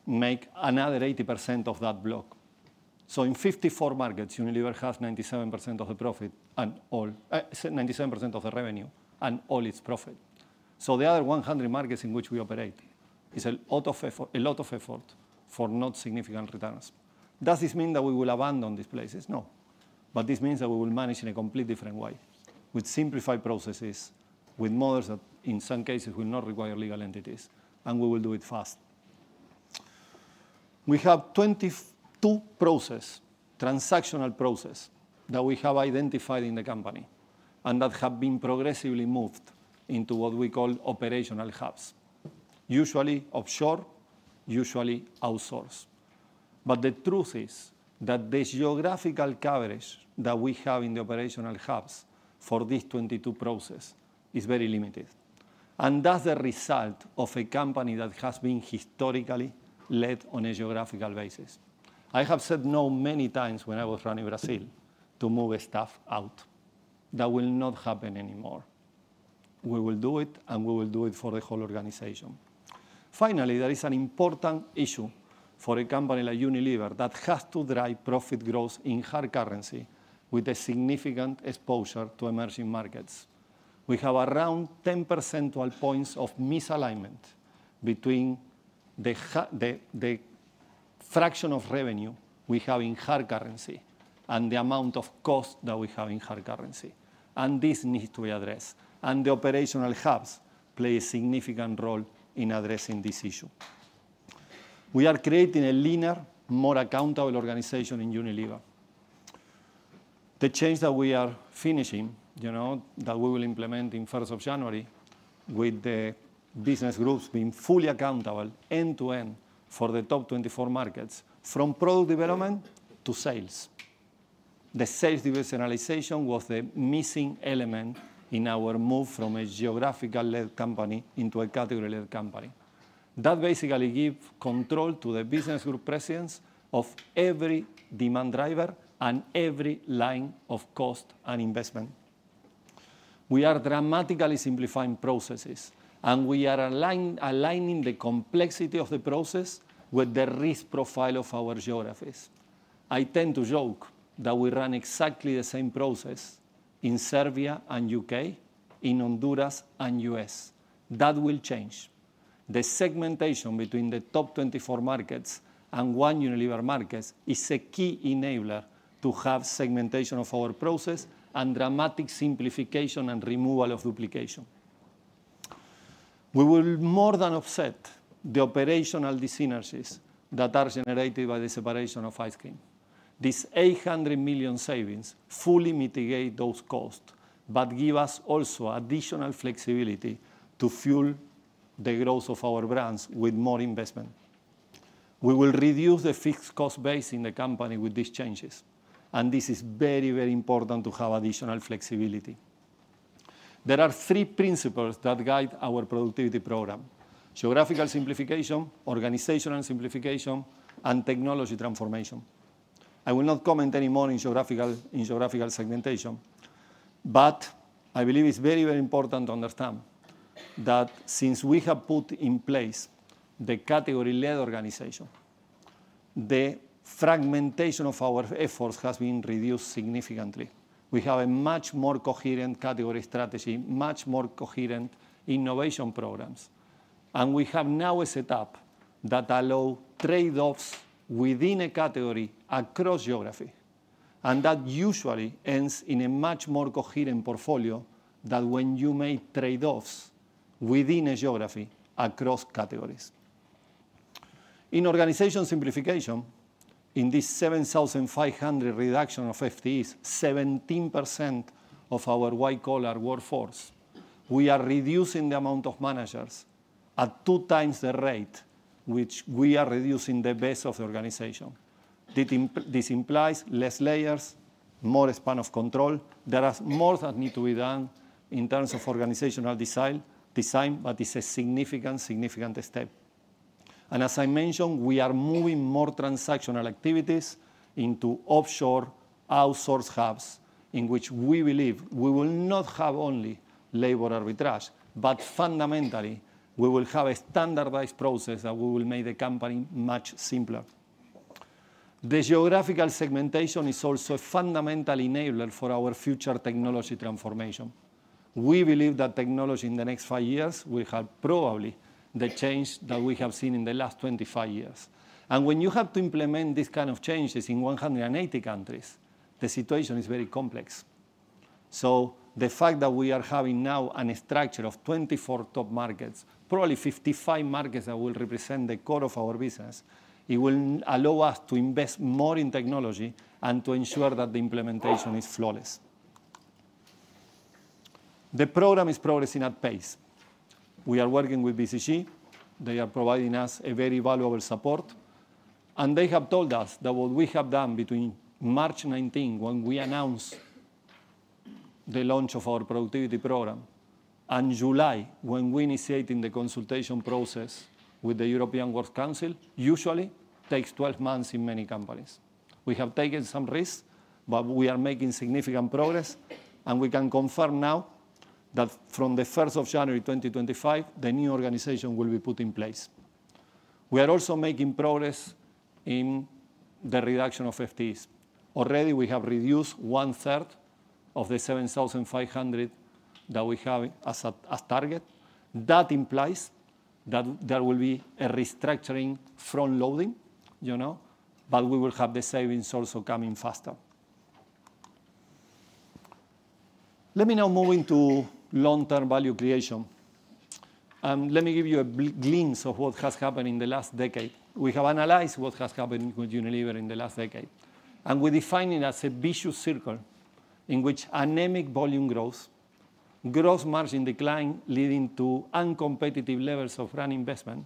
make another 80% of that block. So in 54 markets, Unilever has 97% of the profit and all 97% of the revenue and all its profit. So the other 100 markets in which we operate is a lot of effort for not significant returns. Does this mean that we will abandon these places? No. But this means that we will manage in a completely different way, with simplified processes, with models that in some cases will not require legal entities, and we will do it fast. We have 22 processes, transactional processes, that we have identified in the company and that have been progressively moved into what we call operational hubs, usually offshore, usually outsourced. But the truth is that the geographical coverage that we have in the operational hubs for these 22 processes is very limited, and that's the result of a company that has been historically led on a geographical basis. I have said no many times when I was running Brazil to move stuff out. That will not happen anymore. We will do it, and we will do it for the whole organization. Finally, there is an important issue for a company like Unilever that has to drive profit growth in hard currency with a significant exposure to emerging markets. We have around 10 percentage points of misalignment between the fraction of revenue we have in hard currency and the amount of cost that we have in hard currency. This needs to be addressed. The operational hubs play a significant role in addressing this issue. We are creating a leaner, more accountable organization in Unilever. The change that we are finishing, you know, that we will implement on the first of January, with the business groups being fully accountable end to end for the top 24 markets, from product development to sales. The sales divisionalization was the missing element in our move from a geographical-led company into a category-led company. That basically gives control to the business group presidents of every demand driver and every line of cost and investment. We are dramatically simplifying processes, and we are aligning the complexity of the process with the risk profile of our geographies. I tend to joke that we run exactly the same process in Serbia and U.K., in Honduras and U.S. That will change. The segmentation between the top 24 markets and One Unilever market is a key enabler to have segmentation of our process and dramatic simplification and removal of duplication. We will more than offset the operational disinergies that are generated by the separation of Ice Cream. These 800 million savings fully mitigate those costs, but give us also additional flexibility to fuel the growth of our brands with more investment. We will reduce the fixed cost base in the company with these changes. And this is very, very important to have additional flexibility. There are three principles that guide our productivity program: geographical simplification, organizational simplification, and technology transformation. I will not comment anymore on geographical segmentation, but I believe it's very, very important to understand that since we have put in place the category-led organization, the fragmentation of our efforts has been reduced significantly. We have a much more coherent category strategy, much more coherent innovation programs, and we have now a setup that allows trade-offs within a category across geography, and that usually ends in a much more coherent portfolio than when you make trade-offs within a geography across categories. In organizational simplification, in this 7,500 reduction of FTEs, 17% of our white-collar workforce, we are reducing the amount of managers at two times the rate, which we are reducing the base of the organization. This implies less layers, more span of control. There is more that needs to be done in terms of organizational design, but it's a significant, significant step. As I mentioned, we are moving more transactional activities into offshore outsourced hubs in which we believe we will not have only labor arbitrage, but fundamentally, we will have a standardized process that will make the company much simpler. The geographical segmentation is also a fundamental enabler for our future technology transformation. We believe that technology in the next five years will have probably the change that we have seen in the last 25 years. When you have to implement these kinds of changes in 180 countries, the situation is very complex. So the fact that we are having now a structure of 24 top markets, probably 55 markets that will represent the core of our business, it will allow us to invest more in technology and to ensure that the implementation is flawless. The program is progressing at pace. We are working with BCG. They are providing us a very valuable support. And they have told us that what we have done between March 19, when we announced the launch of our productivity program, and July, when we initiated the consultation process with the European Works Council, usually takes 12 months in many companies. We have taken some risks, but we are making significant progress. And we can confirm now that from the first of January 2025, the new organization will be put in place. We are also making progress in the reduction of FTEs. Already, we have reduced one third of the 7,500 that we have as a target. That implies that there will be a restructuring front loading, you know, but we will have the savings also coming faster. Let me now move into long-term value creation, and let me give you a glimpse of what has happened in the last decade. We have analyzed what has happened with Unilever in the last decade, and we define it as a vicious circle in which anemic volume growth, gross margin decline, leading to uncompetitive levels of run investment,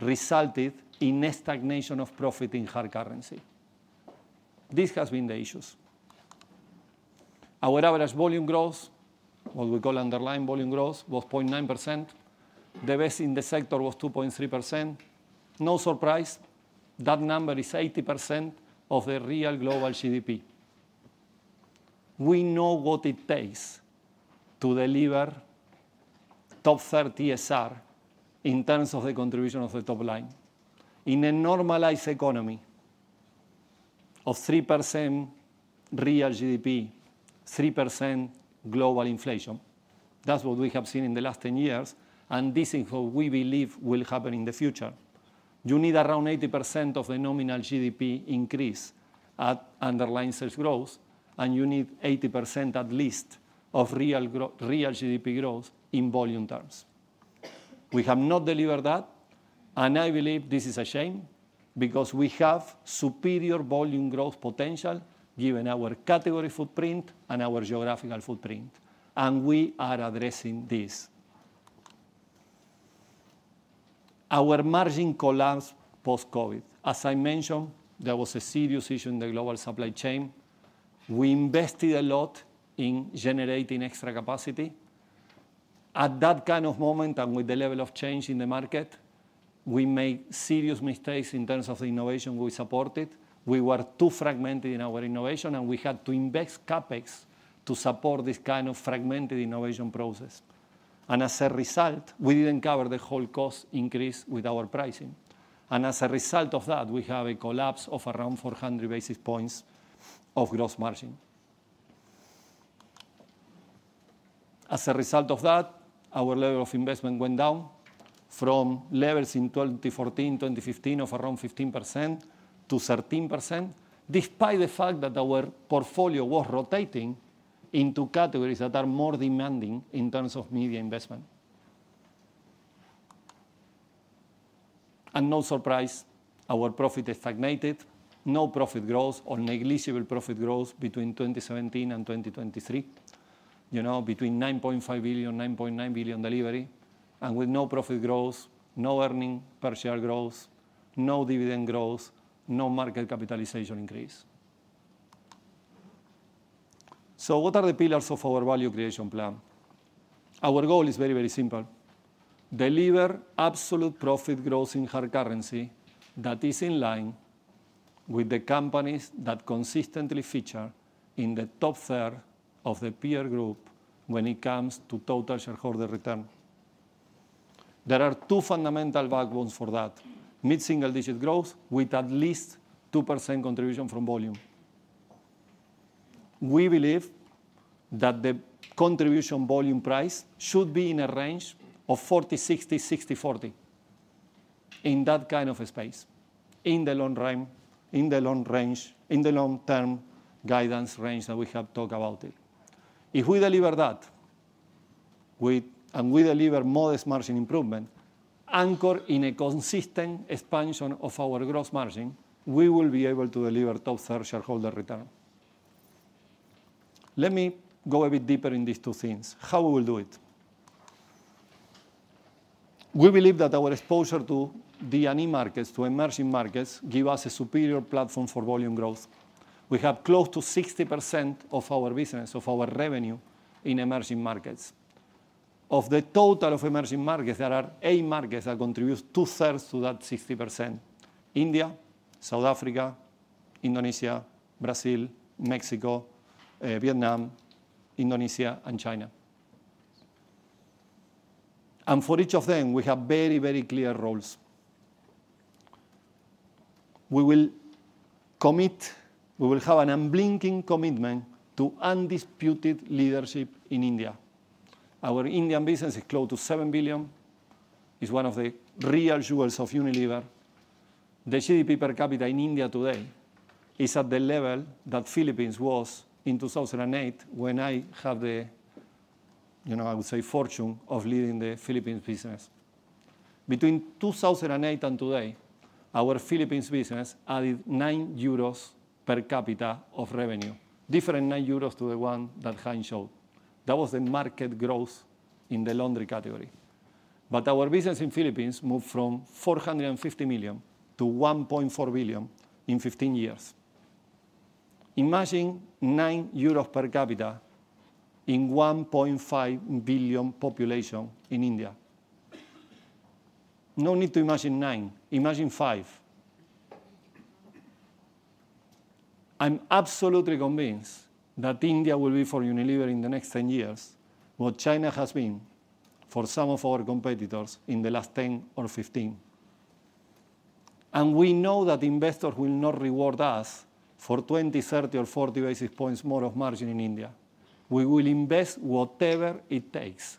resulted in a stagnation of profit in hard currency. This has been the issues. Our average volume growth, what we call underlying volume growth, was 0.9%. The best in the sector was 2.3%. No surprise. That number is 80% of the real global GDP. We know what it takes to deliver top 30 TSR in terms of the contribution of the top line. In a normalized economy of 3% real GDP, 3% global inflation, that's what we have seen in the last 10 years, and this is what we believe will happen in the future. You need around 80% of the nominal GDP increase as underlying sales growth, and you need 80% at least of real GDP growth in volume terms. We have not delivered that, and I believe this is a shame because we have superior volume growth potential given our category footprint and our geographical footprint, and we are addressing this. Our margin collapsed post-COVID. As I mentioned, there was a serious issue in the global supply chain. We invested a lot in generating extra capacity. At that kind of moment and with the level of change in the market, we made serious mistakes in terms of the innovation we supported. We were too fragmented in our innovation, and we had to invest CapEx to support this kind of fragmented innovation process. And as a result, we didn't cover the whole cost increase with our pricing. And as a result of that, we have a collapse of around 400 basis points of gross margin. As a result of that, our level of investment went down from levels in 2014, 2015 of around 15% to 13%, despite the fact that our portfolio was rotating into categories that are more demanding in terms of media investment. And no surprise, our profit has stagnated. No profit growth or negligible profit growth between 2017 and 2023, you know, between 9.5 billion, 9.9 billion delivery. With no profit growth, no earnings per share growth, no dividend growth, no market capitalization increase. What are the pillars of our value creation plan? Our goal is very, very simple. Deliver absolute profit growth in hard currency that is in line with the companies that consistently feature in the top third of the peer group when it comes to total shareholder return. There are two fundamental backbones for that: mid-single digit growth with at least 2% contribution from volume. We believe that the contribution volume price should be in a range of 40%-60%, 60%-40% in that kind of space, in the long run, in the long range, in the long-term guidance range that we have talked about. If we deliver that and we deliver modest margin improvement, anchored in a consistent expansion of our gross margin, we will be able to deliver top third shareholder return. Let me go a bit deeper in these two things, how we will do it. We believe that our exposure to the anemic markets, to emerging markets, gives us a superior platform for volume growth. We have close to 60% of our business, of our revenue, in emerging markets. Of the total emerging markets, there are eight markets that contribute two-thirds to that 60%: India, South Africa, Indonesia, Brazil, Mexico, Vietnam, and China. For each of them, we have very, very clear roles. We will commit, we will have an unblinking commitment to undisputed leadership in India. Our Indian business is close to 7 billion. It is one of the real jewels of Unilever. The GDP per capita in India today is at the level that the Philippines was in 2008 when I had the, you know, I would say, fortune of leading the Philippines business. Between 2008 and today, our Philippines business added 9 euros per capita of revenue, different 9 euros to the one that Hahn showed. That was the market growth in the laundry category. But our business in the Philippines moved from 450 million to 1.4 billion in 15 years. Imagine 9 euros per capita in a 1.5 billion population in India. No need to imagine 9. Imagine 5. I'm absolutely convinced that India will be for Unilever in the next 10 years what China has been for some of our competitors in the last 10 or 15. And we know that investors will not reward us for 20, 30, or 40 basis points more of margin in India. We will invest whatever it takes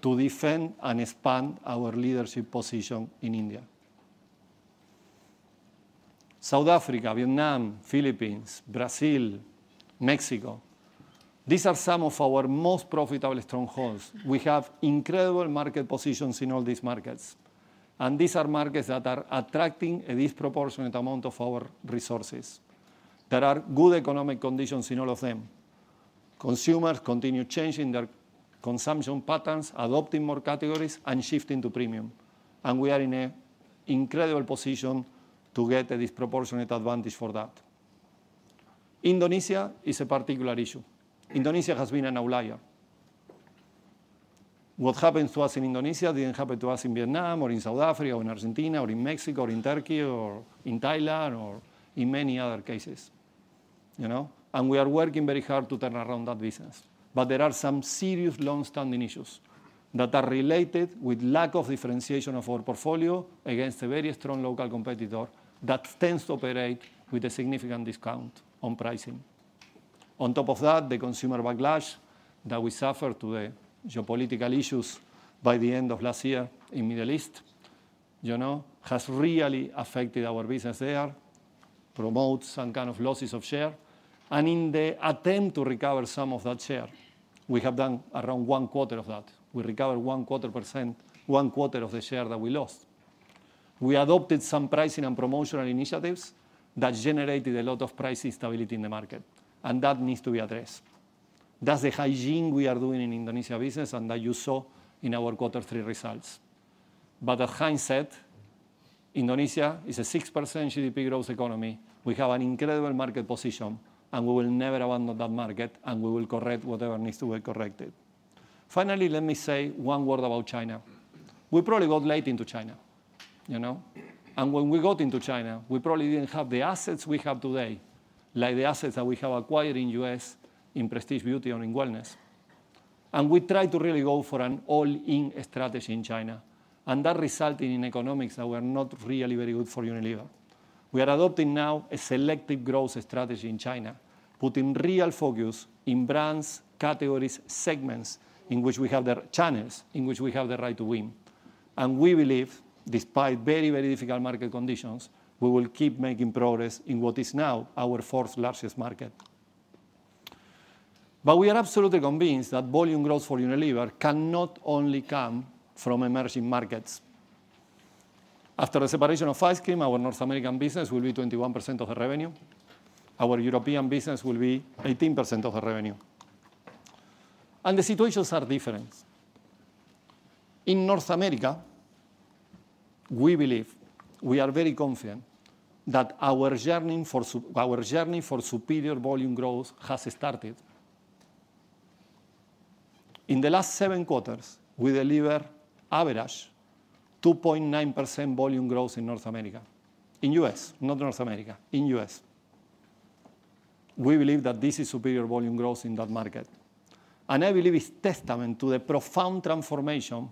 to defend and expand our leadership position in India, South Africa, Vietnam, the Philippines, Brazil, Mexico, these are some of our most profitable strongholds. We have incredible market positions in all these markets, and these are markets that are attracting a disproportionate amount of our resources. There are good economic conditions in all of them. Consumers continue changing their consumption patterns, adopting more categories, and shifting to premium, and we are in an incredible position to get a disproportionate advantage for that. Indonesia is a particular issue. Indonesia has been an outlier. What happens to us in Indonesia didn't happen to us in Vietnam or in South Africa or in Argentina or in Mexico or in Turkey or in Thailand or in many other cases, you know, and we are working very hard to turn around that business. But there are some serious long-standing issues that are related with lack of differentiation of our portfolio against a very strong local competitor that tends to operate with a significant discount on pricing. On top of that, the consumer backlash that we suffered to the geopolitical issues by the end of last year in the Middle East, you know, has really affected our business there, promotes some kind of losses of share. And in the attempt to recover some of that share, we have done around one quarter of that. We recovered one quarter percent, one quarter of the share that we lost. We adopted some pricing and promotional initiatives that generated a lot of price instability in the market. And that needs to be addressed. That's the hygiene we are doing in Indonesia business and that you saw in our quarter three results. But as Hein said, Indonesia is a 6% GDP growth economy. We have an incredible market position, and we will never abandon that market, and we will correct whatever needs to be corrected. Finally, let me say one word about China. We probably got late into China, you know. And when we got into China, we probably didn't have the assets we have today, like the assets that we have acquired in the U.S. in Prestige Beauty or in Wellness. And we tried to really go for an all-in strategy in China, and that resulted in economics that were not really very good for Unilever. We are adopting now a selective growth strategy in China, putting real focus in brands, categories, segments in which we have the channels, in which we have the right to win. We believe, despite very, very difficult market conditions, we will keep making progress in what is now our fourth largest market. We are absolutely convinced that volume growth for Unilever cannot only come from emerging markets. After the separation of Ice Cream, our North American business will be 21% of the revenue. Our European business will be 18% of the revenue. The situations are different. In North America, we believe, we are very confident that our journey for superior volume growth has started. In the last seven quarters, we delivered average 2.9% volume growth in North America, in the US, not North America, in the US. We believe that this is superior volume growth in that market. I believe it's a testament to the profound transformation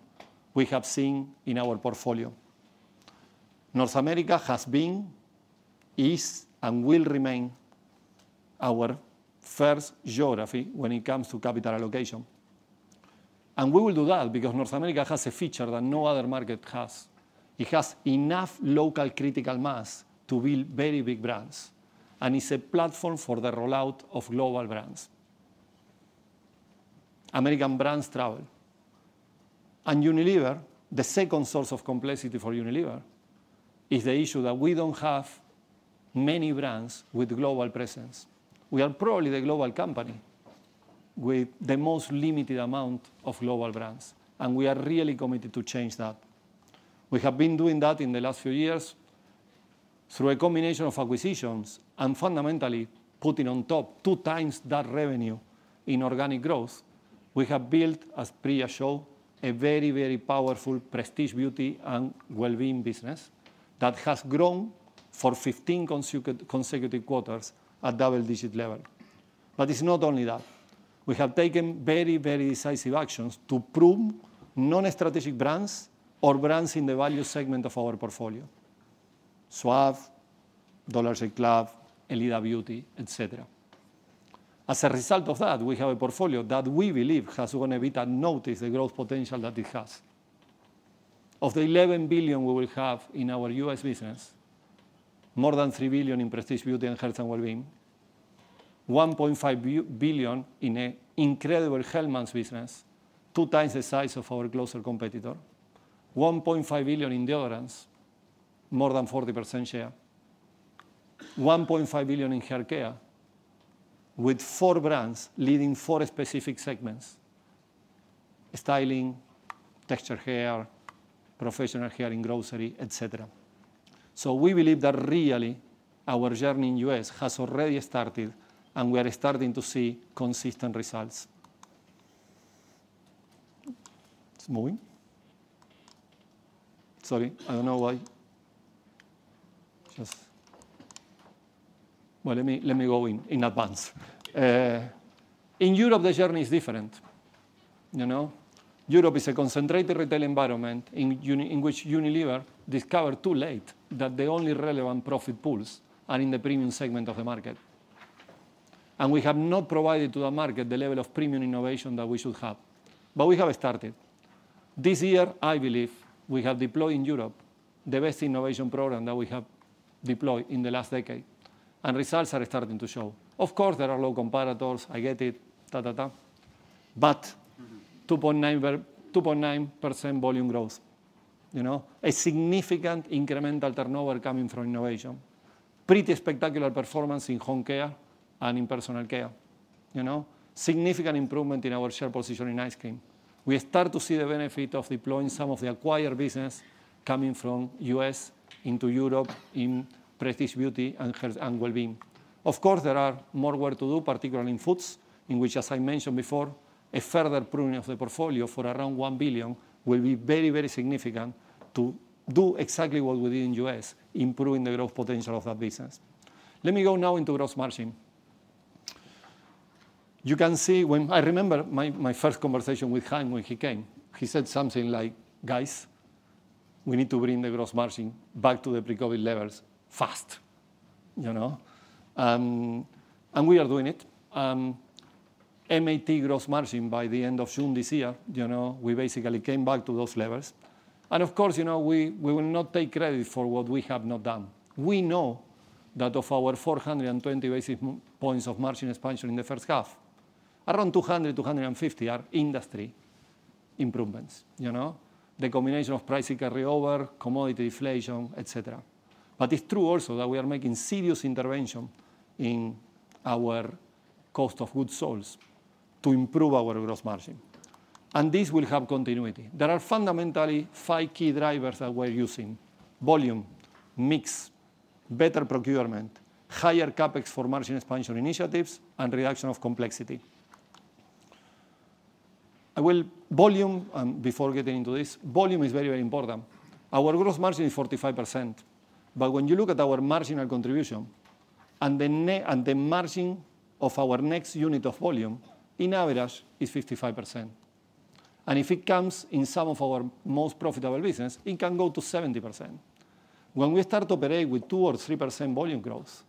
we have seen in our portfolio. North America has been, is, and will remain our first geography when it comes to capital allocation, and we will do that because North America has a feature that no other market has. It has enough local critical mass to build very big brands, and it's a platform for the rollout of global brands. American brands travel, and Unilever, the second source of complexity for Unilever, is the issue that we don't have many brands with global presence. We are probably the global company with the most limited amount of global brands, and we are really committed to change that. We have been doing that in the last few years through a combination of acquisitions and fundamentally putting on top two times that revenue in organic growth. We have built, as Priya showed, a very, very powerful Prestige Beauty and Wellbeing business that has grown for 15 consecutive quarters at double-digit level. But it's not only that. We have taken very, very decisive actions to prune non-strategic brands or brands in the value segment of our portfolio: Suave, Dollar Shave Club, Elida Beauty, etc. As a result of that, we have a portfolio that we believe has gone a bit unnoticed the growth potential that it has. Of the 11 billion we will have in our US business, more than 3 billion in Prestige Beauty and Health & Wellbeing, 1.5 billion in an incredible Hellmann's business, two times the size of our closest competitor, 1.5 billion in deodorants, more than 40% share, 1.5 billion in haircare, with four brands leading four specific segments: styling, textured hair, professional hair and grocery, etc. So we believe that really our journey in the U.S. has already started, and we are starting to see consistent results. It's moving. In Europe, the journey is different, you know. Europe is a concentrated retail environment in which Unilever discovered too late that the only relevant profit pools are in the premium segment of the market. And we have not provided to the market the level of premium innovation that we should have. But we have started. This year, I believe, we have deployed in Europe the best innovation program that we have deployed in the last decade. And results are starting to show. Of course, there are low competitors. I get it. But 2.9% volume growth, you know, a significant incremental turnover coming from innovation. Pretty spectacular performance in Home Care and in personal care, you know. Significant improvement in our share position in Ice Cream. We start to see the benefit of deploying some of the acquired business coming from the U.S. into Europe in Prestige Beauty & Wellbeing. Of course, there are more work to do, particularly in foods, in which, as I mentioned before, a further pruning of the portfolio for around 1 billion will be very, very significant to do exactly what we did in the U.S., improving the growth potential of that business. Let me go now into gross margin. You can see when I remember my first conversation with Hein when he came, he said something like, "Guys, we need to bring the gross margin back to the pre-COVID levels fast," you know. And we are doing it. MAT gross margin by the end of June this year, you know, we basically came back to those levels. And of course, you know, we will not take credit for what we have not done. We know that of our 420 basis points of margin expansion in the first half, around 200, 250 are industry improvements, you know, the combination of pricing carryover, commodity inflation, etc. But it's true also that we are making serious intervention in our cost of goods sold to improve our gross margin. And this will have continuity. There are fundamentally five key drivers that we're using: volume, mix, better procurement, higher CapEx for margin expansion initiatives, and reduction of complexity. Volume, and before getting into this, volume is very, very important. Our gross margin is 45%. But when you look at our marginal contribution and the margin of our next unit of volume, in average, it's 55%. And if it comes in some of our most profitable business, it can go to 70%. When we start to operate with 2% or 3% volume growth,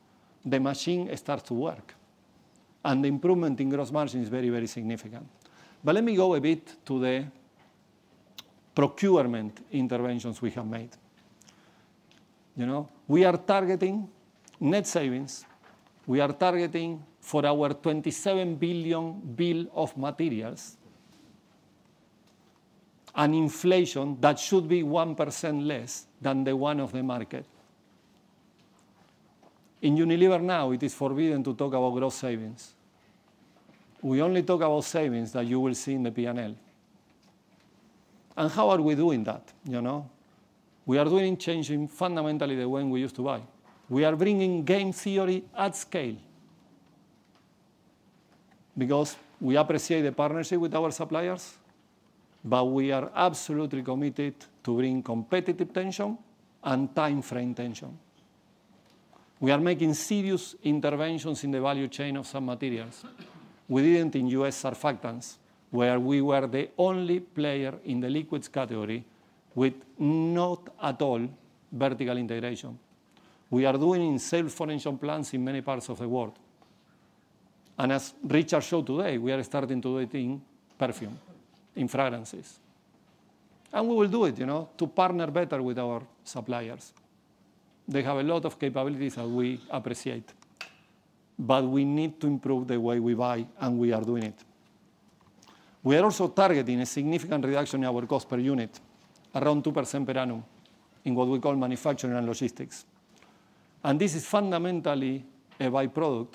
the machine starts to work. And the improvement in gross margin is very, very significant. But let me go a bit to the procurement interventions we have made. You know, we are targeting net savings. We are targeting for our 27 billion bill of materials an inflation that should be 1% less than the one of the market. In Unilever now, it is forbidden to talk about gross savings. We only talk about savings that you will see in the P&L. And how are we doing that, you know? We are doing changing fundamentally the way we used to buy. We are bringing game theory at scale because we appreciate the partnership with our suppliers, but we are absolutely committed to bring competitive tension and time frame tension. We are making serious interventions in the value chain of some materials. We didn't in U.S. surfactants, where we were the only player in the liquids category with not at all vertical integration. We are doing in sales financial plans in many parts of the world, and as Richard showed today, we are starting to do it in perfume, in fragrances, and we will do it, you know, to partner better with our suppliers. They have a lot of capabilities that we appreciate. But we need to improve the way we buy, and we are doing it. We are also targeting a significant reduction in our cost per unit, around 2% per annum in what we call manufacturing and logistics. And this is fundamentally a byproduct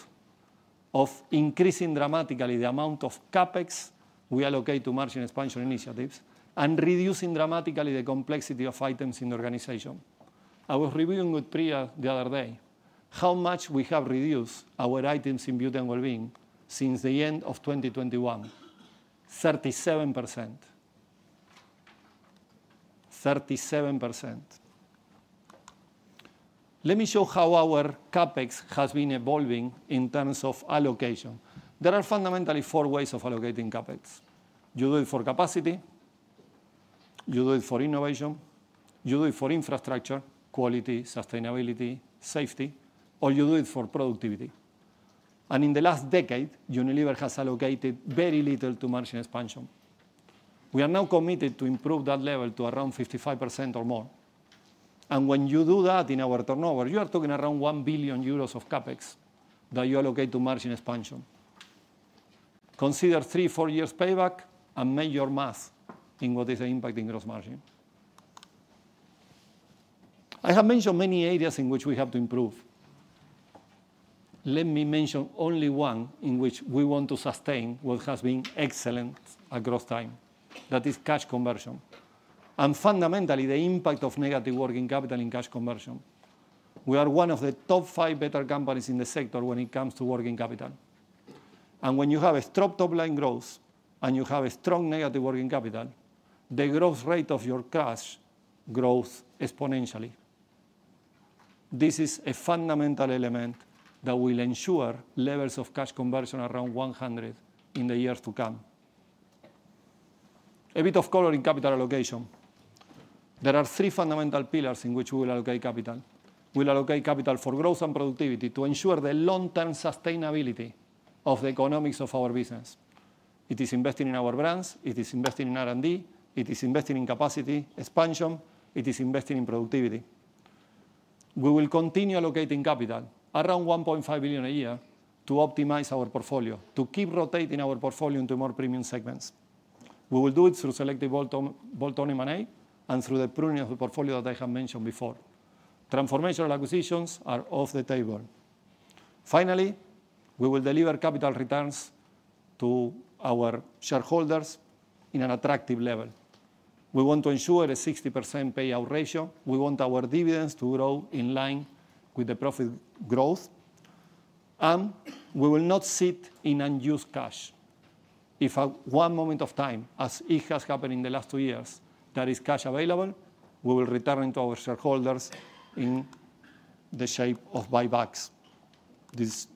of increasing dramatically the amount of CapEx we allocate to margin expansion initiatives and reducing dramatically the complexity of items in the organization. I was reviewing with Priya the other day how much we have reduced our items in beauty and wellbeing since the end of 2021. 37%. 37%. Let me show how our CapEx has been evolving in terms of allocation. There are fundamentally four ways of allocating CapEx. You do it for capacity, you do it for innovation, you do it for infrastructure, quality, sustainability, safety, or you do it for productivity. And in the last decade, Unilever has allocated very little to margin expansion. We are now committed to improve that level to around 55% or more. And when you do that in our turnover, you are talking around 1 billion euros of CapEx that you allocate to margin expansion. Consider three- or four-year payback and major mass. What is the impact in gross margin. I have mentioned many areas in which we have to improve. Let me mention only one in which we want to sustain what has been excellent across time. That is cash conversion, and fundamentally, the impact of negative working capital in cash conversion. We are one of the top five better companies in the sector when it comes to working capital, and when you have a strong topline growth and you have a strong negative working capital, the growth rate of your cash grows exponentially. This is a fundamental element that will ensure levels of cash conversion around 100 in the years to come. A bit of color in capital allocation. There are three fundamental pillars in which we will allocate capital. We'll allocate capital for growth and productivity to ensure the long-term sustainability of the economics of our business. It is investing in our brands. It is investing in R&D. It is investing in capacity expansion. It is investing in productivity. We will continue allocating capital around 1.5 billion a year to optimize our portfolio, to keep rotating our portfolio into more premium segments. We will do it through selective bolt-on and bolt-on M&A and through the pruning of the portfolio that I have mentioned before. Transformational acquisitions are off the table. Finally, we will deliver capital returns to our shareholders in an attractive level. We want to ensure a 60% payout ratio. We want our dividends to grow in line with the profit growth. And we will not sit in unused cash. If at one moment of time, as it has happened in the last two years, there is cash available, we will return it to our shareholders in the shape of buybacks. This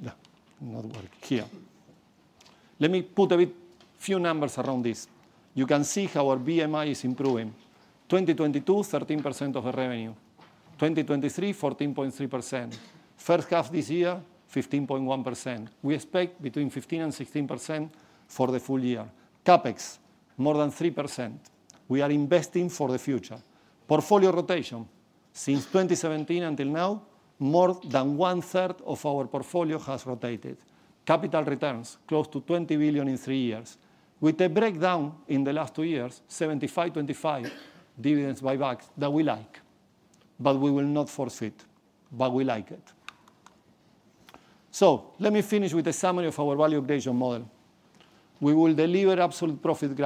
is not working here. Let me put a few numbers around this. You can see how our BMI is improving. 2022, 13% of the revenue. 2023, 14.3%. First half this year, 15.1%. We expect between 15%-16% for the full year. CapEx, more than 3%. We are investing for the future. Portfolio rotation. Since 2017 until now, more than one-third of our portfolio has rotated. Capital returns, close to 20 billion in three years. With a breakdown in the last two years, 75-25 dividends buybacks that we like. But we will not force it. But we like it. So let me finish with a summary of our value creation model. We will deliver absolute profit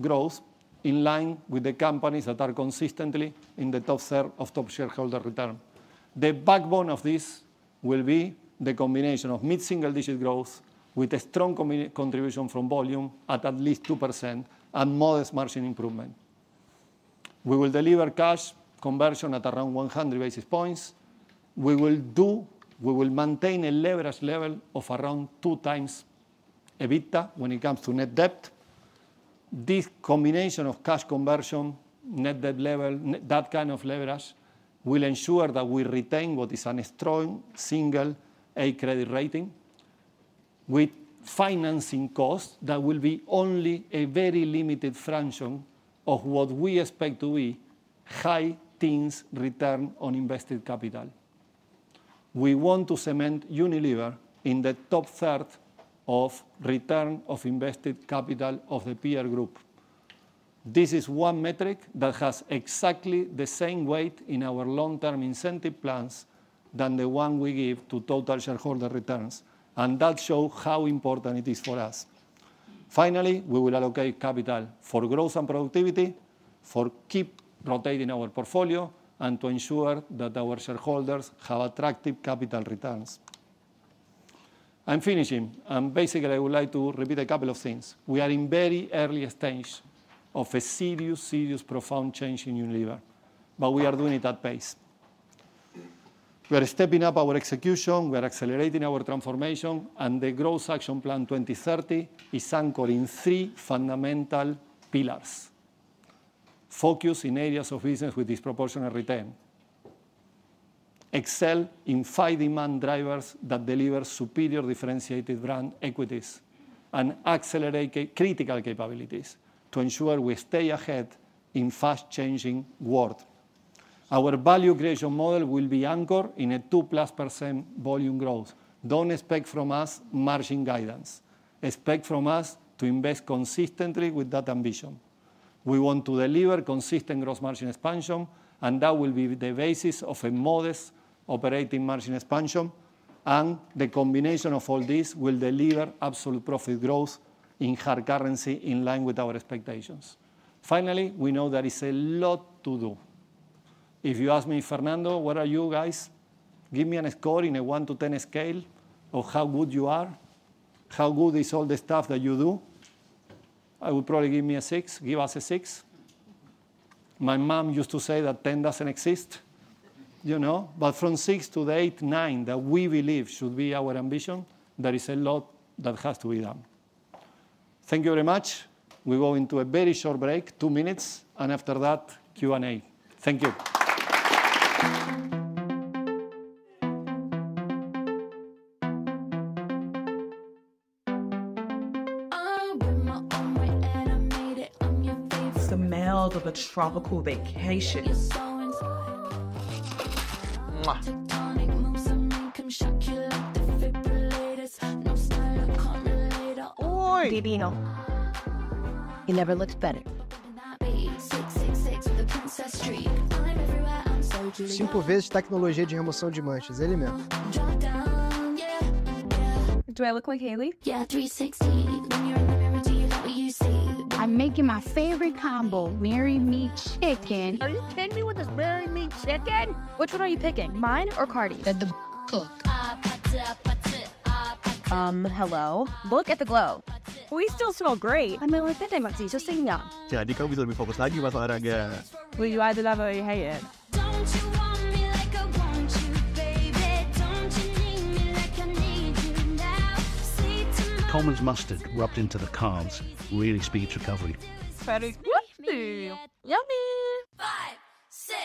growth in line with the companies that are consistently in the top third of top shareholder return. The backbone of this will be the combination of mid-single digit growth with a strong contribution from volume at least 2% and modest margin improvement. We will deliver cash conversion at around 100 basis points. We will maintain a leverage level of around two times EBITDA when it comes to net debt. This combination of cash conversion, net debt level, that kind of leverage will ensure that we retain what is a strong single A credit rating with financing costs that will be only a very limited fraction of what we expect to be high teens return on invested capital. We want to cement Unilever in the top third of return on invested capital of the peer group. This is one metric that has exactly the same weight in our long-term incentive plans as the one we give to total shareholder returns. And that shows how important it is for us. Finally, we will allocate capital for growth and productivity to keep rotating our portfolio and to ensure that our shareholders have attractive capital returns. I'm finishing. And basically, I would like to repeat a couple of things. We are in very early stage of a serious, serious profound change in Unilever. But we are doing it at pace. We are stepping up our execution. We are accelerating our transformation. And the Growth Action Plan 2030 is anchored in three fundamental pillars: focus in areas of business with disproportionate return; excel in five demand drivers that deliver superior differentiated brand equities; and accelerate critical capabilities to ensure we stay ahead in fast-changing world. Our value creation model will be anchored in a 2% plus volume growth. Don't expect from us margin guidance. Expect from us to invest consistently with that ambition. We want to deliver consistent gross margin expansion. And that will be the basis of a modest operating margin expansion. And the combination of all these will deliver absolute profit growth in hard currency in line with our expectations. Finally, we know there is a lot to do. If you ask me, Fernando, what are you guys? Give me a score in a 1 to 10 scale of how good you are. How good is all the stuff that you do? I would probably give me a six. Give us a six. My mom used to say that 10 doesn't exist, you know. But from six to the eight, nine that we believe should be our ambition, there is a lot that has to be done. Thank you very much. We go into a very short break, two minutes. And after that, Q&A. Thank you. I'm with my own way and I made it. I'm your favorite. The males of a tropical vacation. You're so inside my Tectonic moves, I'm income shock. You like the fibrillators. No style, no car ma later. Oi! Divino. It never looks better. Baby, sick, sick, sick with the Princess Street. I'm everywhere, I'm so delivered. Cinco vezes tecnologia de remoção de manchas, ele mesmo. Drop down, yeah, yeah. Do I look like Hailey? Yeah, 360. When you're in the mirror, do you know what you see? I'm making my favorite combo, Mary Mee Chicken. Are you kidding me with this Mary Mee Chicken? Which one are you picking, mine or Cardi's? That the cook. Putty, putty, putty. Hello. Look at the glow. We still smell great. A mí me duele el tétanos, y yo sino. Jadi kan bisa lebih fokus lagi masuk olahraga. Will you either love her or you hate her? Don't you want me like I want you, baby? Don't you need me like I need you now? Say tomorrow. Coleman's mustard rubbed into the calves really speeds recovery. Pero. What do you mean? Yummy. Five, six,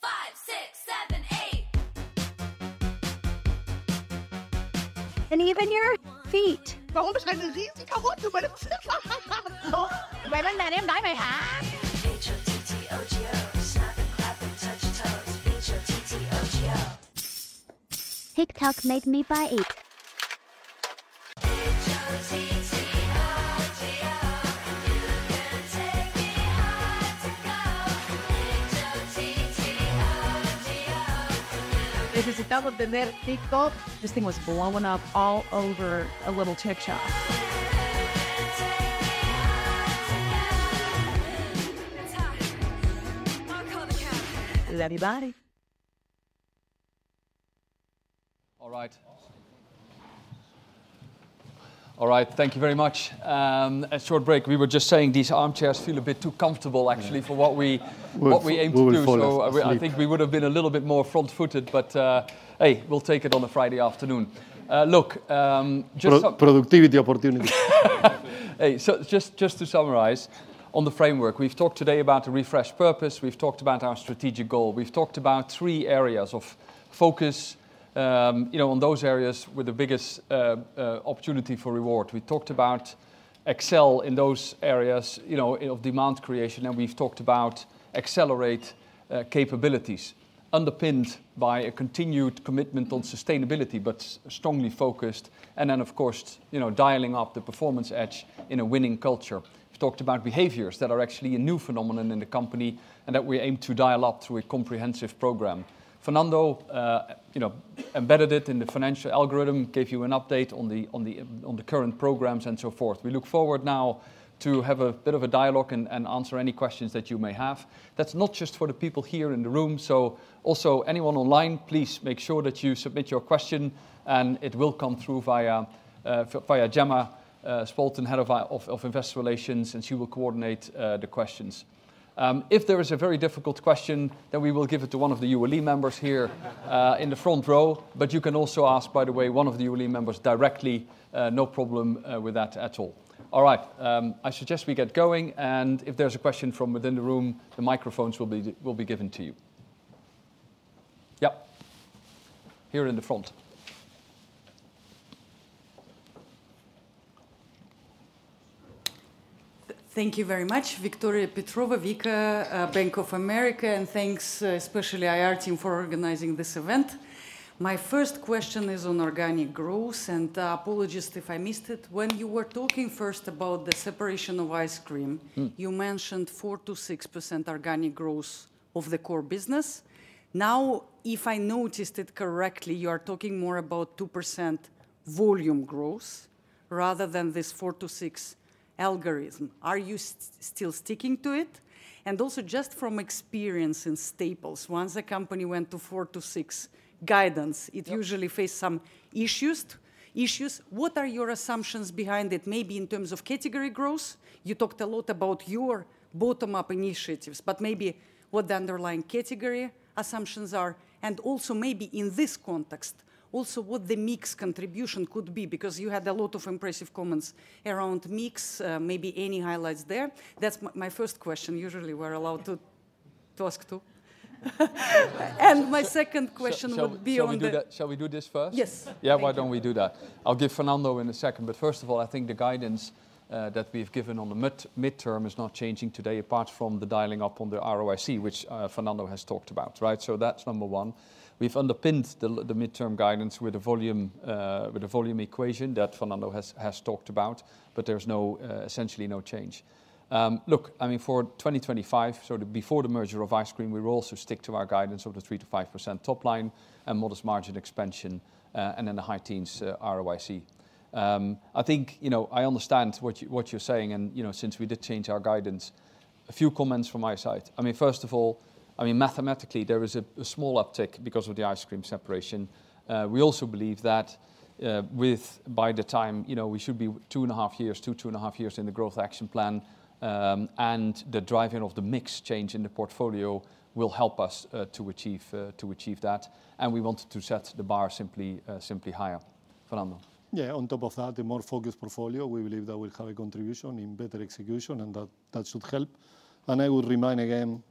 five, six, seven, eight. And even your feet. Warum ist deine Riesenkarotte bei dem Zimmer? Vậy là nhà em đãi mày hả? H-O-T-T-O-G-O. Snap and clap and touch your toes. H-O-T-T-O-G-O. TikTok made me buy it. H-O-T-T-O-G-O. You can take me high to go. H-O-T-T-O-G-O. Necesitamos tener TikTok. This thing was blowing up all over a little chick shop. You can take me high to go. I'll call the cab. La vi bailar. All right. All right, thank you very much. A short break. We were just saying these armchairs feel a bit too comfortable, actually, for what we aim to do. So I think we would have been a little bit more front-footed. But hey, we'll take it on a Friday afternoon. Look, just. Productivity opportunity. Hey, so just to summarize on the framework, we've talked today about a refreshed purpose. We've talked about our strategic goal. We've talked about three areas of focus, you know, on those areas with the biggest opportunity for reward. We talked about excel in those areas, you know, of demand creation. And we've talked about accelerate capabilities underpinned by a continued commitment on sustainability, but strongly focused. And then, of course, you know, dialing up the performance edge in a winning culture. We've talked about behaviors that are actually a new phenomenon in the company and that we aim to dial up through a comprehensive program. Fernando, you know, embedded it in the financial algorithm, gave you an update on the current programs and so forth. We look forward now to have a bit of a dialogue and answer any questions that you may have. That's not just for the people here in the room. So also anyone online, please make sure that you submit your question and it will come through via Gemma Spalton, head of investor relations, and she will coordinate the questions. If there is a very difficult question, then we will give it to one of the ULE members here in the front row. But you can also ask, by the way, one of the ULE members directly. No problem with that at all. All right, I suggest we get going. If there's a question from within the room, the microphones will be given to you. Yep. Here in the front. Thank you very much, Victoria Petrova, Bank of America, and thanks especially to the IR team for organizing this event. My first question is on organic growth. Apologies if I missed it. When you were talking first about the separation of Ice Cream, you mentioned 4%-6% organic growth of the core business. Now, if I noticed it correctly, you are talking more about 2% volume growth rather than this 4 to 6 algorithm. Are you still sticking to it? Also, just from experience in Staples, once a company went to 4 to 6 guidance, it usually faced some issues. What are your assumptions behind it? Maybe in terms of category growth, you talked a lot about your bottom-up initiatives, but maybe what the underlying category assumptions are. And also maybe in this context, also what the mix contribution could be, because you had a lot of impressive comments around mix. Maybe any highlights there? That's my first question. Usually, we're allowed to ask two. And my second question would be on the. Shall we do this first? Yes. Yeah, why don't we do that? I'll give Fernando in a second. But first of all, I think the guidance that we've given on the midterm is not changing today, apart from the dialing up on the ROIC, which Fernando has talked about. Right? So that's number one. We've underpinned the midterm guidance with a volume equation that Fernando has talked about, but there's essentially no change. Look, I mean, for 2025, so before the separation of Ice Cream, we will also stick to our guidance of the 3%-5% top line and modest margin expansion and then the high-teens ROIC. I think, you know, I understand what you're saying. And, you know, since we did change our guidance, a few comments from my side. I mean, first of all, I mean, mathematically, there is a small uptick because of the Ice Cream separation. We also believe that by the time, you know, we should be two and a half years, two, two and a half years in the Growth Action Plan, and the driving of the mix change in the portfolio will help us to achieve that. And we wanted to set the bar simply higher. Fernando. Yeah, on top of that, a more focused portfolio, we believe that will have a contribution in better execution, and that should help, and I would remind again,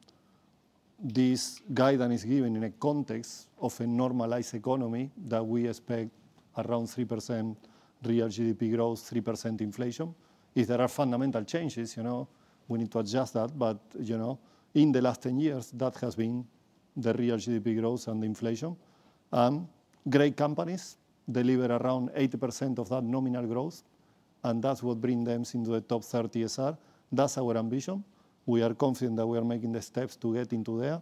this guidance is given in a context of a normalized economy that we expect around 3% real GDP growth, 3% inflation. If there are fundamental changes, you know, we need to adjust that. But you know, in the last 10 years, that has been the real GDP growth and the inflation. Great companies deliver around 80% of that nominal growth, and that's what brings them into the top 30 TSR. That's our ambition. We are confident that we are making the steps to get into there.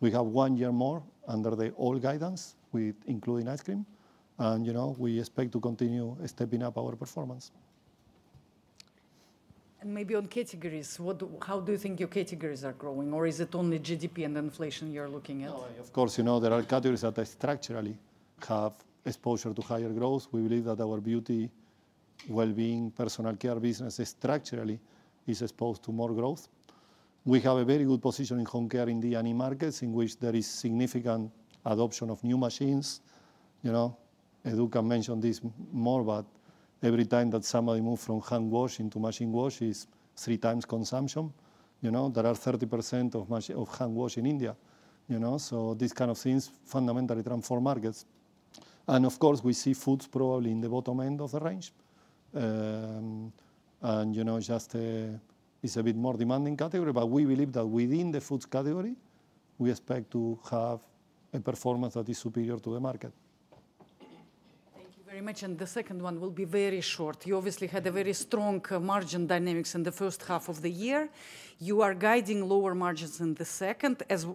We have one year more under the old guidance, including Ice Cream, and you know, we expect to continue stepping up our performance, and Maybe on categories, how do you think your categories are growing? Or is it only GDP and inflation you're looking at? Of course, you know, there are categories that structurally have exposure to higher growth. We believe that our beauty, well-being, personal care business structurally is exposed to more growth. We have a very good position in Home Care in the emerging markets in which there is significant adoption of new machines. You know, Edu can mention this more, but every time that somebody moves from hand wash into machine wash is three times consumption. You know, there are 30% of hand wash in India. You know, so these kind of things fundamentally transform markets, and of course, we see foods probably in the bottom end of the range. You know, just it's a bit more demanding category, but we believe that within the foods category, we expect to have a performance that is superior to the market. Thank you very much. And the second one will be very short. You obviously had a very strong margin dynamics in the first half of the year. You are guiding lower margins in the second, as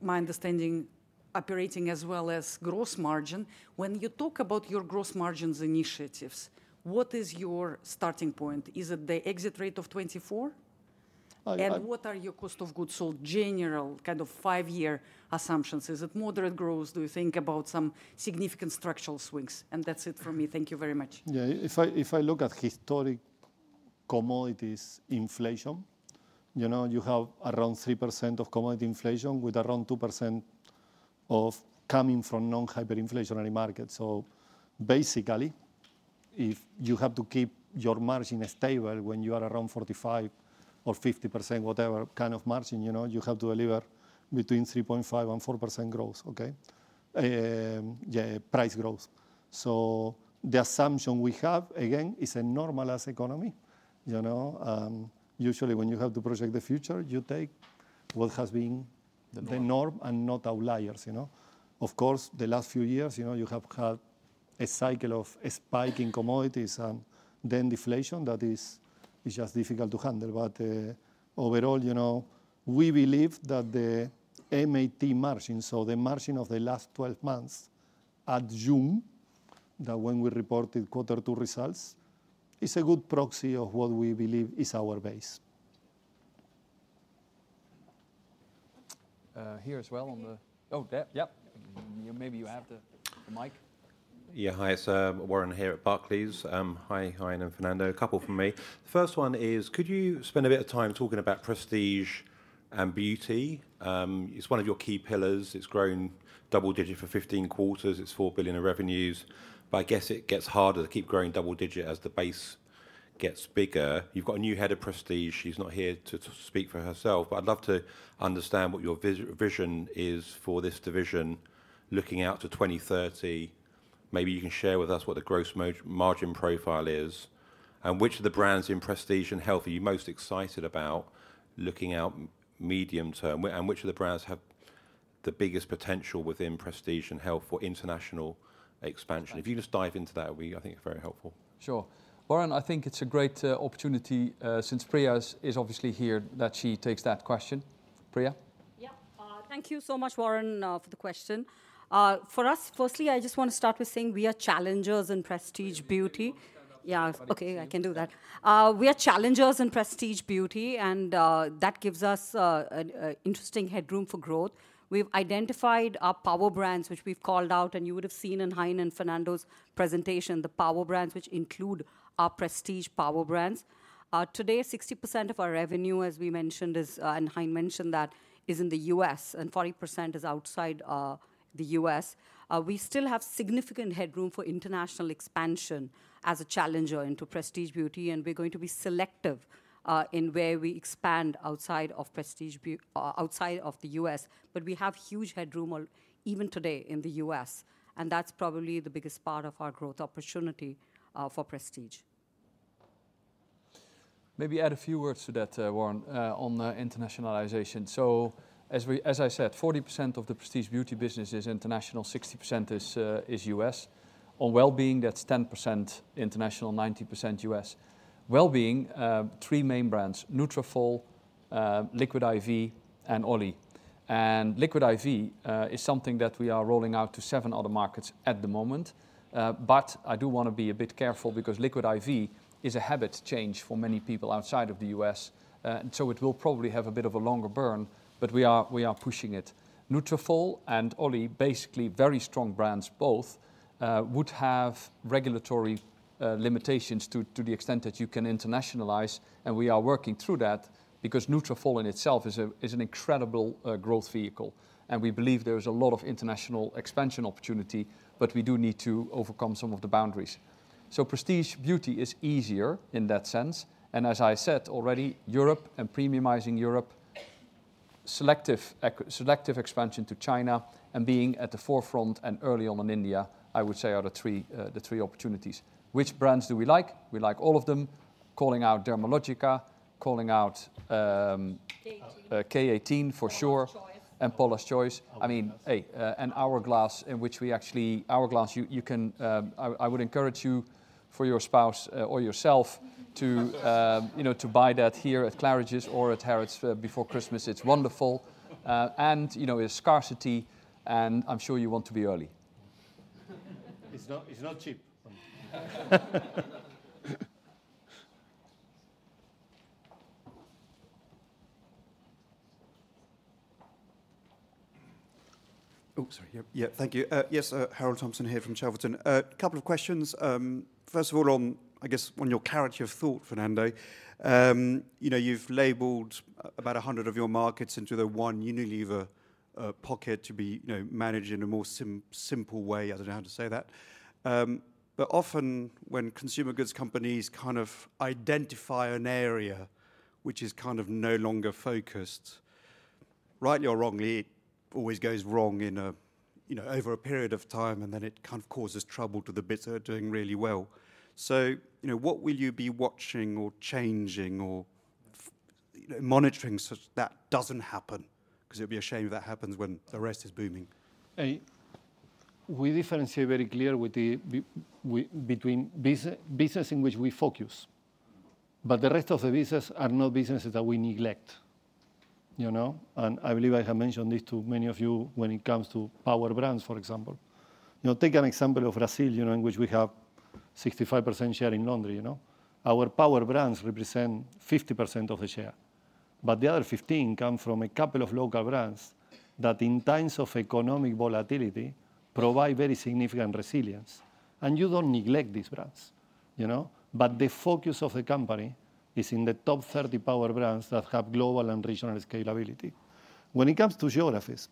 my understanding, operating as well as gross margin. When you talk about your gross margins initiatives, what is your starting point? Is it the exit rate of 24? And what are your cost of goods sold, general kind of five-year assumptions? Is it moderate growth? Do you think about some significant structural swings? And that's it for me. Thank you very much. Yeah, if I look at historic commodities inflation, you know, you have around 3% of commodity inflation with around 2% coming from non-hyperinflationary markets. So basically, if you have to keep your margin stable when you are around 45% or 50%, whatever kind of margin, you know, you have to deliver between 3.5%-4% growth, okay? Yeah, price growth. So the assumption we have, again, is a normalized economy. You know, usually when you have to project the future, you take what has been the norm and not outliers. You know, of course, the last few years, you know, you have had a cycle of spiking commodities and then deflation that is just difficult to handle. But overall, you know, we believe that the MAT margin, so the margin of the last 12 months at June, that when we reported quarter two results, is a good proxy of what we believe is our base. Here as well on the, oh, yep, maybe you have the mic. Yeah, hi, it's Warren here at Barclays. Hi, Hein and Fernando, a couple from me. The first one is, could you spend a bit of time talking about Prestige and Beauty? It's one of your key pillars. It's grown double digit for 15 quarters. It's 4 billion of revenues. But I guess it gets harder to keep growing double digit as the base gets bigger. You've got a new head of Prestige. She's not here to speak for herself, but I'd love to understand what your vision is for this division looking out to 2030. Maybe you can share with us what the gross margin profile is and which of the brands in Prestige and Wellbeing are you most excited about looking out medium term and which of the brands have the biggest potential within Prestige and Wellbeing for international expansion. If you just dive into that, it would be, I think, very helpful. Sure. Warren, I think it's a great opportunity since Priya is obviously here that she takes that question. Priya? Yep. Thank you so much, Warren, for the question. For us, firstly, I just want to start with saying we are challengers in Prestige Beauty. Yeah, okay, I can do that. We are challengers in Prestige Beauty, and that gives us an interesting headroom for growth. We've identified our power brands, which we've called out, and you would have seen in Hein and Fernando's presentation, the power brands which include our Prestige power brands. Today, 60% of our revenue, as we mentioned, and Hein mentioned that, is in the US, and 40% is outside the US. We still have significant headroom for international expansion as a challenger into Prestige Beauty, and we're going to be selective in where we expand outside of Prestige, outside of the US. But we have huge headroom even today in the U.S., and that's probably the biggest part of our growth opportunity for Prestige. Maybe add a few words to that, Warren, on internationalization. So as I said, 40% of the Prestige Beauty business is international, 60% is U.S. On well-being, that's 10% international, 90% U.S. Well-being, three main brands: Nutrafol, Liquid I.V., and OLI. And Liquid I.V. is something that we are rolling out to seven other markets at the moment. But I do want to be a bit careful because Liquid I.V. is a habit change for many people outside of the U.S., and so it will probably have a bit of a longer burn, but we are pushing it. Nutrafol and OLLY, basically very strong brands both, would have regulatory limitations to the extent that you can internationalize, and we are working through that because Nutrafol in itself is an incredible growth vehicle. We believe there is a lot of international expansion opportunity, but we do need to overcome some of the boundaries. Prestige Beauty is easier in that sense. As I said already, Europe and premiumizing Europe, selective expansion to China, and being at the forefront and early on in India, I would say are the three opportunities. Which brands do we like? We like all of them. Calling out Dermalogica, calling out K18 for sure, and Paula's Choice. I mean, hey, and Hourglass, in which we actually, Hourglass, you can, I would encourage you for your spouse or yourself to, you know, to buy that here at Claridge's or at Harrods before Christmas. It's wonderful, and, you know, it's scarcity, and I'm sure you want to be early. It's not cheap. Oh, sorry. Yeah, thank you. Yes, Harold Thompson here from Chelverton. A couple of questions. First of all, I guess on your GAP you've thought, Fernando. You know, you've labeled about 100 of your markets into the One Unilever pocket to be managed in a more simple way. I don't know how to say that. But often when consumer goods companies kind of identify an area which is kind of no longer focused, rightly or wrongly, it always goes wrong in a, you know, over a period of time, and then it kind of causes trouble to the bits that are doing really well. So, you know, what will you be watching or changing or monitoring so that doesn't happen? Because it would be a shame if that happens when the rest is booming. We differentiate very clearly between business in which we focus, but the rest of the business are not businesses that we neglect. You know, and I believe I have mentioned this to many of you when it comes to power brands, for example. You know, take an example of Brazil, you know, in which we have 65% share in laundry. You know, our power brands represent 50% of the share. But the other 15% come from a couple of local brands that, in times of economic volatility, provide very significant resilience. And you don't neglect these brands. You know, but the focus of the company is in the top 30 power brands that have global and regional scalability. When it comes to geographies,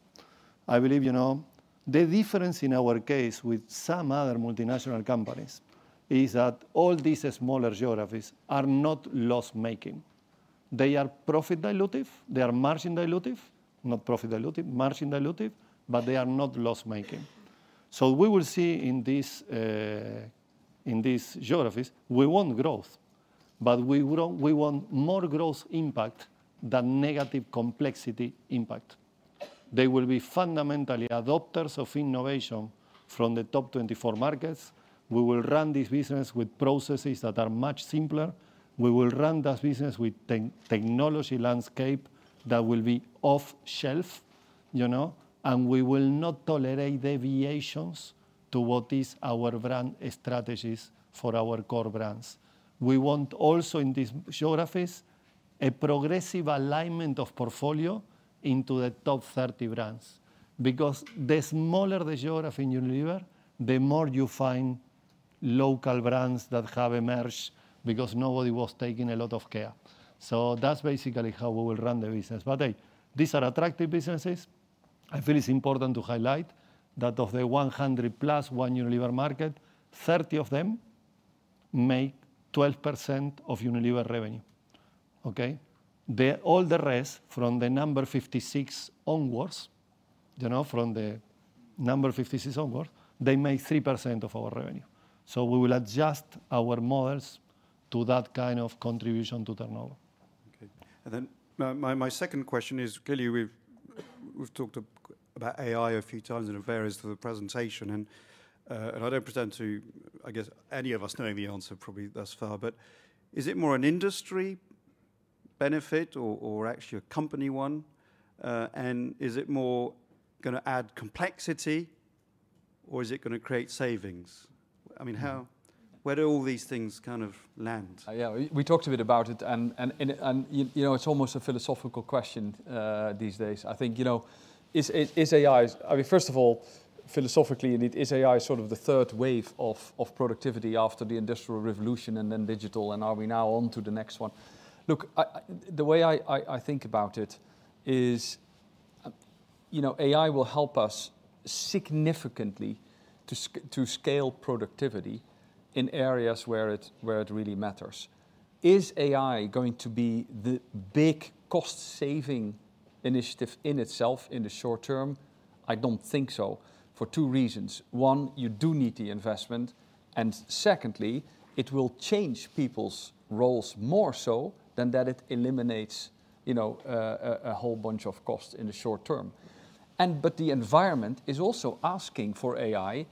I believe, you know, the difference in our case with some other multinational companies is that all these smaller geographies are not loss-making. They are profit dilutive. They are margin dilutive, not profit dilutive, margin dilutive, but they are not loss-making. So we will see in these geographies, we want growth, but we want more growth impact than negative complexity impact. They will be fundamentally adopters of innovation from the top 24 markets. We will run this business with processes that are much simpler. We will run this business with technology landscape that will be off-the-shelf, you know, and we will not tolerate deviations to what is our brand strategies for our core brands. We want also in these geographies a progressive alignment of portfolio into the top 30 brands because the smaller the geography in Unilever, the more you find local brands that have emerged because nobody was taking a lot of care. So that's basically how we will run the business. But hey, these are attractive businesses. I feel it's important to highlight that of the 100 plus One Unilever market, 30 of them make 12% of Unilever revenue. Okay? All the rest from the number 56 onwards, you know, they make 3% of our revenue. So we will adjust our models to that kind of contribution to turnover. Okay. And then my second question is, clearly we've talked about AI a few times in various of the presentation, and I don't pretend to, I guess, any of us knowing the answer probably thus far, but is it more an industry benefit or actually a company one? And is it more going to add complexity, or is it going to create savings? I mean, how, where do all these things kind of land? Yeah, we talked a bit about it, and you know, it's almost a philosophical question these days. I think, you know, is AI, I mean, first of all, philosophically, is AI sort of the third wave of productivity after the Industrial Revolution and then digital, and are we now on to the next one? Look, the way I think about it is, you know, AI will help us significantly to scale productivity in areas where it really matters. Is AI going to be the big cost-saving initiative in itself in the short term? I don't think so for two reasons. One, you do need the investment, and secondly, it will change people's roles more so than that it eliminates, you know, a whole bunch of costs in the short term. But the environment is also asking for AI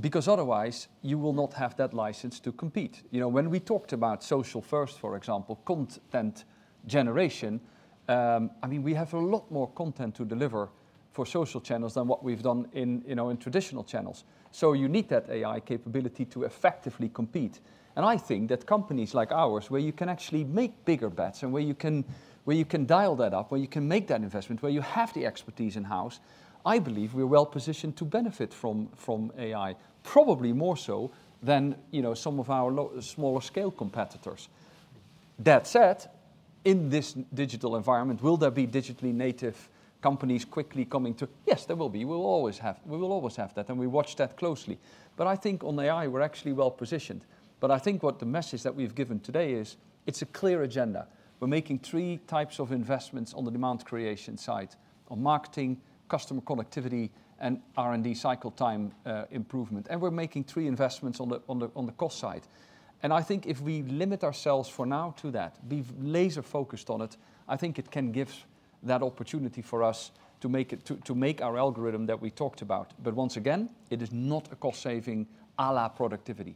because otherwise you will not have that license to compete. You know, when we talked about social first, for example, content generation, I mean, we have a lot more content to deliver for social channels than what we've done in, you know, in traditional channels. So you need that AI capability to effectively compete. I think that companies like ours, where you can actually make bigger bets and where you can dial that up, where you can make that investment, where you have the expertise in-house, I believe we're well positioned to benefit from AI, probably more so than, you know, some of our smaller scale competitors. That said, in this digital environment, will there be digitally native companies quickly coming to? Yes, there will be. We will always have that, and we watch that closely. I think on AI, we're actually well positioned. I think what the message that we've given today is it's a clear agenda. We're making three types of investments on the demand creation side: on marketing, customer connectivity, and R&D cycle time improvement. We're making three investments on the cost side. And I think if we limit ourselves for now to that, be laser-focused on it, I think it can give that opportunity for us to make it, to make our algorithm that we talked about. But once again, it is not a cost-saving à la productivity.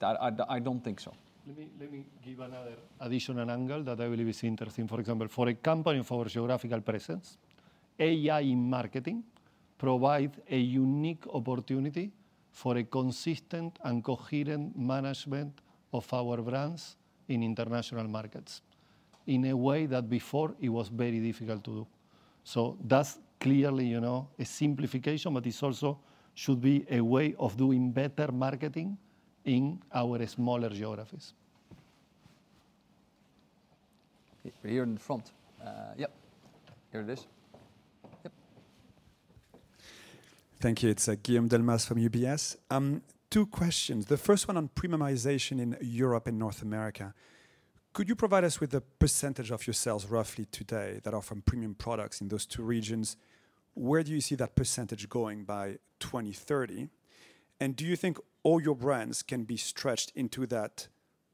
I don't think so. Let me give another additional angle that I believe is interesting. For example, for a company of our geographical presence, AI in marketing provides a unique opportunity for a consistent and coherent management of our brands in international markets in a way that before it was very difficult to do. So that's clearly, you know, a simplification, but it also should be a way of doing better marketing in our smaller geographies. We're here in the front. Yep, here it is. Yep. Thank you. It's Guillaume Delmas from UBS. Two questions. The first one on premiumization in Europe and North America. Could you provide us with the percentage of your sales roughly today that are from premium products in those two regions? Where do you see that percentage going by 2030? And do you think all your brands can be stretched into that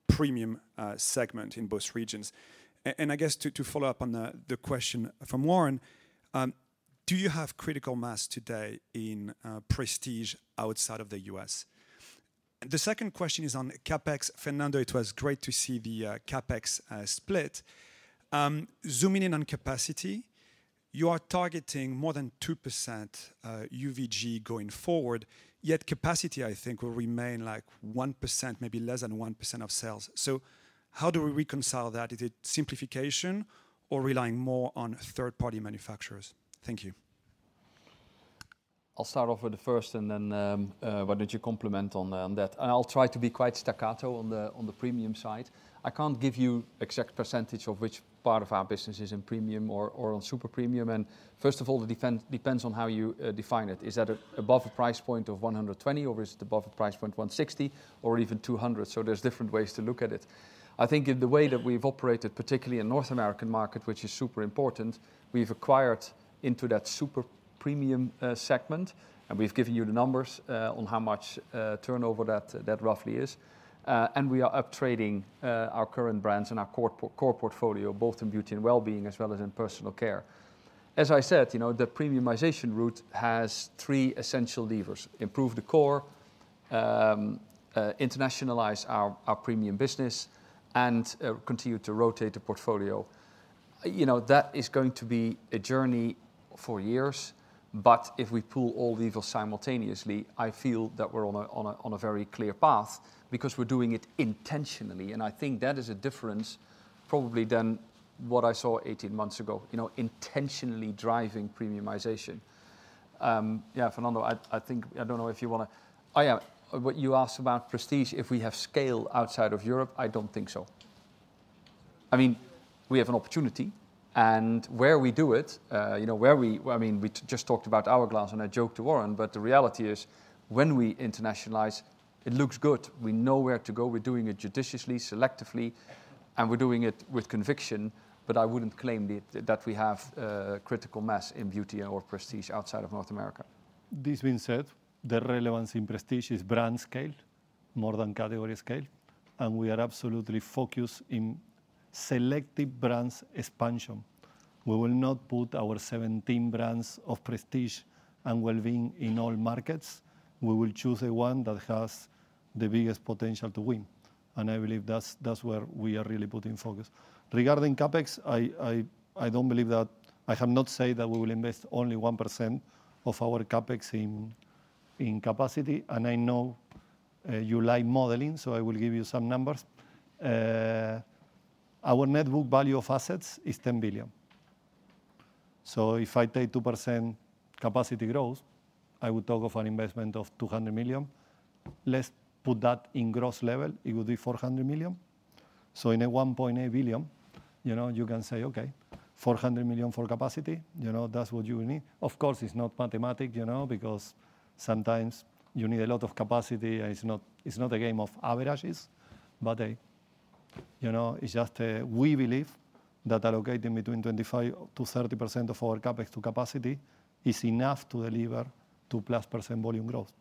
premium segment in both regions? And I guess to follow up on the question from Warren, do you have critical mass today in Prestige outside of the U.S.? And the second question is on CapEx. Fernando, it was great to see the CapEx split. Zooming in on capacity, you are targeting more than 2% UVG going forward, yet capacity, I think, will remain like 1%, maybe less than 1% of sales. So how do we reconcile that? Is it simplification or relying more on third-party manufacturers? Thank you. I'll start off with the first and then Warren to complement on that. And I'll try to be quite staccato on the premium side. I can't give you an exact percentage of which part of our business is in premium or on super premium. And first of all, it depends on how you define it. Is that above a price point of 120, or is it above a price point of 160, or even 200? So there's different ways to look at it. I think in the way that we've operated, particularly in the North American market, which is super important, we've acquired into that super premium segment, and we've given you the numbers on how much turnover that roughly is. And we are upgrading our current brands and our core portfolio, both in Beauty & Wellbeing, as well as in personal care. As I said, you know, the premiumization route has three essential levers: improve the core, internationalize our premium business, and continue to rotate the portfolio. You know, that is going to be a journey for years, but if we pull all levers simultaneously, I feel that we're on a very clear path because we're doing it intentionally. And I think that is a difference probably than what I saw 18 months ago, you know, intentionally driving premiumization. Yeah, Fernando, I think, I don't know if you want to, oh yeah, what you asked about Prestige, if we have scale outside of Europe, I don't think so. I mean, we have an opportunity, and where we do it, you know, where we, I mean, we just talked about Hourglass, and I joke to Warren, but the reality is when we internationalize, it looks good. We know where to go. We're doing it judiciously, selectively, and we're doing it with conviction, but I wouldn't claim that we have critical mass in beauty or prestige outside of North America. This being said, the relevance in Prestige is brand scale more than category scale, and we are absolutely focused in selective brands expansion. We will not put our 17 brands of Prestige and well-being in all markets. We will choose the one that has the biggest potential to win. And I believe that's where we are really putting focus. Regarding CapEx, I don't believe that I have not said that we will invest only 1% of our CapEx in capacity. And I know you like modeling, so I will give you some numbers. Our net book value of assets is 10 billion. So if I take 2% capacity growth, I would talk of an investment of 200 million. Let's put that in gross level. It would be 400 million. So in a 1.8 billion, you know, you can say, okay, 400 million for capacity, you know, that's what you need. Of course, it's not mathematical, you know, because sometimes you need a lot of capacity, and it's not a game of averages. But hey, you know, it's just we believe that allocating between 25%-30% of our CapEx to capacity is enough to deliver 2%+ volume growth.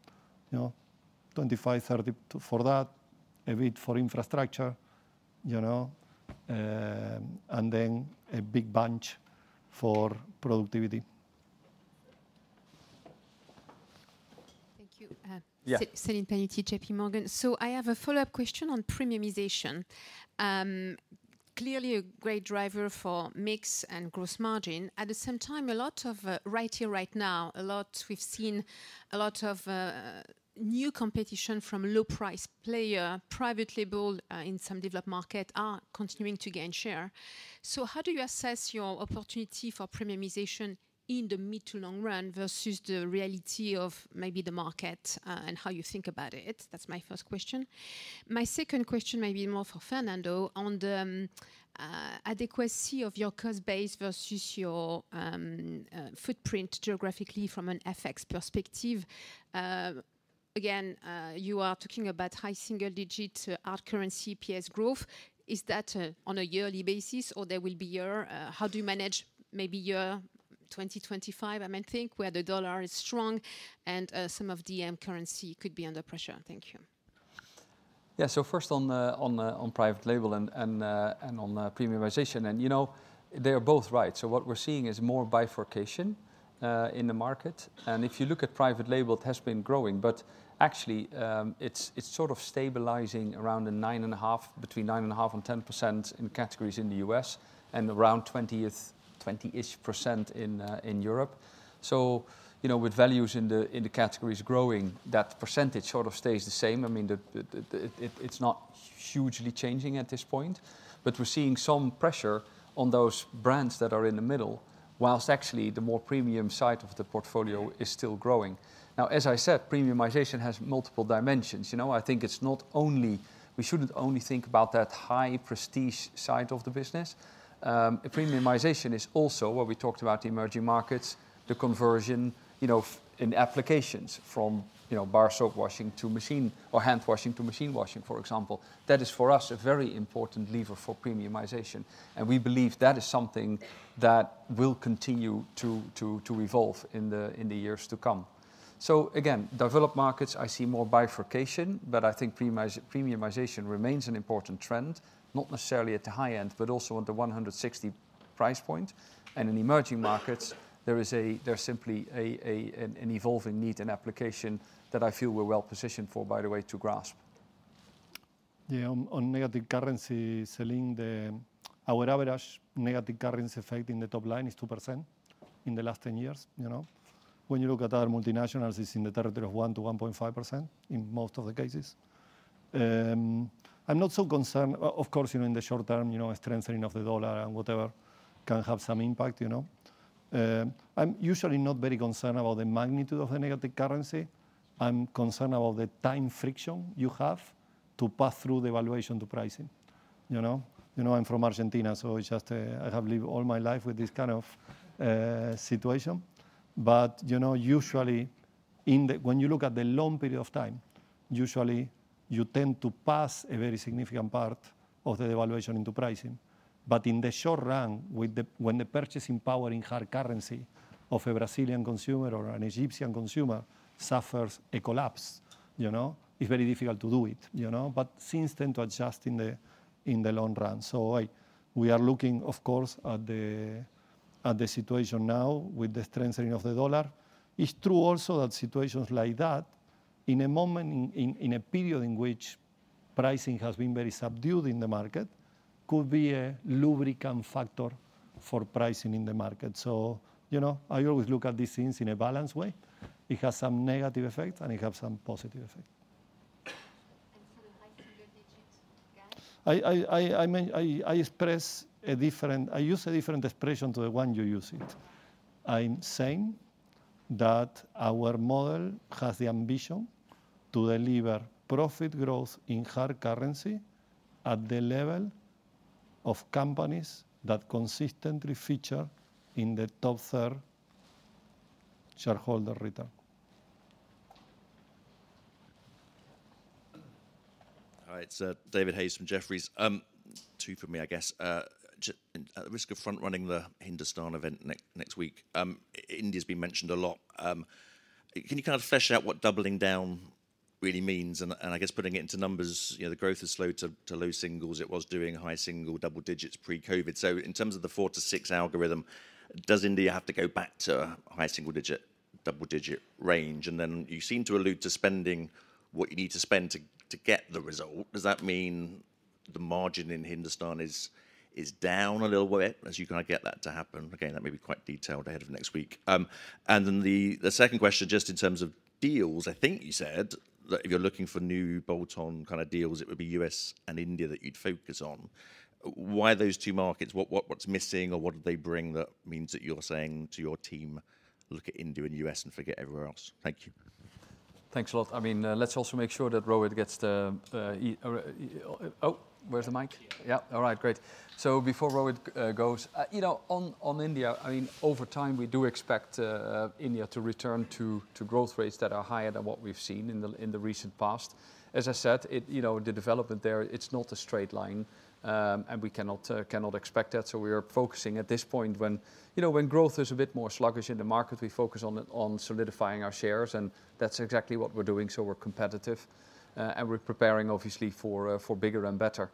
You know, 25, 30 for that, a bit for infrastructure, you know, and then a big bunch for productivity. Thank you. Yeah. Celine Pannuti, J.P. Morgan. So I have a follow-up question on premiumization. Clearly a great driver for mix and gross margin. At the same time, a lot right here right now. We've seen a lot of new competition from low-price players. Private label in some developed markets are continuing to gain share. So how do you assess your opportunity for premiumization in the mid to long run versus the reality of maybe the market and how you think about it? That's my first question. My second question may be more for Fernando on the adequacy of your cost base versus your footprint geographically from an FX perspective. Again, you are talking about high single-digit hard currency EPS growth. Is that on a yearly basis or there will be year? How do you manage maybe year 2025? I may think where the dollar is strong and some of the currency could be under pressure. Thank you. Yeah, so first on private label and on premiumization. You know, they are both right. So what we're seeing is more bifurcation in the market. And if you look at private label, it has been growing, but actually it's sort of stabilizing around the nine and a half, between nine and a half and 10% in categories in the U.S. and around 20-ish% in Europe. So, you know, with values in the categories growing, that percentage sort of stays the same. I mean, it's not hugely changing at this point, but we're seeing some pressure on those brands that are in the middle whilst actually the more premium side of the portfolio is still growing. Now, as I said, premiumization has multiple dimensions. You know, I think it's not only, we shouldn't only think about that high prestige side of the business. Premiumization is also what we talked about, the emerging markets, the conversion, you know, in applications from, you know, bar soap washing to machine or hand washing to machine washing, for example. That is for us a very important lever for premiumization. And we believe that is something that will continue to evolve in the years to come. So again, developed markets, I see more bifurcation, but I think premiumization remains an important trend, not necessarily at the high end, but also at the 160 price point. And in emerging markets, there is a, there's simply an evolving need and application that I feel we're well positioned for, by the way, to grasp. Yeah, on negative currency, Selin, our average negative currency effect in the top line is 2% in the last 10 years. You know, when you look at other multinationals, it's in the territory of 1%-1.5% in most of the cases. I'm not so concerned, of course, you know, in the short term, you know, strengthening of the dollar and whatever can have some impact, you know. I'm usually not very concerned about the magnitude of the negative currency. I'm concerned about the time friction you have to pass through the devaluation to pricing, you know. You know, I'm from Argentina, so it's just I have lived all my life with this kind of situation. But, you know, usually in the, when you look at the long period of time, usually you tend to pass a very significant part of the devaluation into pricing. But in the short run, when the purchasing power in hard currency of a Brazilian consumer or an Egyptian consumer suffers a collapse, you know, it's very difficult to do it, you know. But things tend to adjust in the long run. So we are looking, of course, at the situation now with the strengthening of the dollar. It's true also that situations like that in a moment, in a period in which pricing has been very subdued in the market, could be a lubricant factor for pricing in the market. So, you know, I always look at these things in a balanced way. It has some negative effects and it has some positive effects. And some pricing good digits, guys? I express a different, I use a different expression to the one you use it. I'm saying that our model has the ambition to deliver profit growth in hard currency at the level of companies that consistently feature in the top third shareholder return. All right, so David Hayes from Jefferies, two for me, I guess, at the risk of front-running the Hindustan event next week, India's been mentioned a lot. Can you kind of flesh out what doubling down really means? And I guess putting it into numbers, you know, the growth is slow to low singles. It was doing high single, double digits pre-COVID. So in terms of the four to six algorithm, does India have to go back to a high single digit, double digit range? And then you seem to allude to spending what you need to spend to get the result. Does that mean the margin in Hindustan is down a little bit as you kind of get that to happen? Again, that may be quite detailed ahead of next week. And then the second question, just in terms of deals, I think you said that if you're looking for new bolt-on kind of deals, it would be US and India that you'd focus on. Why those two markets? What's missing or what do they bring that means that you're saying to your team, look at India and US and forget everywhere else? Thank you. Thanks a lot. I mean, let's also make sure that Rohit gets the, oh, where's the mic? Yeah. All right, great. So before Rohit goes, you know, on India, I mean, over time we do expect India to return to growth rates that are higher than what we've seen in the recent past. As I said, you know, the development there, it's not a straight line and we cannot expect that. So we are focusing at this point when, you know, when growth is a bit more sluggish in the market, we focus on solidifying our shares and that's exactly what we're doing. So we're competitive and we're preparing obviously for bigger and better.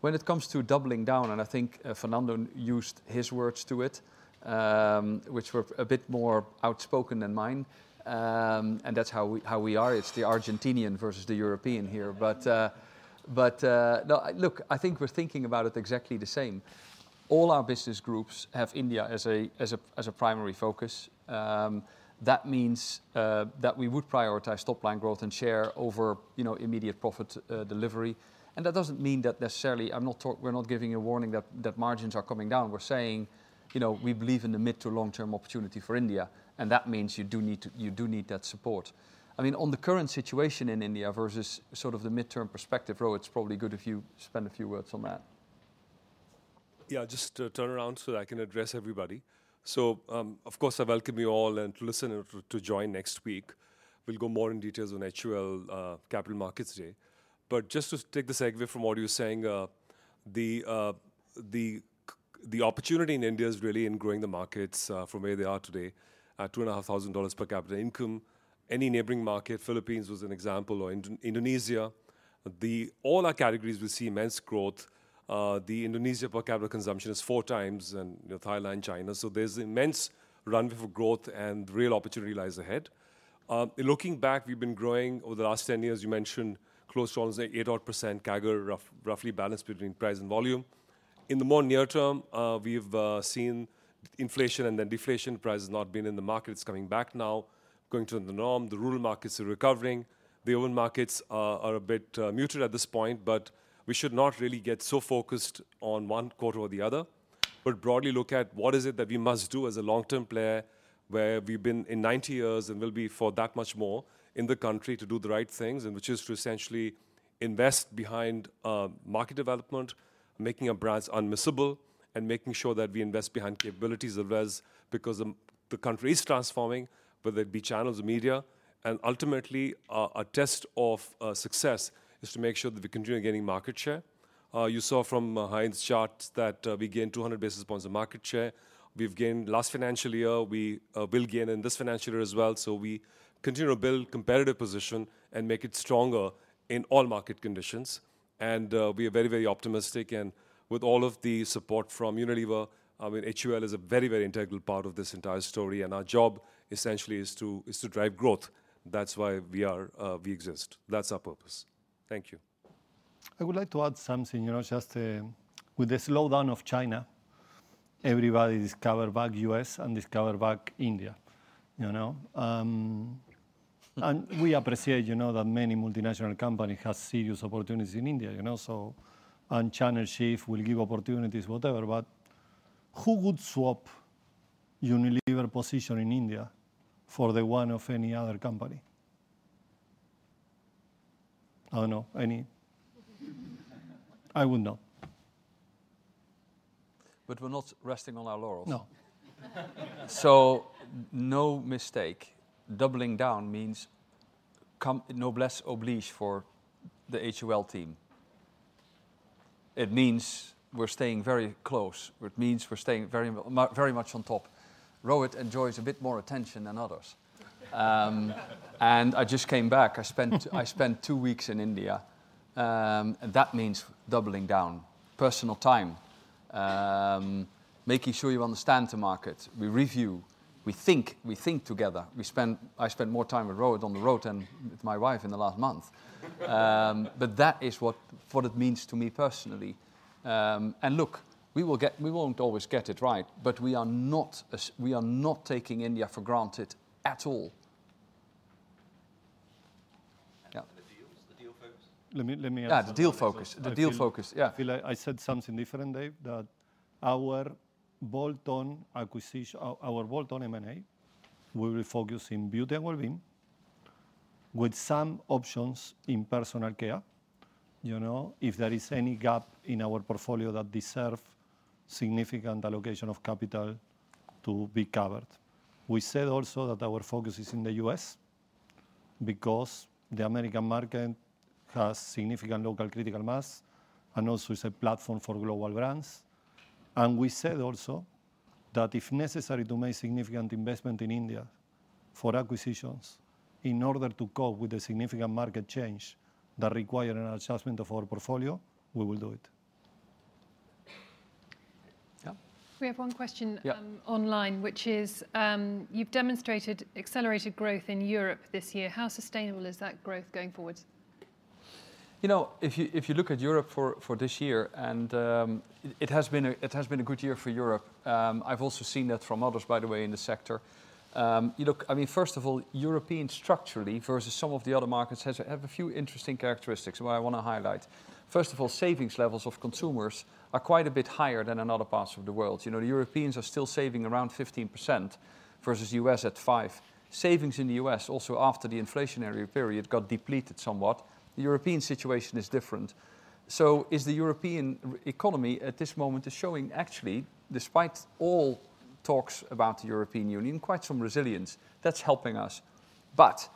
When it comes to doubling down, and I think Fernando used his words to it, which were a bit more outspoken than mine, and that's how we are. It's the Argentinian versus the European here. But look, I think we're thinking about it exactly the same. All our business groups have India as a primary focus. That means that we would prioritize top-line growth and share over, you know, immediate profit delivery. And that doesn't mean that necessarily I'm not, we're not giving a warning that margins are coming down. We're saying, you know, we believe in the mid to long-term opportunity for India. And that means you do need that support. I mean, on the current situation in India versus sort of the midterm perspective, Rohit, it's probably good if you spend a few words on that. Yeah, just to turn around so that I can address everybody. So of course I welcome you all and to listen and to join next week. We'll go more in details on HUL Capital Markets Day. But just to take the segue from what you're saying, the opportunity in India is really in growing the markets from where they are today at EUR 2,500 per capita income. Any neighboring market, Philippines was an example, or Indonesia, all our categories will see immense growth. The Indonesian per capita consumption is four times and Thailand, China. So there's an immense runway for growth and real opportunity lies ahead. Looking back, we've been growing over the last 10 years. You mentioned close to almost 8% CAGR, roughly balanced between price and volume. In the more near term, we've seen inflation and then deflation. Price has not been in the market. It's coming back now, going to the norm. The rural markets are recovering. The urban markets are a bit muted at this point, but we should not really get so focused on one quarter or the other, but broadly look at what is it that we must do as a long-term player where we've been in 90 years and will be for that much more in the country to do the right things, which is to essentially invest behind market development, making our brands unmissable, and making sure that we invest behind capabilities of us because the country is transforming, whether it be channels or media. Ultimately, a test of success is to make sure that we continue gaining market share. You saw from HUL chart that we gained 200 basis points of market share. We've gained last financial year. We will gain in this financial year as well. So we continue to build a competitive position and make it stronger in all market conditions. And we are very, very optimistic. And with all of the support from Unilever, I mean, HUL is a very, very integral part of this entire story. And our job essentially is to drive growth. That's why we exist. That's our purpose. Thank you. I would like to add something, you know, just with the slowdown of China, everybody discovered back US and discovered back India, you know. And we appreciate, you know, that many multinational companies have serious opportunities in India, you know. So, and channel shift will give opportunities, whatever. But who would swap Unilever's position in India for the one of any other company? I don't know. Any? I would not. But we're not resting on our laurels. No. So no mistake. Doubling down means no less obligation for the HUL team. It means we're staying very close. It means we're staying very much on top. Rohit enjoys a bit more attention than others and I just came back. I spent two weeks in India and that means doubling down, personal time, making sure you understand the market. We review, we think, we think together. I spent more time with Rohit on the road than with my wife in the last month but that is what it means to me personally and look, we won't always get it right, but we are not taking India for granted at all. Yeah. The deal focus? Let me ask that. Yeah, the deal focus. The deal focus, yeah. I feel like I said something different that our bolt-on acquisition, our bolt-on M&A, we will focus on Beauty & Wellbeing with some options in personal care, you know, if there is any gap in our portfolio that deserves significant allocation of capital to be covered. We said also that our focus is in the U.S. because the American market has significant local critical mass and also is a platform for global brands. We said also that if necessary to make significant investment in India for acquisitions in order to cope with the significant market change that requires an adjustment of our portfolio, we will do it. Yeah. We have one question online, which is, you've demonstrated accelerated growth in Europe this year. How sustainable is that growth going forward? You know, if you look at Europe for this year, and it has been a good year for Europe. I've also seen that from others, by the way, in the sector. You look, I mean, first of all, Europeans structurally versus some of the other markets have a few interesting characteristics that I want to highlight. First of all, savings levels of consumers are quite a bit higher than in other parts of the world. You know, the Europeans are still saving around 15% versus the U.S. at 5%. Savings in the U.S. also after the inflationary period got depleted somewhat. The European situation is different. So is the European economy at this moment showing actually, despite all talks about the European Union, quite some resilience? That's helping us. But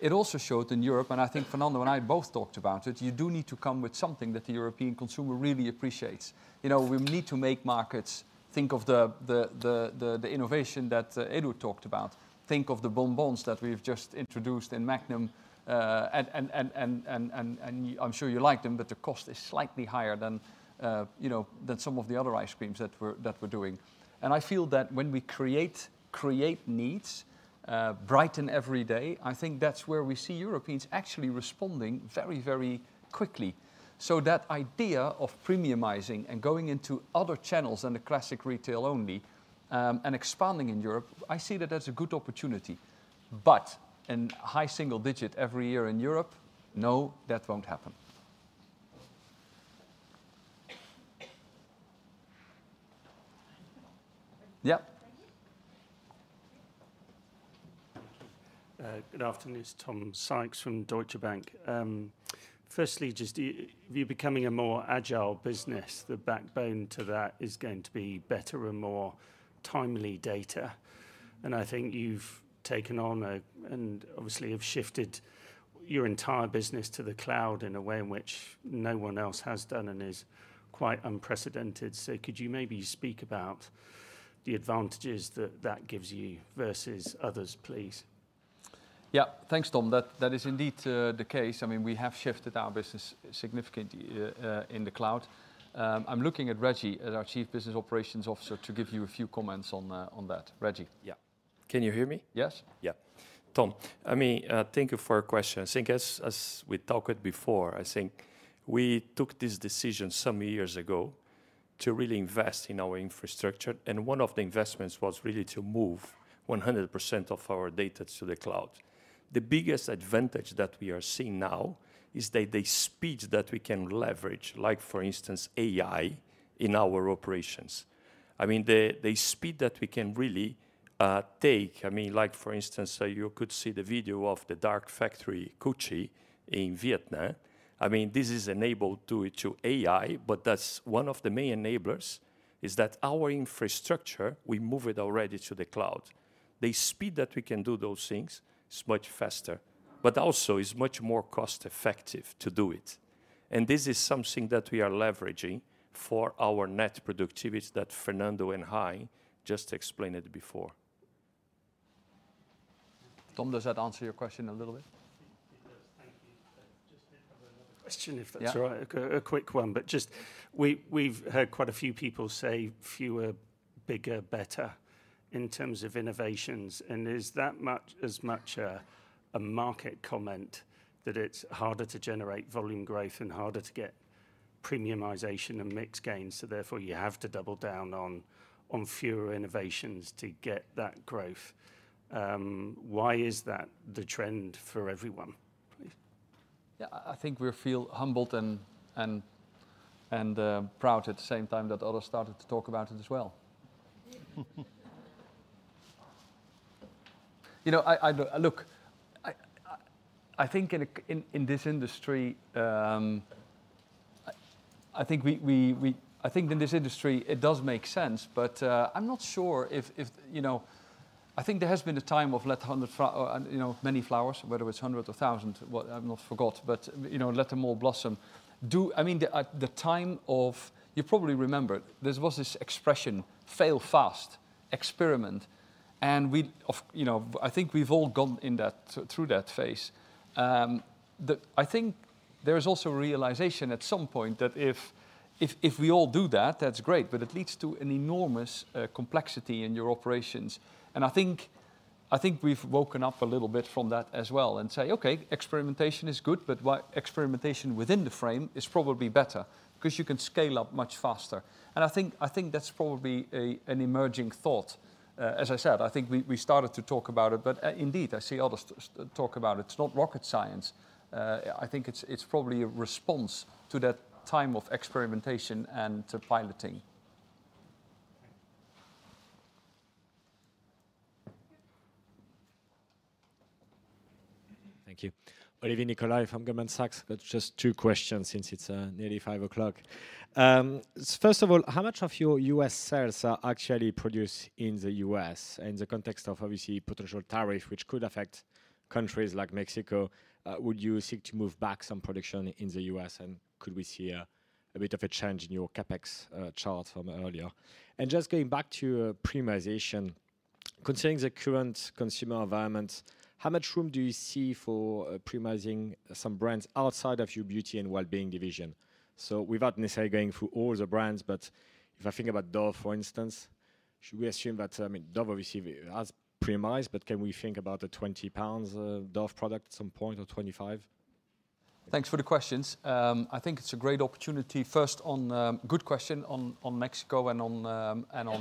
it also showed in Europe, and I think Fernando and I both talked about it, you do need to come with something that the European consumer really appreciates. You know, we need to make markets think of the innovation that Edu talked about, think of the Bon Bons that we've just introduced in Magnum. And I'm sure you like them, but the cost is slightly higher than, you know, than some of the other ice creams that we're doing. And I feel that when we create needs, brighten every day, I think that's where we see Europeans actually responding very, very quickly. So that idea of premiumizing and going into other channels than the classic retail only and expanding in Europe, I see that as a good opportunity. But a high single digit every year in Europe, no, that won't happen. Yeah. Good afternoon. It's Tom Sykes from Deutsche Bank. Firstly, just, we are becoming a more agile business. The backbone to that is going to be better and more timely data. And I think you've taken on and obviously have shifted your entire business to the cloud in a way in which no one else has done and is quite unprecedented. So could you maybe speak about the advantages that that gives you versus others, please? Yeah, thanks, Tom. That is indeed the case. I mean, we have shifted our business significantly in the cloud. I'm looking at Reggie, our Chief Business Operations Officer, to give you a few comments on that. Reggie. Yeah. Can you hear me? Yes. Yeah. Tom, I mean, thank you for your question. I think as we talked before, I think we took this decision some years ago to really invest in our infrastructure. And one of the investments was really to move 100% of our data to the cloud. The biggest advantage that we are seeing now is the speed that we can leverage, like for instance, AI in our operations. I mean, the speed that we can really take, I mean, like for instance, you could see the video of the dark factory Cu Chi in Vietnam. I mean, this is enabled to AI, but that's one of the main enablers is that our infrastructure, we move it already to the cloud. The speed that we can do those things is much faster, but also it's much more cost-effective to do it. And this is something that we are leveraging for our net productivity that Fernando and I just explained it before. Tom, does that answer your question a little bit? It does. Thank you. Just did have another question, if that's all right. A quick one, but just we've heard quite a few people say fewer, bigger, better in terms of innovations. And is that much as much a market comment that it's harder to generate volume growth and harder to get premiumization and mix gains? So therefore you have to double down on fewer innovations to get that growth. Why is that the trend for everyone? Yeah, I think we feel humbled and proud at the same time that others started to talk about it as well. You know, look, I think in this industry it does make sense, but I'm not sure if, you know, I think there has been a time of let 100, you know, many flowers, whether it's hundreds or thousands, I've not forgot, but, you know, let them all blossom. I mean, the time of, you probably remember, there was this expression, "fail fast, experiment," and we, you know, I think we've all gone through that phase. I think there is also a realization at some point that if we all do that, that's great, but it leads to an enormous complexity in your operations, and I think we've woken up a little bit from that as well and say, okay, experimentation is good, but experimentation within the frame is probably better because you can scale up much faster, and I think that's probably an emerging thought. As I said, I think we started to talk about it, but indeed I see others talk about it. It's not rocket science. I think it's probably a response to that time of experimentation and piloting. Thank you. Olivier Nicolai from Goldman Sachs. That's just two questions since it's nearly five o'clock. First of all, how much of your U.S. sales are actually produced in the U.S.? In the context of obviously potential tariffs, which could affect countries like Mexico, would you seek to move back some production in the U.S.? And could we see a bit of a change in your CapEx chart from earlier? And just going back to premiumization, considering the current consumer environment, how much room do you see for premiumizing some brands outside of your Beauty & Wellbeing division? So without necessarily going through all the brands, but if I think about Dove, for instance, should we assume that, I mean, Dove obviously has premiumized, but can we think about a 20 pounds Dove product at some point or 25? Thanks for the questions. I think it's a great opportunity. First, good question on Mexico and on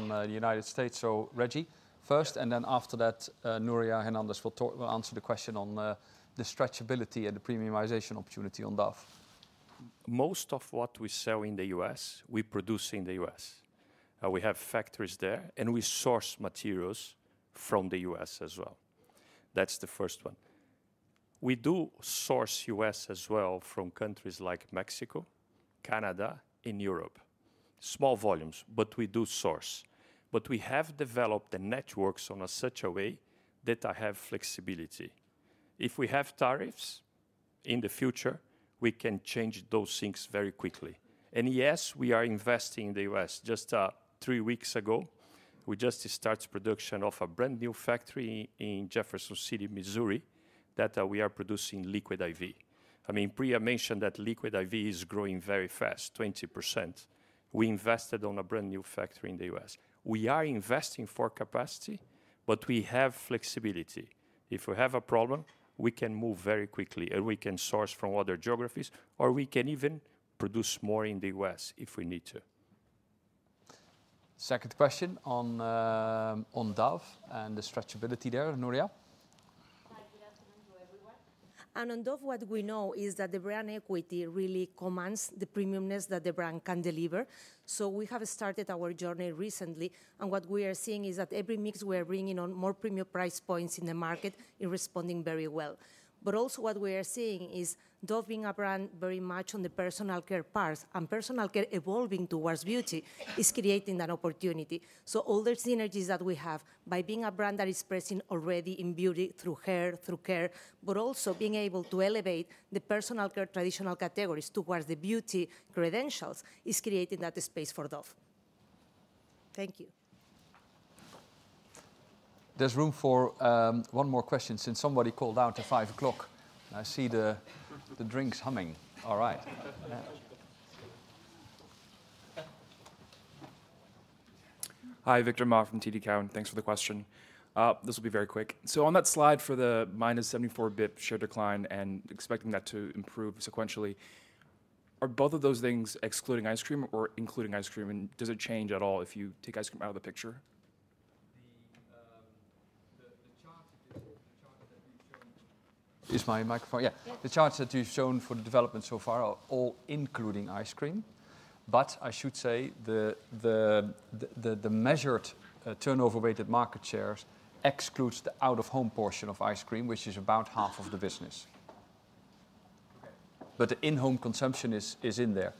the United States. Reggie first, and then after that, Nuria Hernández will answer the question on the stretchability and the premiumization opportunity on Dove. Most of what we sell in the US, we produce in the US. We have factories there, and we source materials from the US as well. That's the first one. We do source US as well from countries like Mexico, Canada, and Europe. Small volumes, but we do source. But we have developed the networks in such a way that I have flexibility. If we have tariffs in the future, we can change those things very quickly. And yes, we are investing in the US. Just three weeks ago, we just started production of a brand new factory in Jefferson City, Missouri, that we are producing Liquid I.V. I mean, Priya mentioned that Liquid I.V. is growing very fast, 20%. We invested in a brand new factory in the U.S. We are investing for capacity, but we have flexibility. If we have a problem, we can move very quickly, and we can source from other geographies, or we can even produce more in the U.S. if we need to. Second question on Dove and the stretchability there, Nuria. Hi, good afternoon to everyone. And on Dove, what we know is that the brand equity really commands the premiumness that the brand can deliver. So we have started our journey recently, and what we are seeing is that every mix we are bringing on more premium price points in the market is responding very well. But also what we are seeing is Dove being a brand very much on the personal care part, and personal care evolving towards beauty is creating that opportunity. All the synergies that we have by being a brand that is present already in beauty through hair, through care, but also being able to elevate the personal care traditional categories towards the beauty credentials is creating that space for Dove. Thank you. There's room for one more question since somebody called out at five o'clock. I see the drinks humming. All right. Hi, Victor Ma from TD Cowen. Thanks for the question. This will be very quick. So on that slide for the minus 74 basis points share decline and expecting that to improve sequentially, are both of those things excluding Ice Cream or including Ice Cream? And does it change at all if you take Ice Cream out of the picture? The charts that you've shown for the development so far are all including Ice Cream. But I should say the measured turnover-weighted market shares exclude the out-of-home portion of Ice Cream, which is about half of the business. But the in-home consumption is in there.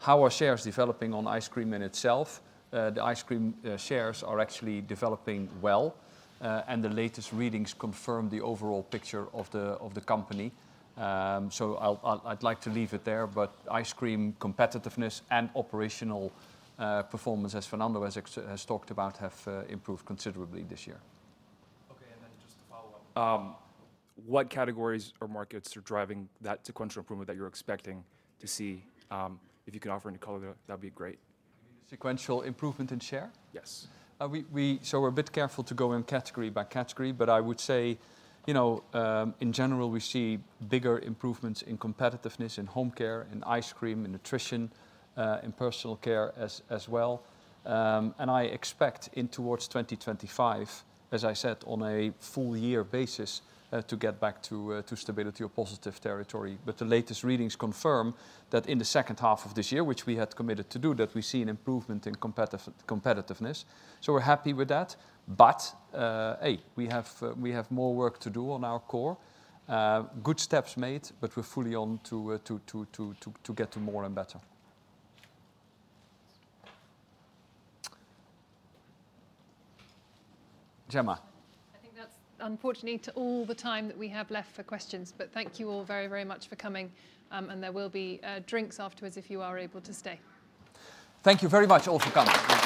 How are shares developing on Ice Cream in itself? The Ice Cream shares are actually developing well, and the latest readings confirm the overall picture of the company. So I'd like to leave it there, but Ice Cream competitiveness and operational performance, as Fernando has talked about, have improved considerably this year. Okay, and then just to follow up. What categories or markets are driving that sequential improvement that you're expecting to see? If you can offer any color, that'd be great. Sequential improvement in share? Yes. So we're a bit careful to go in category by category, but I would say, you know, in general, we see bigger improvements in competitiveness in Home Care, in Ice Cream, in Nutrition, in personal care as well. And I expect in towards 2025, as I said, on a full-year basis, to get back to stability or positive territory. But the latest readings confirm that in the second half of this year, which we had committed to do, that we see an improvement in competitiveness. So we're happy with that. But, hey, we have more work to do on our core. Good steps made, but we're fully on to get to more and better. Gemma. I think that's all the time that we have left for questions, but thank you all very, very much for coming. And there will be drinks afterwards if you are able to stay. Thank you very much all for coming.